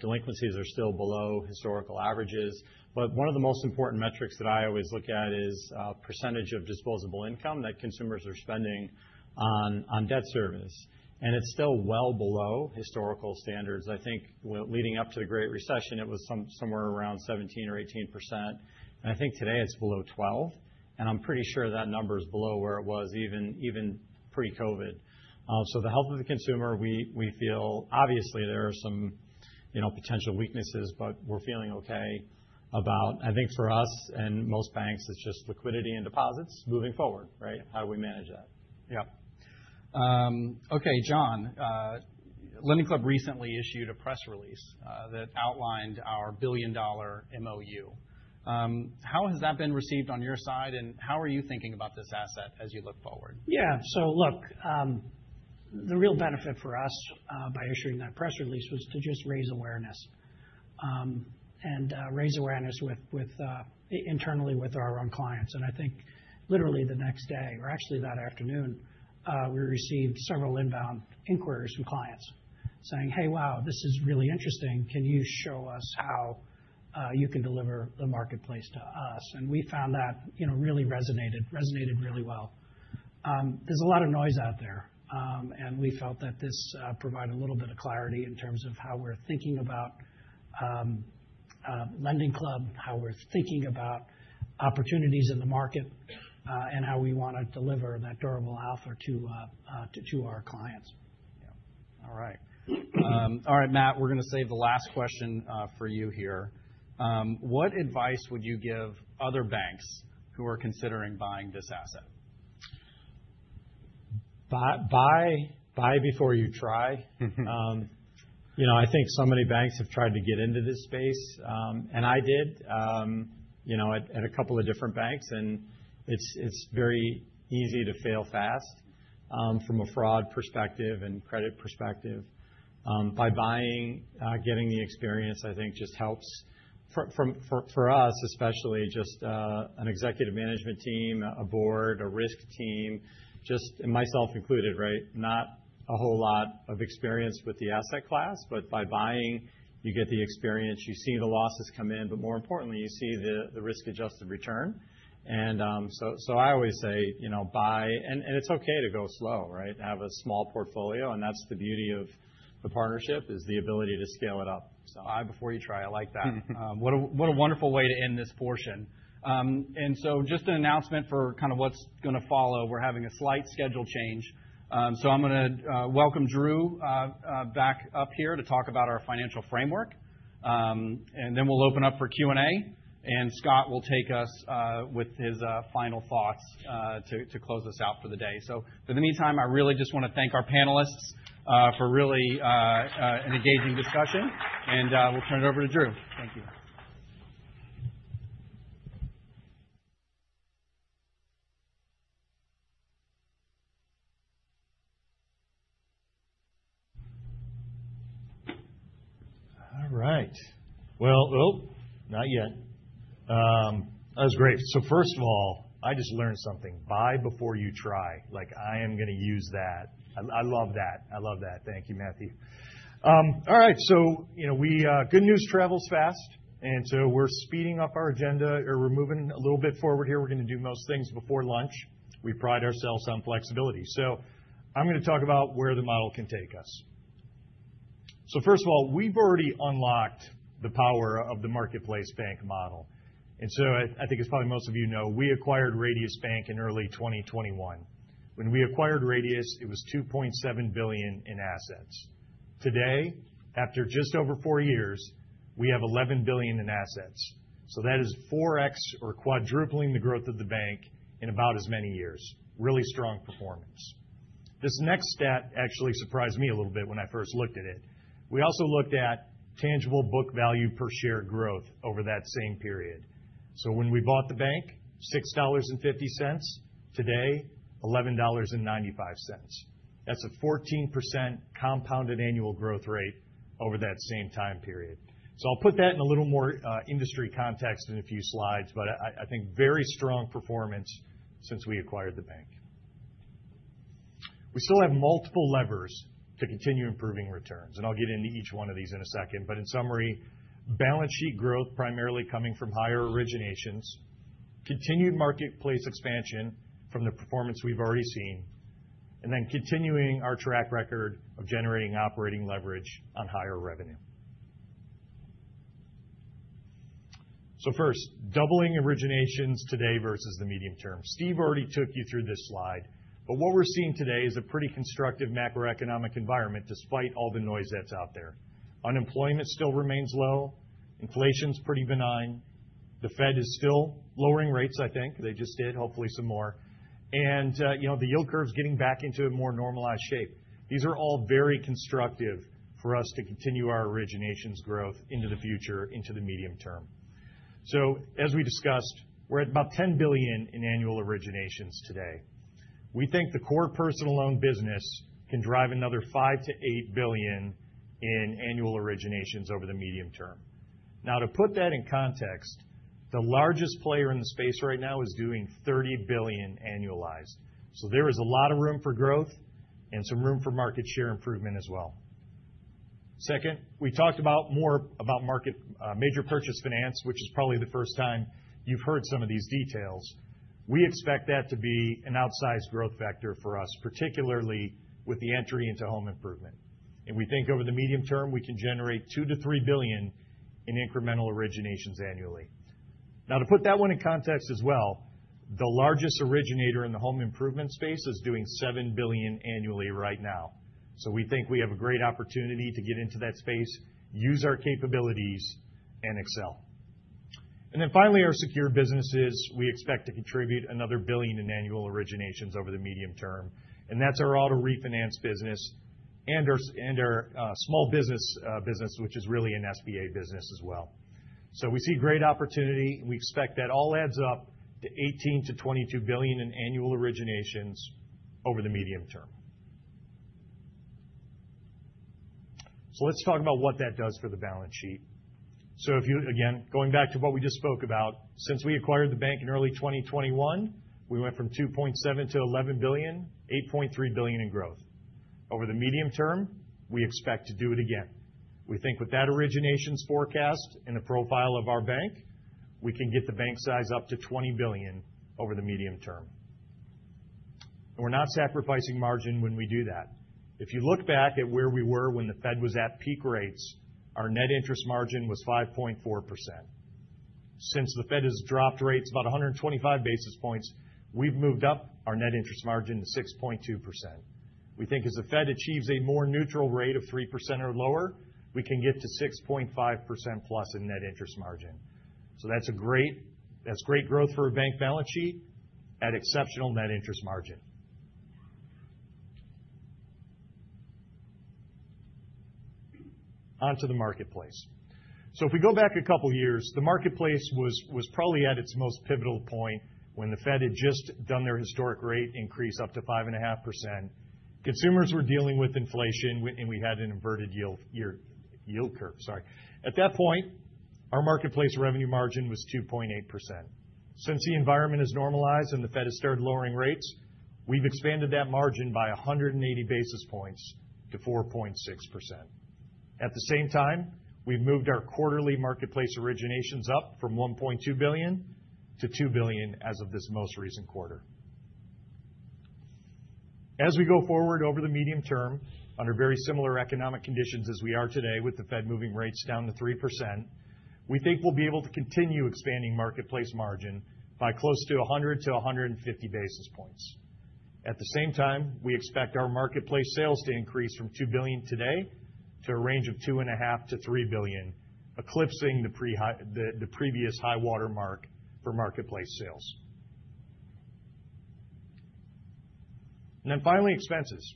[SPEAKER 17] delinquencies are still below historical averages. One of the most important metrics that I always look at is percentage of disposable income that consumers are spending on debt service. And it's still well below historical standards. I think leading up to the Great Recession, it was somewhere around 17% or 18%. And I think today it's below 12%. And I'm pretty sure that number is below where it was even pre-COVID. So the health of the consumer, we feel obviously there are some potential weaknesses, but we're feeling okay about. I think for us and most banks, it's just liquidity and deposits moving forward, right? How do we manage that?
[SPEAKER 16] Yep. Okay. Jon, LendingClub recently issued a press release that outlined our billion-dollar MOU. How has that been received on your side and how are you thinking about this asset as you look forward?
[SPEAKER 18] Yeah. So look, the real benefit for us by issuing that press release was to just raise awareness internally with our own clients. And I think literally the next day or actually that afternoon, we received several inbound inquiries from clients saying, "Hey, wow, this is really interesting. Can you show us how you can deliver the marketplace to us?" And we found that really resonated well. There's a lot of noise out there. And we felt that this provided a little bit of clarity in terms of how we're thinking about LendingClub, how we're thinking about opportunities in the market, and how we want to deliver that durable alpha to our clients.
[SPEAKER 16] Yeah. All right, Matt, we're going to save the last question for you here. What advice would you give other banks who are considering buying this asset?
[SPEAKER 17] Buy before you try. I think so many banks have tried to get into this space. And I did at a couple of different banks. And it's very easy to fail fast from a fraud perspective and credit perspective. By buying, getting the experience, I think, just helps for us, especially just an executive management team, a board, a risk team, just myself included, right? Not a whole lot of experience with the asset class, but by buying, you get the experience. You see the losses come in. But more importantly, you see the risk-adjusted return. And so I always say, "Buy." And it's okay to go slow, right? Have a small portfolio. And that's the beauty of the partnership is the ability to scale it up.
[SPEAKER 16] So buy before you try. I like that. What a wonderful way to end this portion. And so, just an announcement for kind of what's going to follow. We're having a slight schedule change. So I'm going to welcome Drew back up here to talk about our financial framework. And then we'll open up for Q&A. And Scott will take us with his final thoughts to close us out for the day. So in the meantime, I really just want to thank our panelists for really an engaging discussion. And we'll turn it over to Drew. Thank you.
[SPEAKER 15] All right. Well, nope, not yet. That was great. So first of all, I just learned something. Buy before you try. I am going to use that. I love that. I love that. Thank you, Matthew. All right. So good news travels fast. And so we're speeding up our agenda or we're moving a little bit forward here. We're going to do most things before lunch. We pride ourselves on flexibility. So I'm going to talk about where the model can take us. So first of all, we've already unlocked the power of the marketplace bank model. And so I think as probably most of you know, we acquired Radius Bank in early 2021. When we acquired Radius, it was $2.7 billion in assets. Today, after just over four years, we have $11 billion in assets. So that is 4x or quadrupling the growth of the bank in about as many years. Really strong performance. This next stat actually surprised me a little bit when I first looked at it. We also looked at tangible book value per share growth over that same period. So when we bought the bank, $6.50. Today, $11.95. That's a 14% compounded annual growth rate over that same time period. So, I'll put that in a little more industry context in a few slides, but I think very strong performance since we acquired the bank. We still have multiple levers to continue improving returns. And I'll get into each one of these in a second. But in summary, balance sheet growth primarily coming from higher originations, continued marketplace expansion from the performance we've already seen, and then continuing our track record of generating operating leverage on higher revenue. So first, doubling originations today versus the medium term. Steve already took you through this slide. But what we're seeing today is a pretty constructive macroeconomic environment despite all the noise that's out there. Unemployment still remains low. Inflation's pretty benign. The Fed is still lowering rates, I think. They just did. Hopefully some more. And the yield curve's getting back into a more normalized shape. These are all very constructive for us to continue our originations growth into the future, into the medium term. So as we discussed, we're at about $10 billion in annual originations today. We think the core personal loan business can drive another $5 billion-$8 billion in annual originations over the medium term. Now, to put that in context, the largest player in the space right now is doing $30 billion annualized. So there is a lot of room for growth and some room for market share improvement as well. Second, we talked more about market major purchase finance, which is probably the first time you've heard some of these details. We expect that to be an outsized growth factor for us, particularly with the entry into home improvement. And we think over the medium term, we can generate $2 billion-$3 billion in incremental originations annually. Now, to put that one in context as well, the largest originator in the home improvement space is doing $7 billion annually right now. So we think we have a great opportunity to get into that space, use our capabilities, and excel. And then finally, our secure businesses, we expect to contribute another $1 billion in annual originations over the medium term. And that's our auto refinance business and our small business business, which is really an SBA business as well. So we see great opportunity. We expect that all adds up to $18-$22 billion in annual originations over the medium term. So let's talk about what that does for the balance sheet. So again, going back to what we just spoke about, since we acquired the bank in early 2021, we went from $2.7-$11 billion, $8.3 billion in growth. Over the medium term, we expect to do it again. We think with that originations forecast and the profile of our bank, we can get the bank size up to $20 billion over the medium term. And we're not sacrificing margin when we do that. If you look back at where we were when the Fed was at peak rates, our net interest margin was 5.4%. Since the Fed has dropped rates about 125 basis points, we've moved up our net interest margin to 6.2%. We think as the Fed achieves a more neutral rate of 3% or lower, we can get to 6.5% plus in net interest margin. So that's great growth for a bank balance sheet at exceptional net interest margin. Onto the marketplace. So if we go back a couple of years, the marketplace was probably at its most pivotal point when the Fed had just done their historic rate increase up to 5.5%. Consumers were dealing with inflation, and we had an inverted yield curve. Sorry. At that point, our marketplace revenue margin was 2.8%. Since the environment has normalized and the Fed has started lowering rates, we've expanded that margin by 180 basis points to 4.6%. At the same time, we've moved our quarterly marketplace originations up from $1.2 billion-$2 billion as of this most recent quarter. As we go forward over the medium term, under very similar economic conditions as we are today with the Fed moving rates down to 3%, we think we'll be able to continue expanding marketplace margin by close to 100-150 basis points. At the same time, we expect our marketplace sales to increase from $2 billion today to a range of $2.5-$3 billion, eclipsing the previous high watermark for marketplace sales. And then finally, expenses.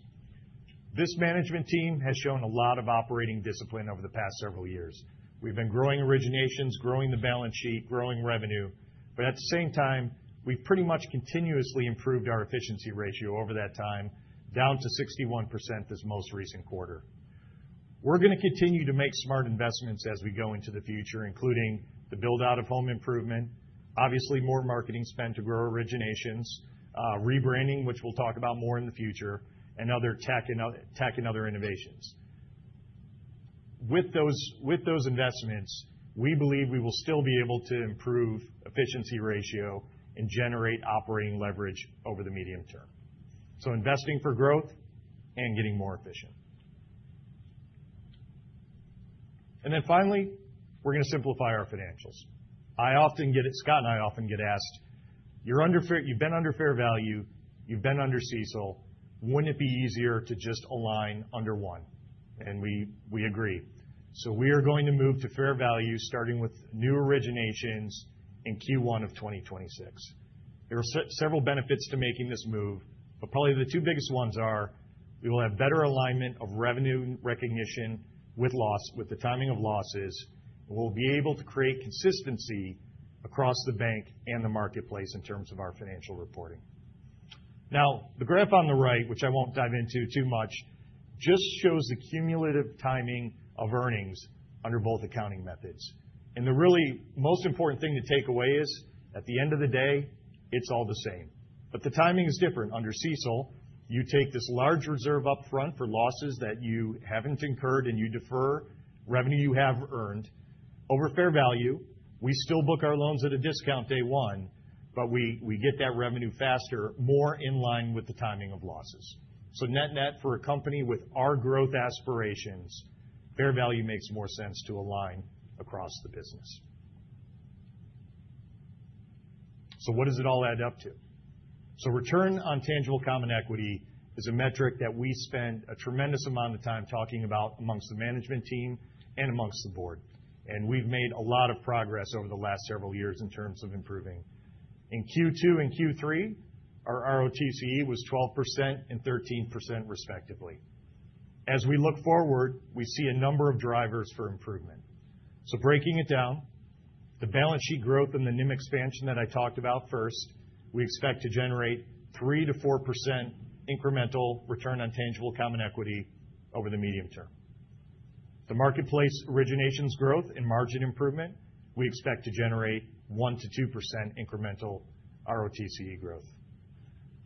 [SPEAKER 15] This management team has shown a lot of operating discipline over the past several years. We've been growing originations, growing the balance sheet, growing revenue. But at the same time, we've pretty much continuously improved our efficiency ratio over that time down to 61% this most recent quarter. We're going to continue to make smart investments as we go into the future, including the build-out of home improvement, obviously more marketing spend to grow originations, rebranding, which we'll talk about more in the future, and other tech and other innovations. With those investments, we believe we will still be able to improve efficiency ratio and generate operating leverage over the medium term. So investing for growth and getting more efficient. And then finally, we're going to simplify our financials. Scott and I often get asked, "You've been under fair value. You've been under CECL. Wouldn't it be easier to just align under one?" And we agree. So we are going to move to fair value starting with new originations in Q1 of 2026. There are several benefits to making this move, but probably the two biggest ones are we will have better alignment of revenue recognition with the timing of losses. We'll be able to create consistency across the bank and the marketplace in terms of our financial reporting. Now, the graph on the right, which I won't dive into too much, just shows the cumulative timing of earnings under both accounting methods. The really most important thing to take away is at the end of the day, it's all the same. The timing is different. Under CECL, you take this large reserve upfront for losses that you haven't incurred and you defer revenue you have earned. Under fair value, we still book our loans at a discount day one, but we get that revenue faster, more in line with the timing of losses. Net-net for a company with our growth aspirations, fair value makes more sense to align across the business. What does it all add up to? Return on tangible common equity is a metric that we spend a tremendous amount of time talking about among the management team and among the board. We've made a lot of progress over the last several years in terms of improving. In Q2 and Q3, our ROTCE was 12% and 13% respectively. As we look forward, we see a number of drivers for improvement. So breaking it down, the balance sheet growth and the NIM expansion that I talked about first, we expect to generate 3%-4% incremental return on tangible common equity over the medium term. The marketplace originations growth and margin improvement, we expect to generate 1%-2% incremental ROTCE growth.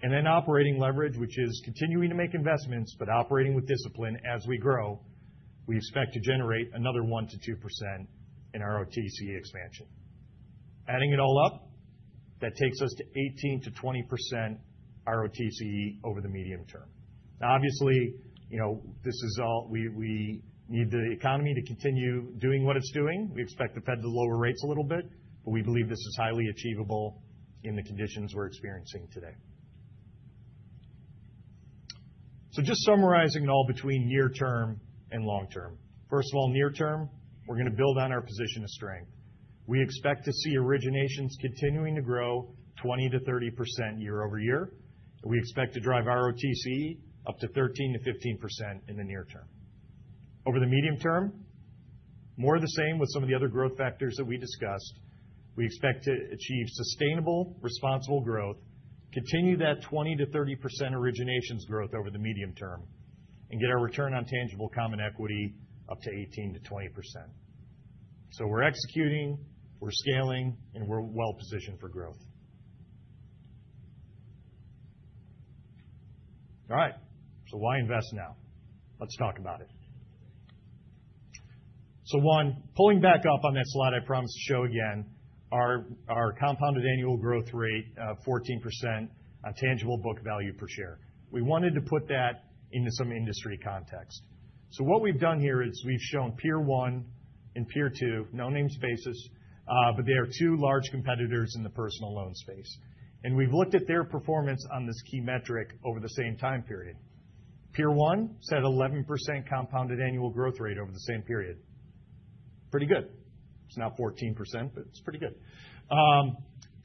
[SPEAKER 15] And then operating leverage, which is continuing to make investments but operating with discipline as we grow, we expect to generate another 1%-2% in ROTCE expansion. Adding it all up, that takes us to 18%-20% ROTCE over the medium term. Now, obviously, this is all we need the economy to continue doing what it's doing. We expect the Fed to lower rates a little bit, but we believe this is highly achievable in the conditions we're experiencing today, so just summarizing it all between near term and long term. First of all, near term, we're going to build on our position of strength. We expect to see originations continuing to grow 20%-30% year over year. We expect to drive ROTCE up to 13%-15% in the near term. Over the medium term, more of the same with some of the other growth factors that we discussed. We expect to achieve sustainable, responsible growth, continue that 20%-30% originations growth over the medium term, and get our return on tangible common equity up to 18%-20%. So we're executing, we're scaling, and we're well positioned for growth. All right, so why invest now? Let's talk about it. So, one, pulling back up on that slide I promised to show again, our compounded annual growth rate of 14% on tangible book value per share. We wanted to put that into some industry context. So what we've done here is we've shown peer 1 and Peer 2, no names basis, but they are two large competitors in the personal loan space. And we've looked at their performance on this key metric over the same time period. Peer 1 said 11% compounded annual growth rate over the same period. Pretty good. It's now 14%, but it's pretty good.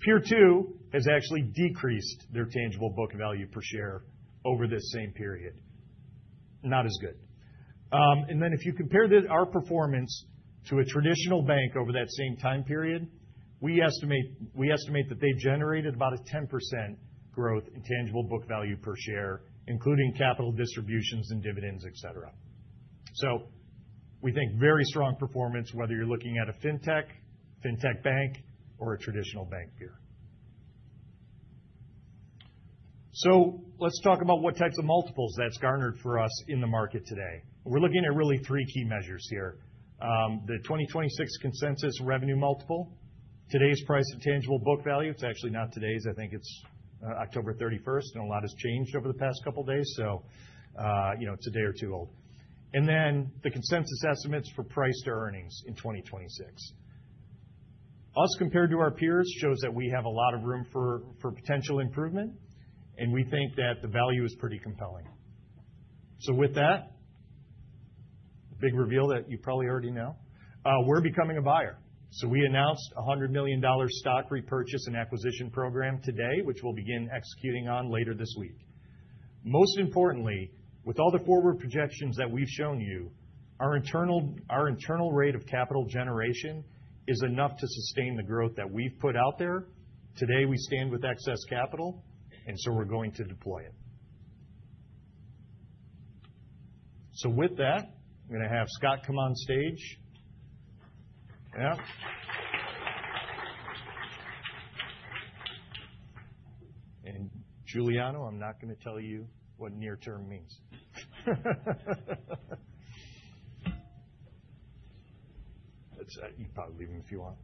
[SPEAKER 15] Peer 2 has actually decreased their tangible book value per share over this same period. Not as good. Then if you compare our performance to a traditional bank over that same time period, we estimate that they've generated about a 10% growth in tangible book value per share, including capital distributions and dividends, etc. We think very strong performance, whether you're looking at a fintech, fintech bank, or a traditional bank peer. Let's talk about what types of multiples that's garnered for us in the market today. We're looking at really three key measures here: the 2026 consensus revenue multiple, today's price to tangible book value. It's actually not today's. I think it's October 31st, and a lot has changed over the past couple of days, so it's a day or two old. Then the consensus estimates for price to earnings in 2026. Us compared to our peers shows that we have a lot of room for potential improvement, and we think that the value is pretty compelling. With that, big reveal that you probably already know. We're becoming a buyer. We announced a $100 million stock repurchase and acquisition program today, which we'll begin executing on later this week. Most importantly, with all the forward projections that we've shown you, our internal rate of capital generation is enough to sustain the growth that we've put out there. Today, we stand with excess capital, and so we're going to deploy it. With that, I'm going to have Scott come on stage. Yeah. Giuliano, I'm not going to tell you what near term means. You can probably leave him if you want.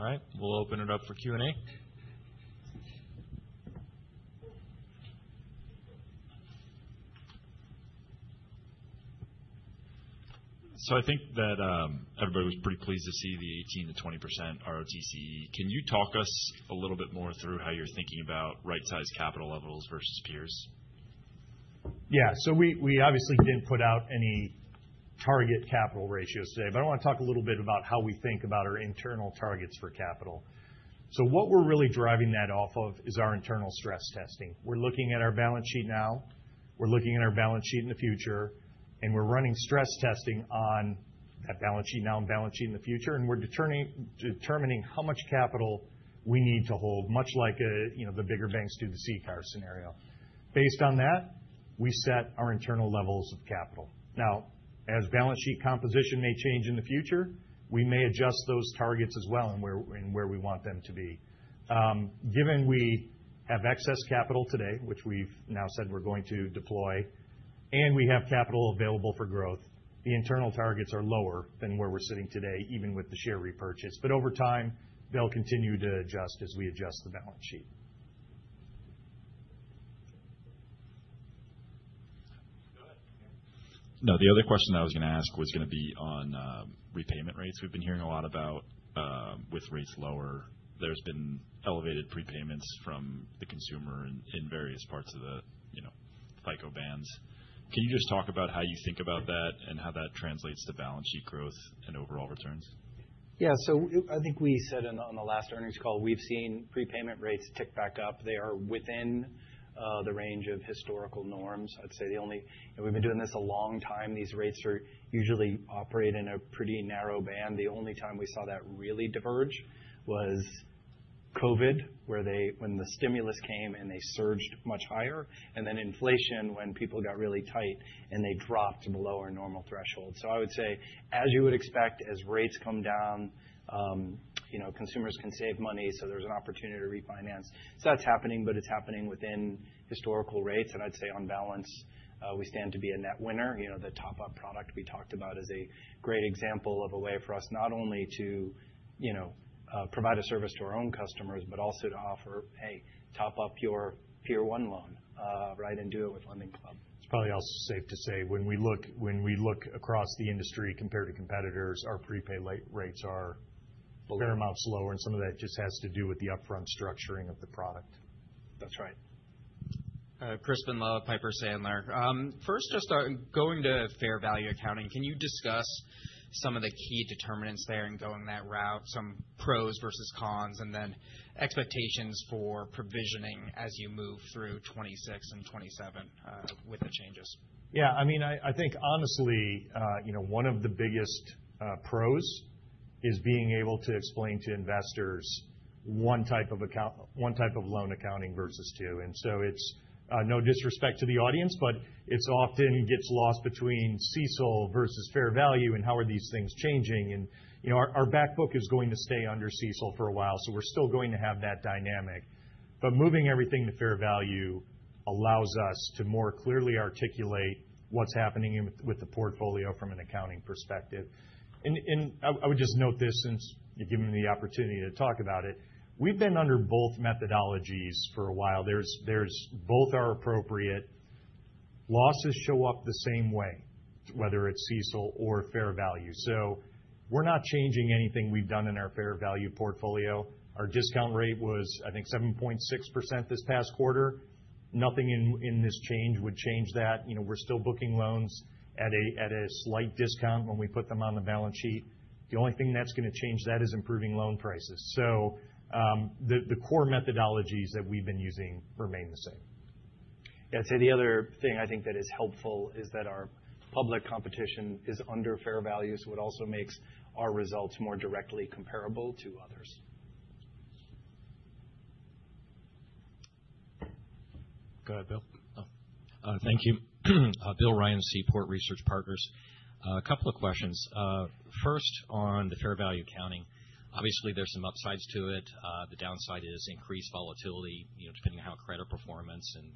[SPEAKER 1] All right. We'll open it up for Q&A.
[SPEAKER 9] I think that everybody was pretty pleased to see the 18%-20% ROTCE. Can you talk us a little bit more through how you're thinking about right-sized capital levels versus peers?
[SPEAKER 15] Yeah. We obviously didn't put out any target capital ratios today, but I want to talk a little bit about how we think about our internal targets for capital. What we're really driving that off of is our internal stress testing. We're looking at our balance sheet now. We're looking at our balance sheet in the future, and we're running stress testing on that balance sheet now and balance sheet in the future, and we're determining how much capital we need to hold, much like the bigger banks do the CECL scenario. Based on that, we set our internal levels of capital. Now, as balance sheet composition may change in the future, we may adjust those targets as well and where we want them to be. Given we have excess capital today, which we've now said we're going to deploy, and we have capital available for growth, the internal targets are lower than where we're sitting today, even with the share repurchase. But over time, they'll continue to adjust as we adjust the balance sheet.
[SPEAKER 9] No, the other question I was going to ask was going to be on repayment rates. We've been hearing a lot about with rates lower, there's been elevated prepayments from the consumer in various parts of the FICO bands. Can you just talk about how you think about that and how that translates to balance sheet growth and overall returns?
[SPEAKER 3] Yeah. So I think we said on the last earnings call, we've seen prepayment rates tick back up. They are within the range of historical norms. I'd say the only, and we've been doing this a long time, these rates usually operate in a pretty narrow band. The only time we saw that really diverge was COVID, when the stimulus came and they surged much higher, and then inflation when people got really tight and they dropped below our normal threshold. So I would say, as you would expect, as rates come down, consumers can save money, so there's an opportunity to refinance. So that's happening, but it's happening within historical rates. And I'd say on balance, we stand to be a net winner. The top-up product we talked about is a great example of a way for us not only to provide a service to our own customers, but also to offer, "Hey, top up your Peer 1 loan," right, and do it with LendingClub.
[SPEAKER 9] It's probably also safe to say when we look across the industry compared to competitors, our prepay rates are a fair amount slower, and some of that just has to do with the upfront structuring of the product.
[SPEAKER 3] That's right.
[SPEAKER 7] Crispin Love, Piper Sandler. First, just going to fair value accounting, can you discuss some of the key determinants there in going that route, some pros versus cons, and then expectations for provisioning as you move through 2026 and 2027 with the changes?
[SPEAKER 15] Yeah. I mean, I think, honestly, one of the biggest pros is being able to explain to investors one type of loan accounting versus two. It's no disrespect to the audience, but it often gets lost between CECL versus fair value and how these things are changing. Our back book is going to stay under CECL for a while, so we're still going to have that dynamic. Moving everything to fair value allows us to more clearly articulate what's happening with the portfolio from an accounting perspective. I would just note this since you've given me the opportunity to talk about it. We've been under both methodologies for a while. Both are appropriate. Losses show up the same way, whether it's CECL or fair value. We're not changing anything we've done in our fair value portfolio. Our discount rate was, I think, 7.6% this past quarter. Nothing in this change would change that. We're still booking loans at a slight discount when we put them on the balance sheet. The only thing that's going to change that is improving loan prices. So the core methodologies that we've been using remain the same. Yeah. I'd say the other thing I think that is helpful is that our public competition is under fair value, so it also makes our results more directly comparable to others. Go ahead, Bill.
[SPEAKER 20] Thank you. Bill Ryan, Seaport Research Partners. A couple of questions. First, on the fair value accounting. Obviously, there's some upsides to it. The downside is increased volatility depending on how credit performance and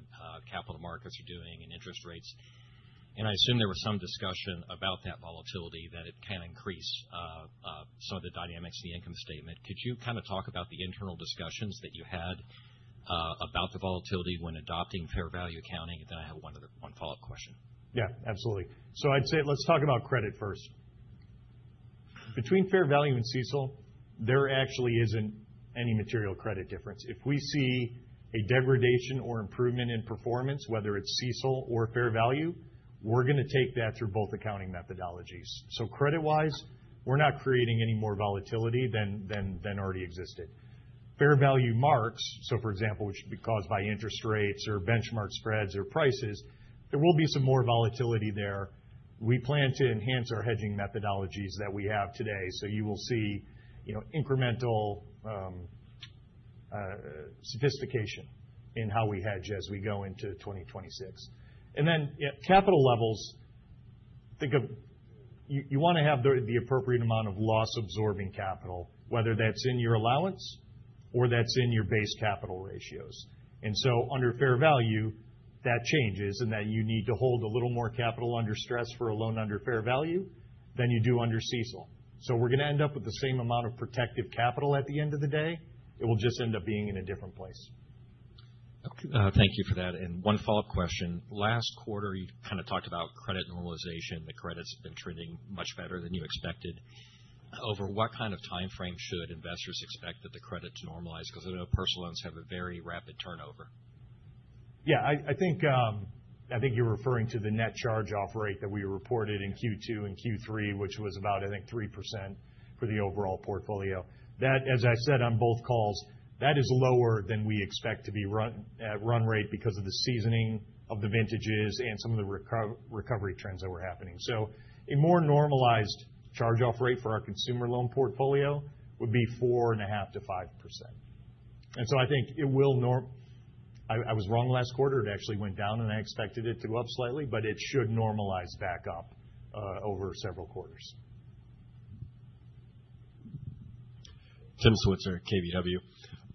[SPEAKER 20] capital markets are doing and interest rates. And I assume there was some discussion about that volatility that it can increase some of the dynamics in the income statement. Could you kind of talk about the internal discussions that you had about the volatility when adopting fair value accounting? And then I have one follow-up question.
[SPEAKER 15] Yeah. Absolutely. I'd say let's talk about credit first. Between fair value and CECL, there actually isn't any material credit difference. If we see a degradation or improvement in performance, whether it's CECL or fair value, we're going to take that through both accounting methodologies. Credit-wise, we're not creating any more volatility than already existed. Fair value marks, so for example, which could be caused by interest rates or benchmark spreads or prices, there will be some more volatility there. We plan to enhance our hedging methodologies that we have today. You will see incremental sophistication in how we hedge as we go into 2026. Capital levels, you want to have the appropriate amount of loss-absorbing capital, whether that's in your allowance or that's in your base capital ratios. And so under fair value, that changes in that you need to hold a little more capital under stress for a loan under fair value than you do under CECL. So we're going to end up with the same amount of protective capital at the end of the day. It will just end up being in a different place.
[SPEAKER 20] Thank you for that. And one follow-up question. Last quarter, you kind of talked about credit normalization. The credits have been trending much better than you expected. Over what kind of time frame should investors expect that the credits normalize? Because I know personal loans have a very rapid turnover.
[SPEAKER 15] Yeah. I think you're referring to the net charge-off rate that we reported in Q2 and Q3, which was about, I think, 3% for the overall portfolio. As I said on both calls, that is lower than we expect to be at run rate because of the seasoning of the vintages and some of the recovery trends that were happening. So a more normalized charge-off rate for our consumer loan portfolio would be 4.5%-5%. And so I think it will—I was wrong last quarter. It actually went down, and I expected it to go up slightly, but it should normalize back up over several quarters.
[SPEAKER 11] Tim Switzer, KBW.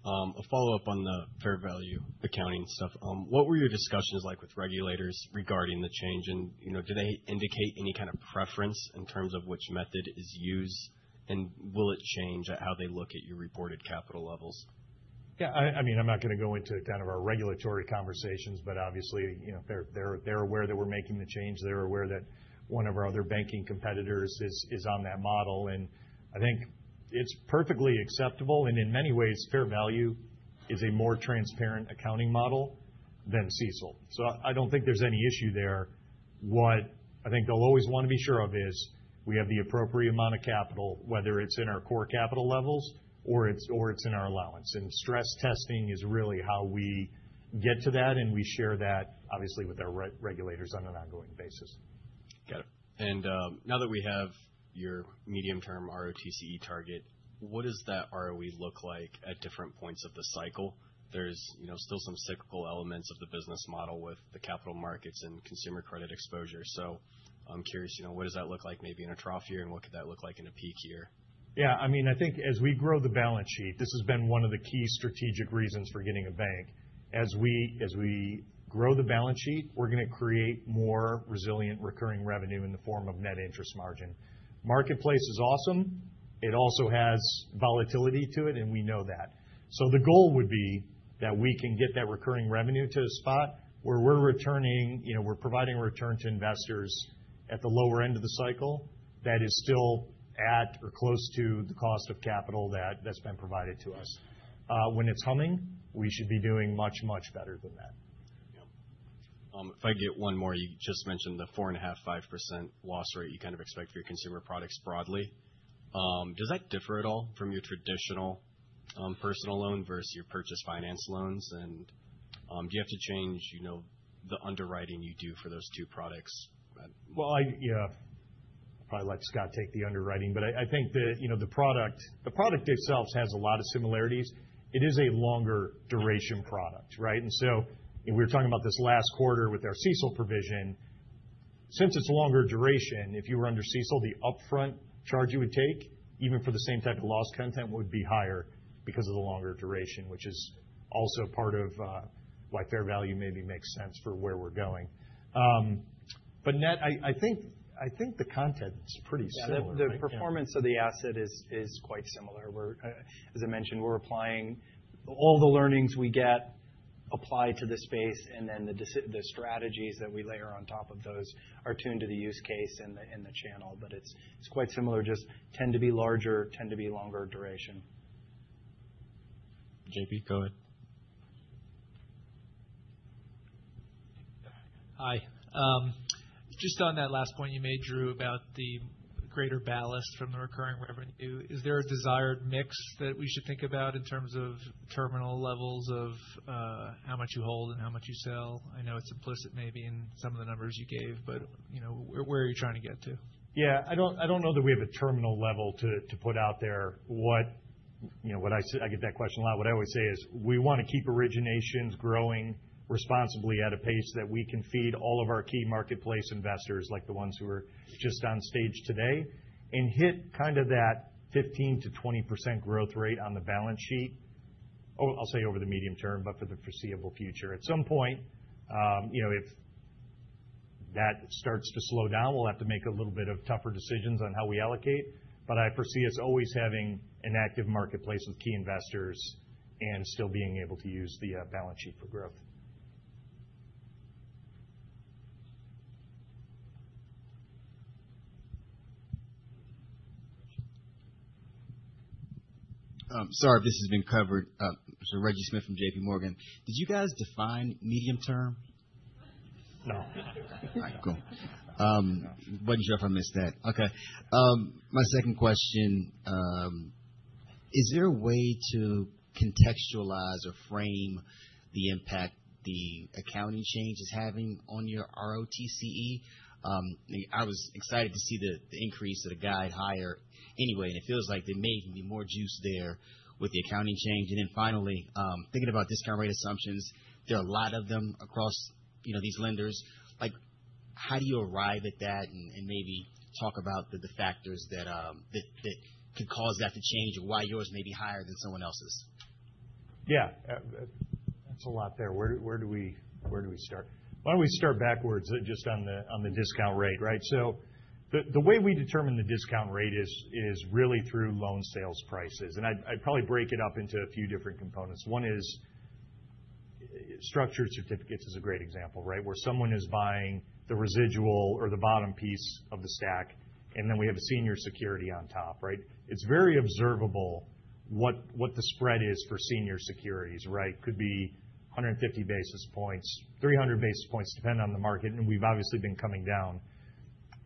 [SPEAKER 11] A follow-up on the fair value accounting stuff. What were your discussions like with regulators regarding the change? And did they indicate any kind of preference in terms of which method is used? And will it change how they look at your reported capital levels?
[SPEAKER 15] Yeah. I mean, I'm not going to go into kind of our regulatory conversations, but obviously, they're aware that we're making the change. They're aware that one of our other banking competitors is on that model. And I think it's perfectly acceptable. And in many ways, fair value is a more transparent accounting model than CECL. So I don't think there's any issue there. What I think they'll always want to be sure of is we have the appropriate amount of capital, whether it's in our core capital levels or it's in our allowance. And stress testing is really how we get to that, and we share that, obviously, with our regulators on an ongoing basis.
[SPEAKER 11] Got it. And now that we have your medium-term ROTCE target, what does that ROE look like at different points of the cycle? There's still some cyclical elements of the business model with the capital markets and consumer credit exposure. So I'm curious, what does that look like maybe in a trough year? And what could that look like in a peak year?
[SPEAKER 15] Yeah. I mean, I think as we grow the balance sheet, this has been one of the key strategic reasons for getting a bank. As we grow the balance sheet, we're going to create more resilient recurring revenue in the form of net interest margin. Marketplace is awesome. It also has volatility to it, and we know that. So the goal would be that we can get that recurring revenue to a spot where we're returning—we're providing a return to investors at the lower end of the cycle that is still at or close to the cost of capital that's been provided to us. When it's humming, we should be doing much, much better than that.
[SPEAKER 11] Yep. If I get one more, you just mentioned the 4.5%-5% loss rate you kind of expect for your consumer products broadly. Does that differ at all from your traditional personal loan versus your purchase finance loans? And do you have to change the underwriting you do for those two products?
[SPEAKER 15] Well, yeah. I'd probably let Scott take the underwriting, but I think the product itself has a lot of similarities. It is a longer duration product, right? And so we were talking about this last quarter with our CECL provision. Since it's a longer duration, if you were under CECL, the upfront charge you would take, even for the same type of loss content, would be higher because of the longer duration, which is also part of why fair value maybe makes sense for where we're going. But net, I think the content is pretty similar.
[SPEAKER 3] Yeah. The performance of the asset is quite similar. As I mentioned, we're applying all the learnings we get applied to the space, and then the strategies that we layer on top of those are tuned to the use case and the channel. But it's quite similar, just tend to be larger, tend to be longer duration. JP, go ahead. Hi. Just on that last point you made, Drew, about the greater ballast from the recurring revenue, is there a desired mix that we should think about in terms of terminal levels of how much you hold and how much you sell? I know it's implicit maybe in some of the numbers you gave, but where are you trying to get to?
[SPEAKER 15] Yeah. I don't know that we have a terminal level to put out there. What I get that question a lot. What I always say is we want to keep originations growing responsibly at a pace that we can feed all of our key marketplace investors, like the ones who are just on stage today, and hit kind of that 15%-20% growth rate on the balance sheet. I'll say over the medium term, but for the foreseeable future. At some point, if that starts to slow down, we'll have to make a little bit of tougher decisions on how we allocate. But I foresee us always having an active marketplace with key investors and still being able to use the balance sheet for growth.
[SPEAKER 8] Sorry if this has been covered. This is Reggie Smith from JPMorgan. Did you guys define medium-term?
[SPEAKER 15] No.
[SPEAKER 8] All right. Cool. What did you say? I missed that. Okay. My second question, is there a way to contextualize or frame the impact the accounting change is having on your ROTCE? I was excited to see the increase of the guide higher anyway, and it feels like there may even be more juice there with the accounting change. And then finally, thinking about discount rate assumptions, there are a lot of them across these lenders. How do you arrive at that and maybe talk about the factors that could cause that to change or why yours may be higher than someone else's?
[SPEAKER 15] Yeah. That's a lot there. Where do we start? Why don't we start backwards just on the discount rate, right? So the way we determine the discount rate is really through loan sales prices. And I'd probably break it up into a few different components. One is structured certificates is a great example, right, where someone is buying the residual or the bottom piece of the stack, and then we have a senior security on top, right? It's very observable what the spread is for senior securities, right? Could be 150 basis points, 300 basis points, depending on the market, and we've obviously been coming down.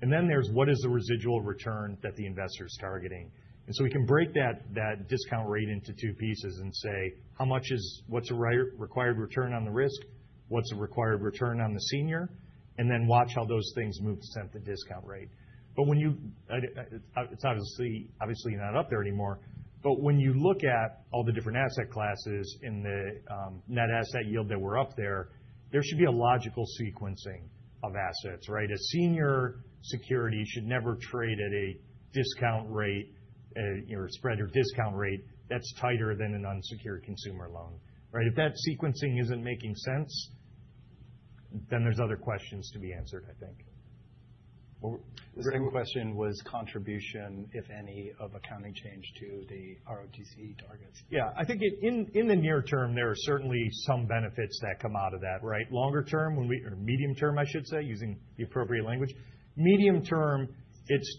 [SPEAKER 15] And then there's what is the residual return that the investor is targeting. And so we can break that discount rate into two pieces and say, how much is what's a required return on the risk? What's a required return on the senior? And then watch how those things move to set the discount rate. But it's obviously not up there anymore. But when you look at all the different asset classes in the net asset yield that we're up there, there should be a logical sequencing of assets, right? A senior security should never trade at a discount rate or spread or discount rate that's tighter than an unsecured consumer loan, right? If that sequencing isn't making sense, then there's other questions to be answered, I think. Same question was contribution, if any, of accounting change to the ROTCE targets. Yeah. I think in the near term, there are certainly some benefits that come out of that, right? Longer term, or medium term, I should say, using the appropriate language. Medium term,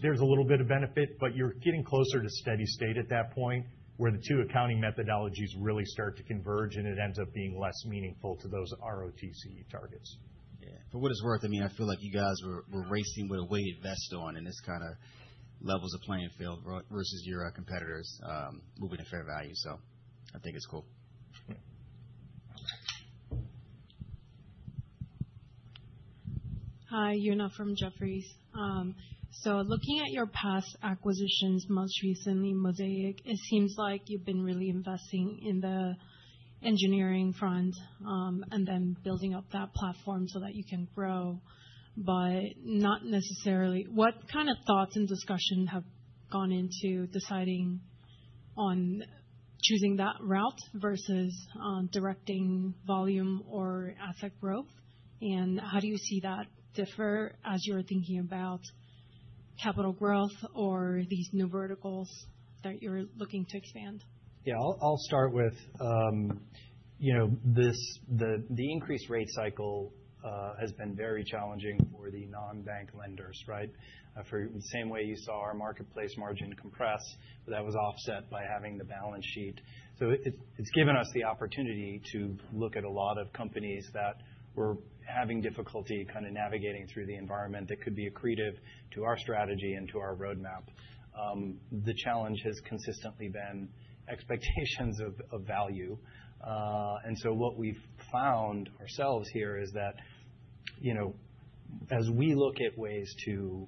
[SPEAKER 15] there's a little bit of benefit, but you're getting closer to steady state at that point where the two accounting methodologies really start to converge, and it ends up being less meaningful to those ROTCE targets.
[SPEAKER 8] Yeah. For what it's worth, I mean, I feel like you guys were racing with a way to invest on, and it's kind of levels the playing field versus your competitors moving to fair value. I think it's cool.
[SPEAKER 21] Hi. Yuna from Jefferies. Looking at your past acquisitions, most recently Mosaic, it seems like you've been really investing in the engineering front and then building up that platform so that you can grow, but not necessarily. What kind of thoughts and discussion have gone into deciding on choosing that route versus directing volume or asset growth? How do you see that difference as you're thinking about capital growth or these new verticals that you're looking to expand?
[SPEAKER 3] Yeah. I'll start with the increased rate cycle has been very challenging for the non-bank lenders, right? For the same way you saw our marketplace margin compress, that was offset by having the balance sheet. So it's given us the opportunity to look at a lot of companies that were having difficulty kind of navigating through the environment that could be accretive to our strategy and to our roadmap. The challenge has consistently been expectations of value. And so what we've found ourselves here is that as we look at ways to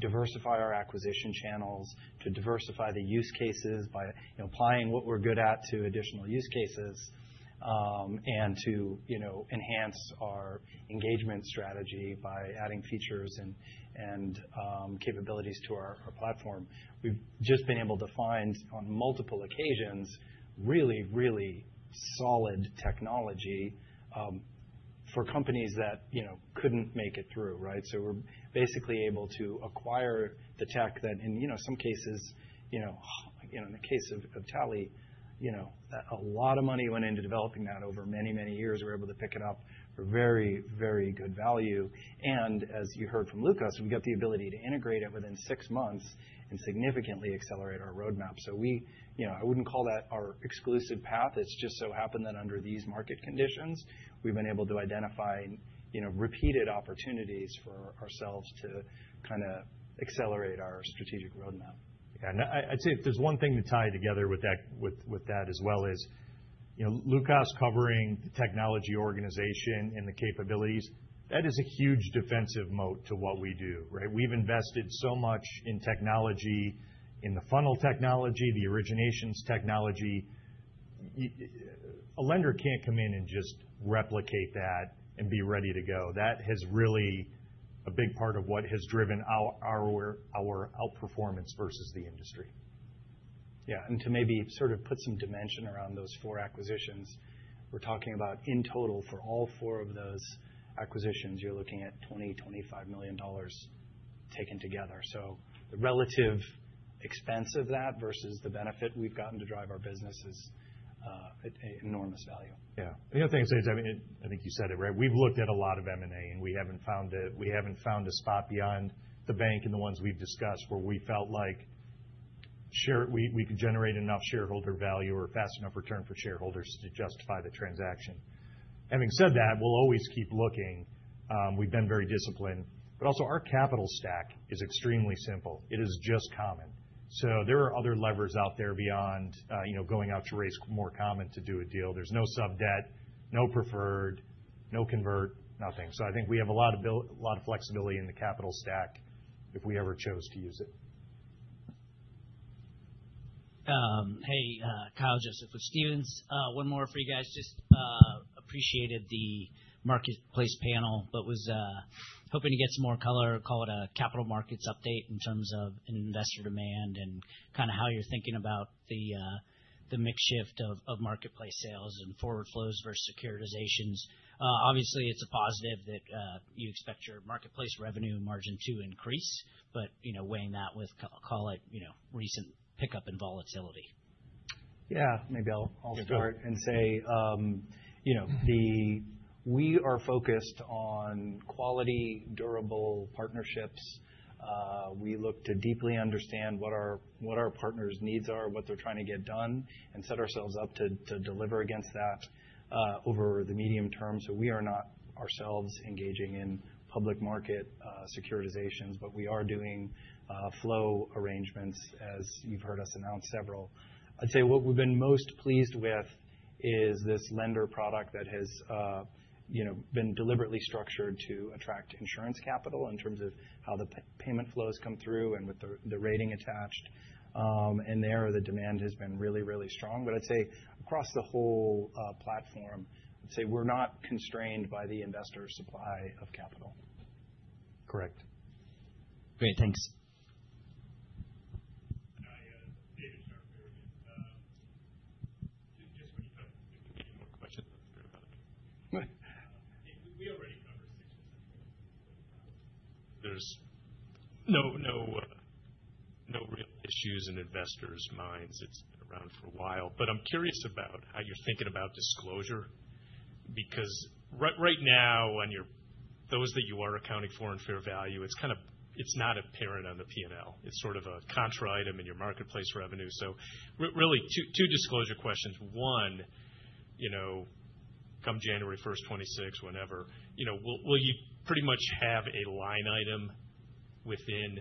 [SPEAKER 3] diversify our acquisition channels, to diversify the use cases by applying what we're good at to additional use cases and to enhance our engagement strategy by adding features and capabilities to our platform, we've just been able to find on multiple occasions really, really solid technology for companies that couldn't make it through, right? So we're basically able to acquire the tech that in some cases, in the case of Tally, a lot of money went into developing that over many, many years. We're able to pick it up for very, very good value. And as you heard from Lukasz, we got the ability to integrate it within six months and significantly accelerate our roadmap. So I wouldn't call that our exclusive path. It's just so happened that under these market conditions, we've been able to identify repeated opportunities for ourselves to kind of accelerate our strategic roadmap.
[SPEAKER 15] Yeah. I'd say if there's one thing to tie together with that as well is Lukasz covering the technology organization and the capabilities, that is a huge defensive moat to what we do, right? We've invested so much in technology, in the funnel technology, the originations technology. A lender can't come in and just replicate that and be ready to go. That has really been a big part of what has driven our outperformance versus the industry.
[SPEAKER 21] Yeah, and to maybe sort of put some dimension around those four acquisitions, we're talking about in total for all four of those acquisitions, you're looking at $20-$25 million taken together. So the relative expense of that versus the benefit we've gotten to drive our business is enormous value.
[SPEAKER 15] Yeah. The other thing I'd say is, I mean, I think you said it, right? We've looked at a lot of M&A, and we haven't found a spot beyond the bank and the ones we've discussed where we felt like we could generate enough shareholder value or fast enough return for shareholders to justify the transaction. Having said that, we'll always keep looking. We've been very disciplined. But also, our capital stack is extremely simple. It is just common. So there are other levers out there beyond going out to raise more common to do a deal. There's no sub debt, no preferred, no convert, nothing. So I think we have a lot of flexibility in the capital stack if we ever chose to use it.
[SPEAKER 12] Hey, Kyle Joseph, with Stephens. One more for you guys. I just appreciated the marketplace panel, but was hoping to get some more color, call it a capital markets update in terms of investor demand and kind of how you're thinking about the mix shift of marketplace sales and forward flows versus securitizations. Obviously, it's a positive that you expect your marketplace revenue margin to increase, but weighing that with, call it, recent pickup in volatility.
[SPEAKER 3] Yeah. Maybe I'll start and say we are focused on quality, durable partnerships. We look to deeply understand what our partners' needs are, what they're trying to get done, and set ourselves up to deliver against that over the medium term. So we are not ourselves engaging in public market securitizations, but we are doing flow arrangements, as you've heard us announce several. I'd say what we've been most pleased with is this lender product that has been deliberately structured to attract insurance capital in terms of how the payment flows come through and with the rating attached. And there the demand has been really, really strong. But I'd say across the whole platform, I'd say we're not constrained by the investor supply of capital.
[SPEAKER 15] Correct.
[SPEAKER 12] Great. Thanks.
[SPEAKER 10] Hi. David Scharf here. Just wanted to talk to you if you have any more questions on the credit product. We already covered 6% forward. There's no real issues in investors' minds. It's been around for a while. But I'm curious about how you're thinking about disclosure because right now, those that you are accounting for in fair value, it's kind of not apparent on the P&L. It's sort of a contra item in your marketplace revenue. So really two disclosure questions. One, come January 1st, 2026, whenever, will you pretty much have a line item within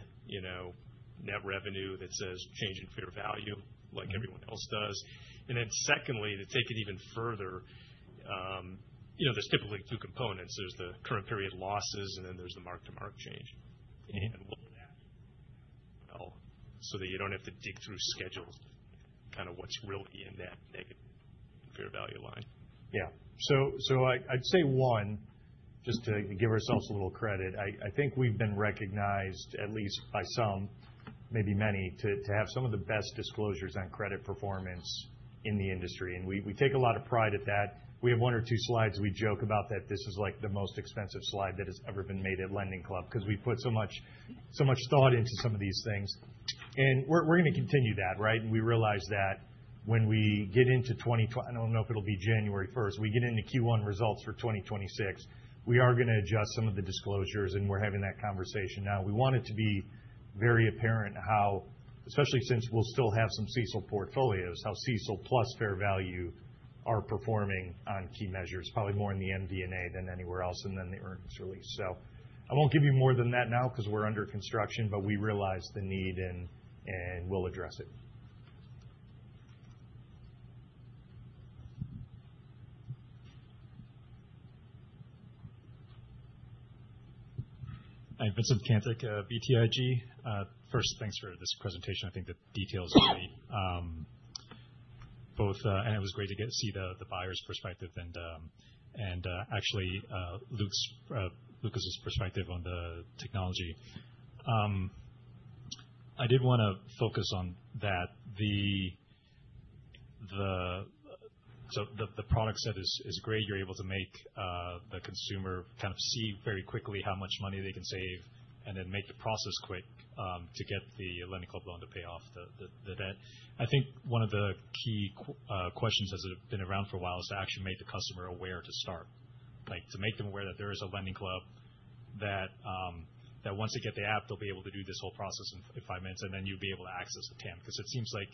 [SPEAKER 10] net revenue that says change in fair value like everyone else does? And then secondly, to take it even further, there's typically two components. There's the current period losses, and then there's the mark-to-market change. And what will that entail so that you don't have to dig through schedules to kind of see what's really in that negative fair value line?
[SPEAKER 3] Yeah. So I'd say one, just to give ourselves a little credit, I think we've been recognized at least by some, maybe many, to have some of the best disclosures on credit performance in the industry. And we take a lot of pride in that. We have one or two slides we joke about that this is like the most expensive slide that has ever been made at LendingClub because we've put so much thought into some of these things. And we're going to continue that, right? And we realize that when we get into 2020, I don't know if it'll be January 1st, we get into Q1 results for 2026, we are going to adjust some of the disclosures, and we're having that conversation now. We want it to be very apparent how, especially since we'll still have some CECL portfolios, how CECL plus fair value are performing on key measures, probably more in the MD&A than anywhere else and then the earnings release. So I won't give you more than that now because we're under construction, but we realize the need and we'll address it.
[SPEAKER 13] Hi. I'm Vincent Caintic, BTIG. First, thanks for this presentation. I think the details are great and it was great to see the buyer's perspective and actually Lukasz's perspective on the technology. I did want to focus on that so the product set is great. You're able to make the consumer kind of see very quickly how much money they can save and then make the process quick to get the LendingClub loan to pay off the debt. I think one of the key questions has been around for a while is to actually make the customer aware to start, to make them aware that there is a LendingClub that once they get the app, they'll be able to do this whole process in five minutes, and then you'll be able to access the TAM because it seems like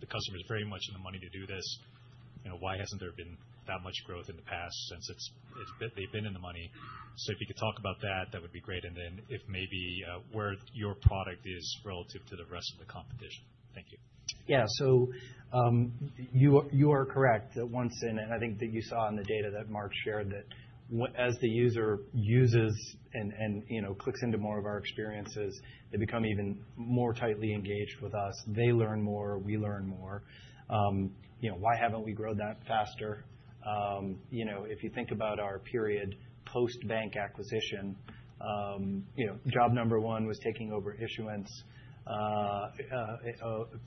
[SPEAKER 13] the customer is very much in the money to do this. Why hasn't there been that much growth in the past since they've been in the money? So if you could talk about that, that would be great. And then if maybe where your product is relative to the rest of the competition. Thank you.
[SPEAKER 3] Yeah. So you are correct that once in, and I think that you saw in the data that Mark shared that as the user uses and clicks into more of our experiences, they become even more tightly engaged with us. They learn more. We learn more. Why haven't we grown that faster? If you think about our period post-bank acquisition, job number one was taking over issuance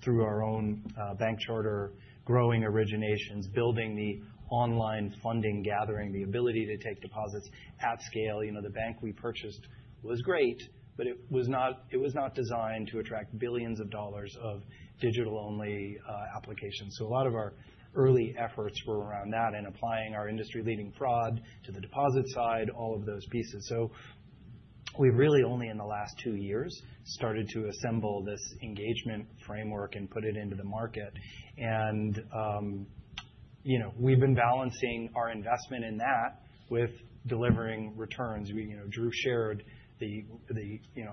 [SPEAKER 3] through our own bank charter, growing originations, building the online funding, gathering the ability to take deposits at scale. The bank we purchased was great, but it was not designed to attract billions of dollars of digital-only applications. So a lot of our early efforts were around that and applying our industry-leading fraud to the deposit side, all of those pieces. So we've really only in the last two years started to assemble this engagement framework and put it into the market. And we've been balancing our investment in that with delivering returns. Drew shared the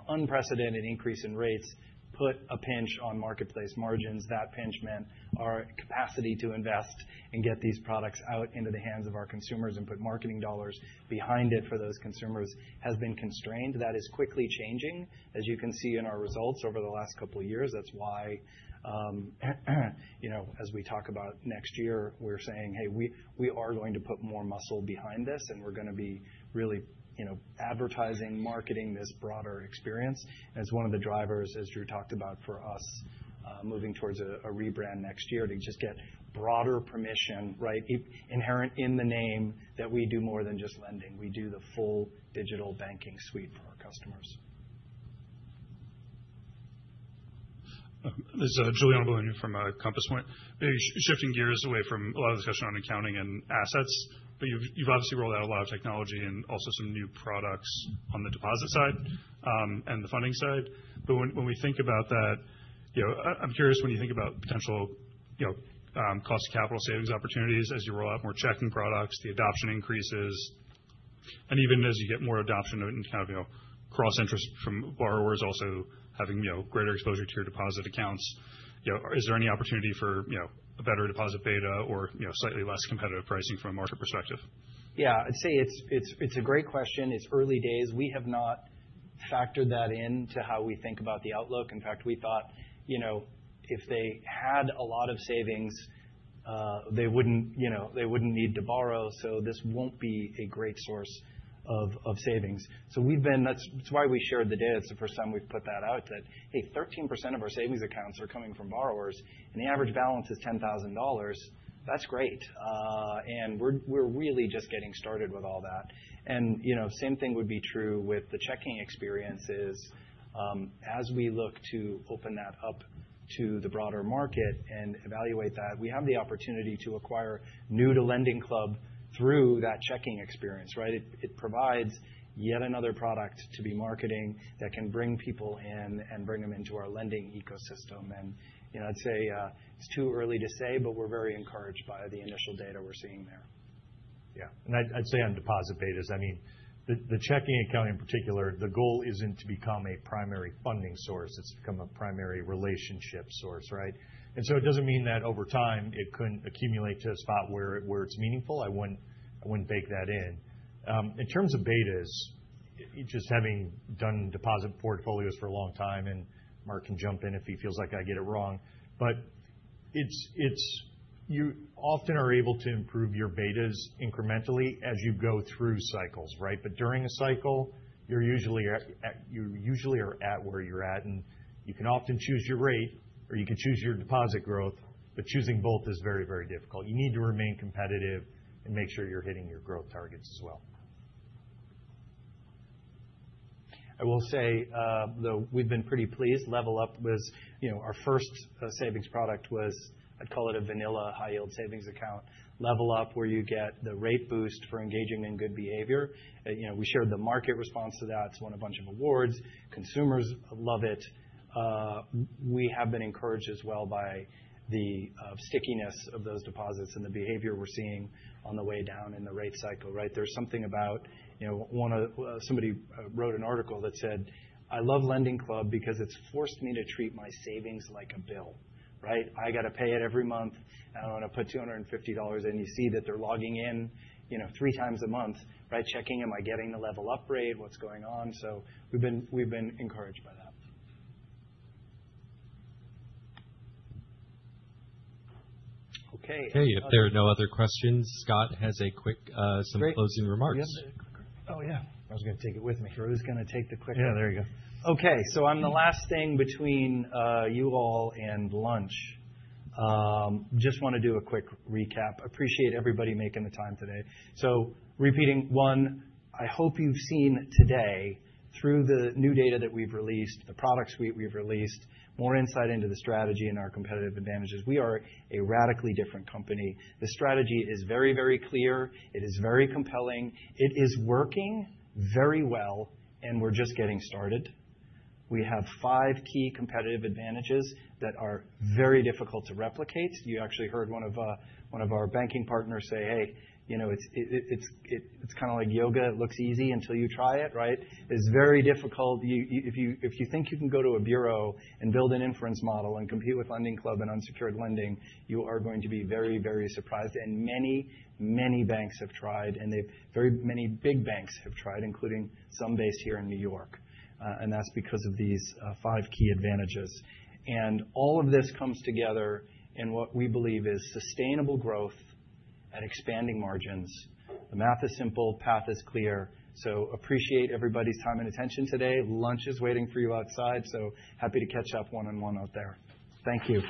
[SPEAKER 3] unprecedented increase in rates, put a pinch on marketplace margins. That pinch meant our capacity to invest and get these products out into the hands of our consumers and put marketing dollars behind it for those consumers has been constrained. That is quickly changing, as you can see in our results over the last couple of years. That's why as we talk about next year, we're saying, "Hey, we are going to put more muscle behind this, and we're going to be really advertising, marketing this broader experience." And it's one of the drivers, as Drew talked about, for us moving towards a rebrand next year to just get broader permission, right? Inherent in the name that we do more than just lending. We do the full digital banking suite for our customers.
[SPEAKER 9] This is Giuliano from Compass Point. Shifting gears away from a lot of discussion on accounting and assets, but you've obviously rolled out a lot of technology and also some new products on the deposit side and the funding side. When we think about that, I'm curious when you think about potential cost capital savings opportunities as you roll out more checking products, the adoption increases, and even as you get more adoption and kind of cross-interest from borrowers also having greater exposure to your deposit accounts, is there any opportunity for a better deposit beta or slightly less competitive pricing from a market perspective?
[SPEAKER 3] Yeah. I'd say it's a great question. It's early days. We have not factored that into how we think about the outlook. In fact, we thought if they had a lot of savings, they wouldn't need to borrow. This won't be a great source of savings. That's why we shared the data. It's the first time we've put that out that, "Hey, 13% of our savings accounts are coming from borrowers, and the average balance is $10,000." That's great. We're really just getting started with all that. The same thing would be true with the checking experiences as we look to open that up to the broader market and evaluate that. We have the opportunity to acquire new to LendingClub through that checking experience, right? It provides yet another product to be marketing that can bring people in and bring them into our lending ecosystem. I'd say it's too early to say, but we're very encouraged by the initial data we're seeing there.
[SPEAKER 15] Yeah. I'd say on deposit betas, I mean, the checking account in particular, the goal isn't to become a primary funding source. It's become a primary relationship source, right? And so it doesn't mean that over time it couldn't accumulate to a spot where it's meaningful. I wouldn't bake that in. In terms of betas, just having done deposit portfolios for a long time, and Mark can jump in if he feels like I get it wrong, but you often are able to improve your betas incrementally as you go through cycles, right? But during a cycle, you usually are at where you're at, and you can often choose your rate or you can choose your deposit growth, but choosing both is very, very difficult. You need to remain competitive and make sure you're hitting your growth targets as well.
[SPEAKER 3] I will say we've been pretty pleased. LevelUp was our first savings product, I'd call it a vanilla high-yield savings account. LevelUp, where you get the rate boost for engaging in good behavior. We shared the market response to that. It's won a bunch of awards. Consumers love it. We have been encouraged as well by the stickiness of those deposits and the behavior we're seeing on the way down in the rate cycle, right? There's something about somebody wrote an article that said, "I love LendingClub because it's forced me to treat my savings like a bill," right? I got to pay it every month. I want to put $250 in. You see that they're logging in three times a month, right? Checking, am I getting the level upgrade? What's going on, so we've been encouraged by that.
[SPEAKER 1] Okay. Hey, if there are no other questions, Scott has some closing remarks.
[SPEAKER 3] Oh, yeah. I was going to take it with me. Drew's going to take the quick one. Yeah, there you go. Okay, so on the last thing between you all and lunch, just want to do a quick recap. Appreciate everybody making the time today. So, repeating one, I hope you've seen today through the new data that we've released, the products we've released, more insight into the strategy and our competitive advantages. We are a radically different company. The strategy is very, very clear. It is very compelling. It is working very well, and we're just getting started. We have five key competitive advantages that are very difficult to replicate. You actually heard one of our banking partners say, "Hey, it's kind of like yoga. It looks easy until you try it," right? It's very difficult. If you think you can go to a bureau and build an inference model and compete with LendingClub and unsecured lending, you are going to be very, very surprised. And many, many banks have tried, and very many big banks have tried, including some based here in New York. And that's because of these five key advantages. And all of this comes together in what we believe is sustainable growth at expanding margins. The math is simple. Path is clear. So appreciate everybody's time and attention today. Lunch is waiting for you outside. So happy to catch up one-on-one out there. Thank you.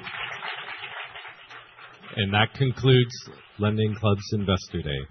[SPEAKER 1] And that concludes LendingClub's Investor Day.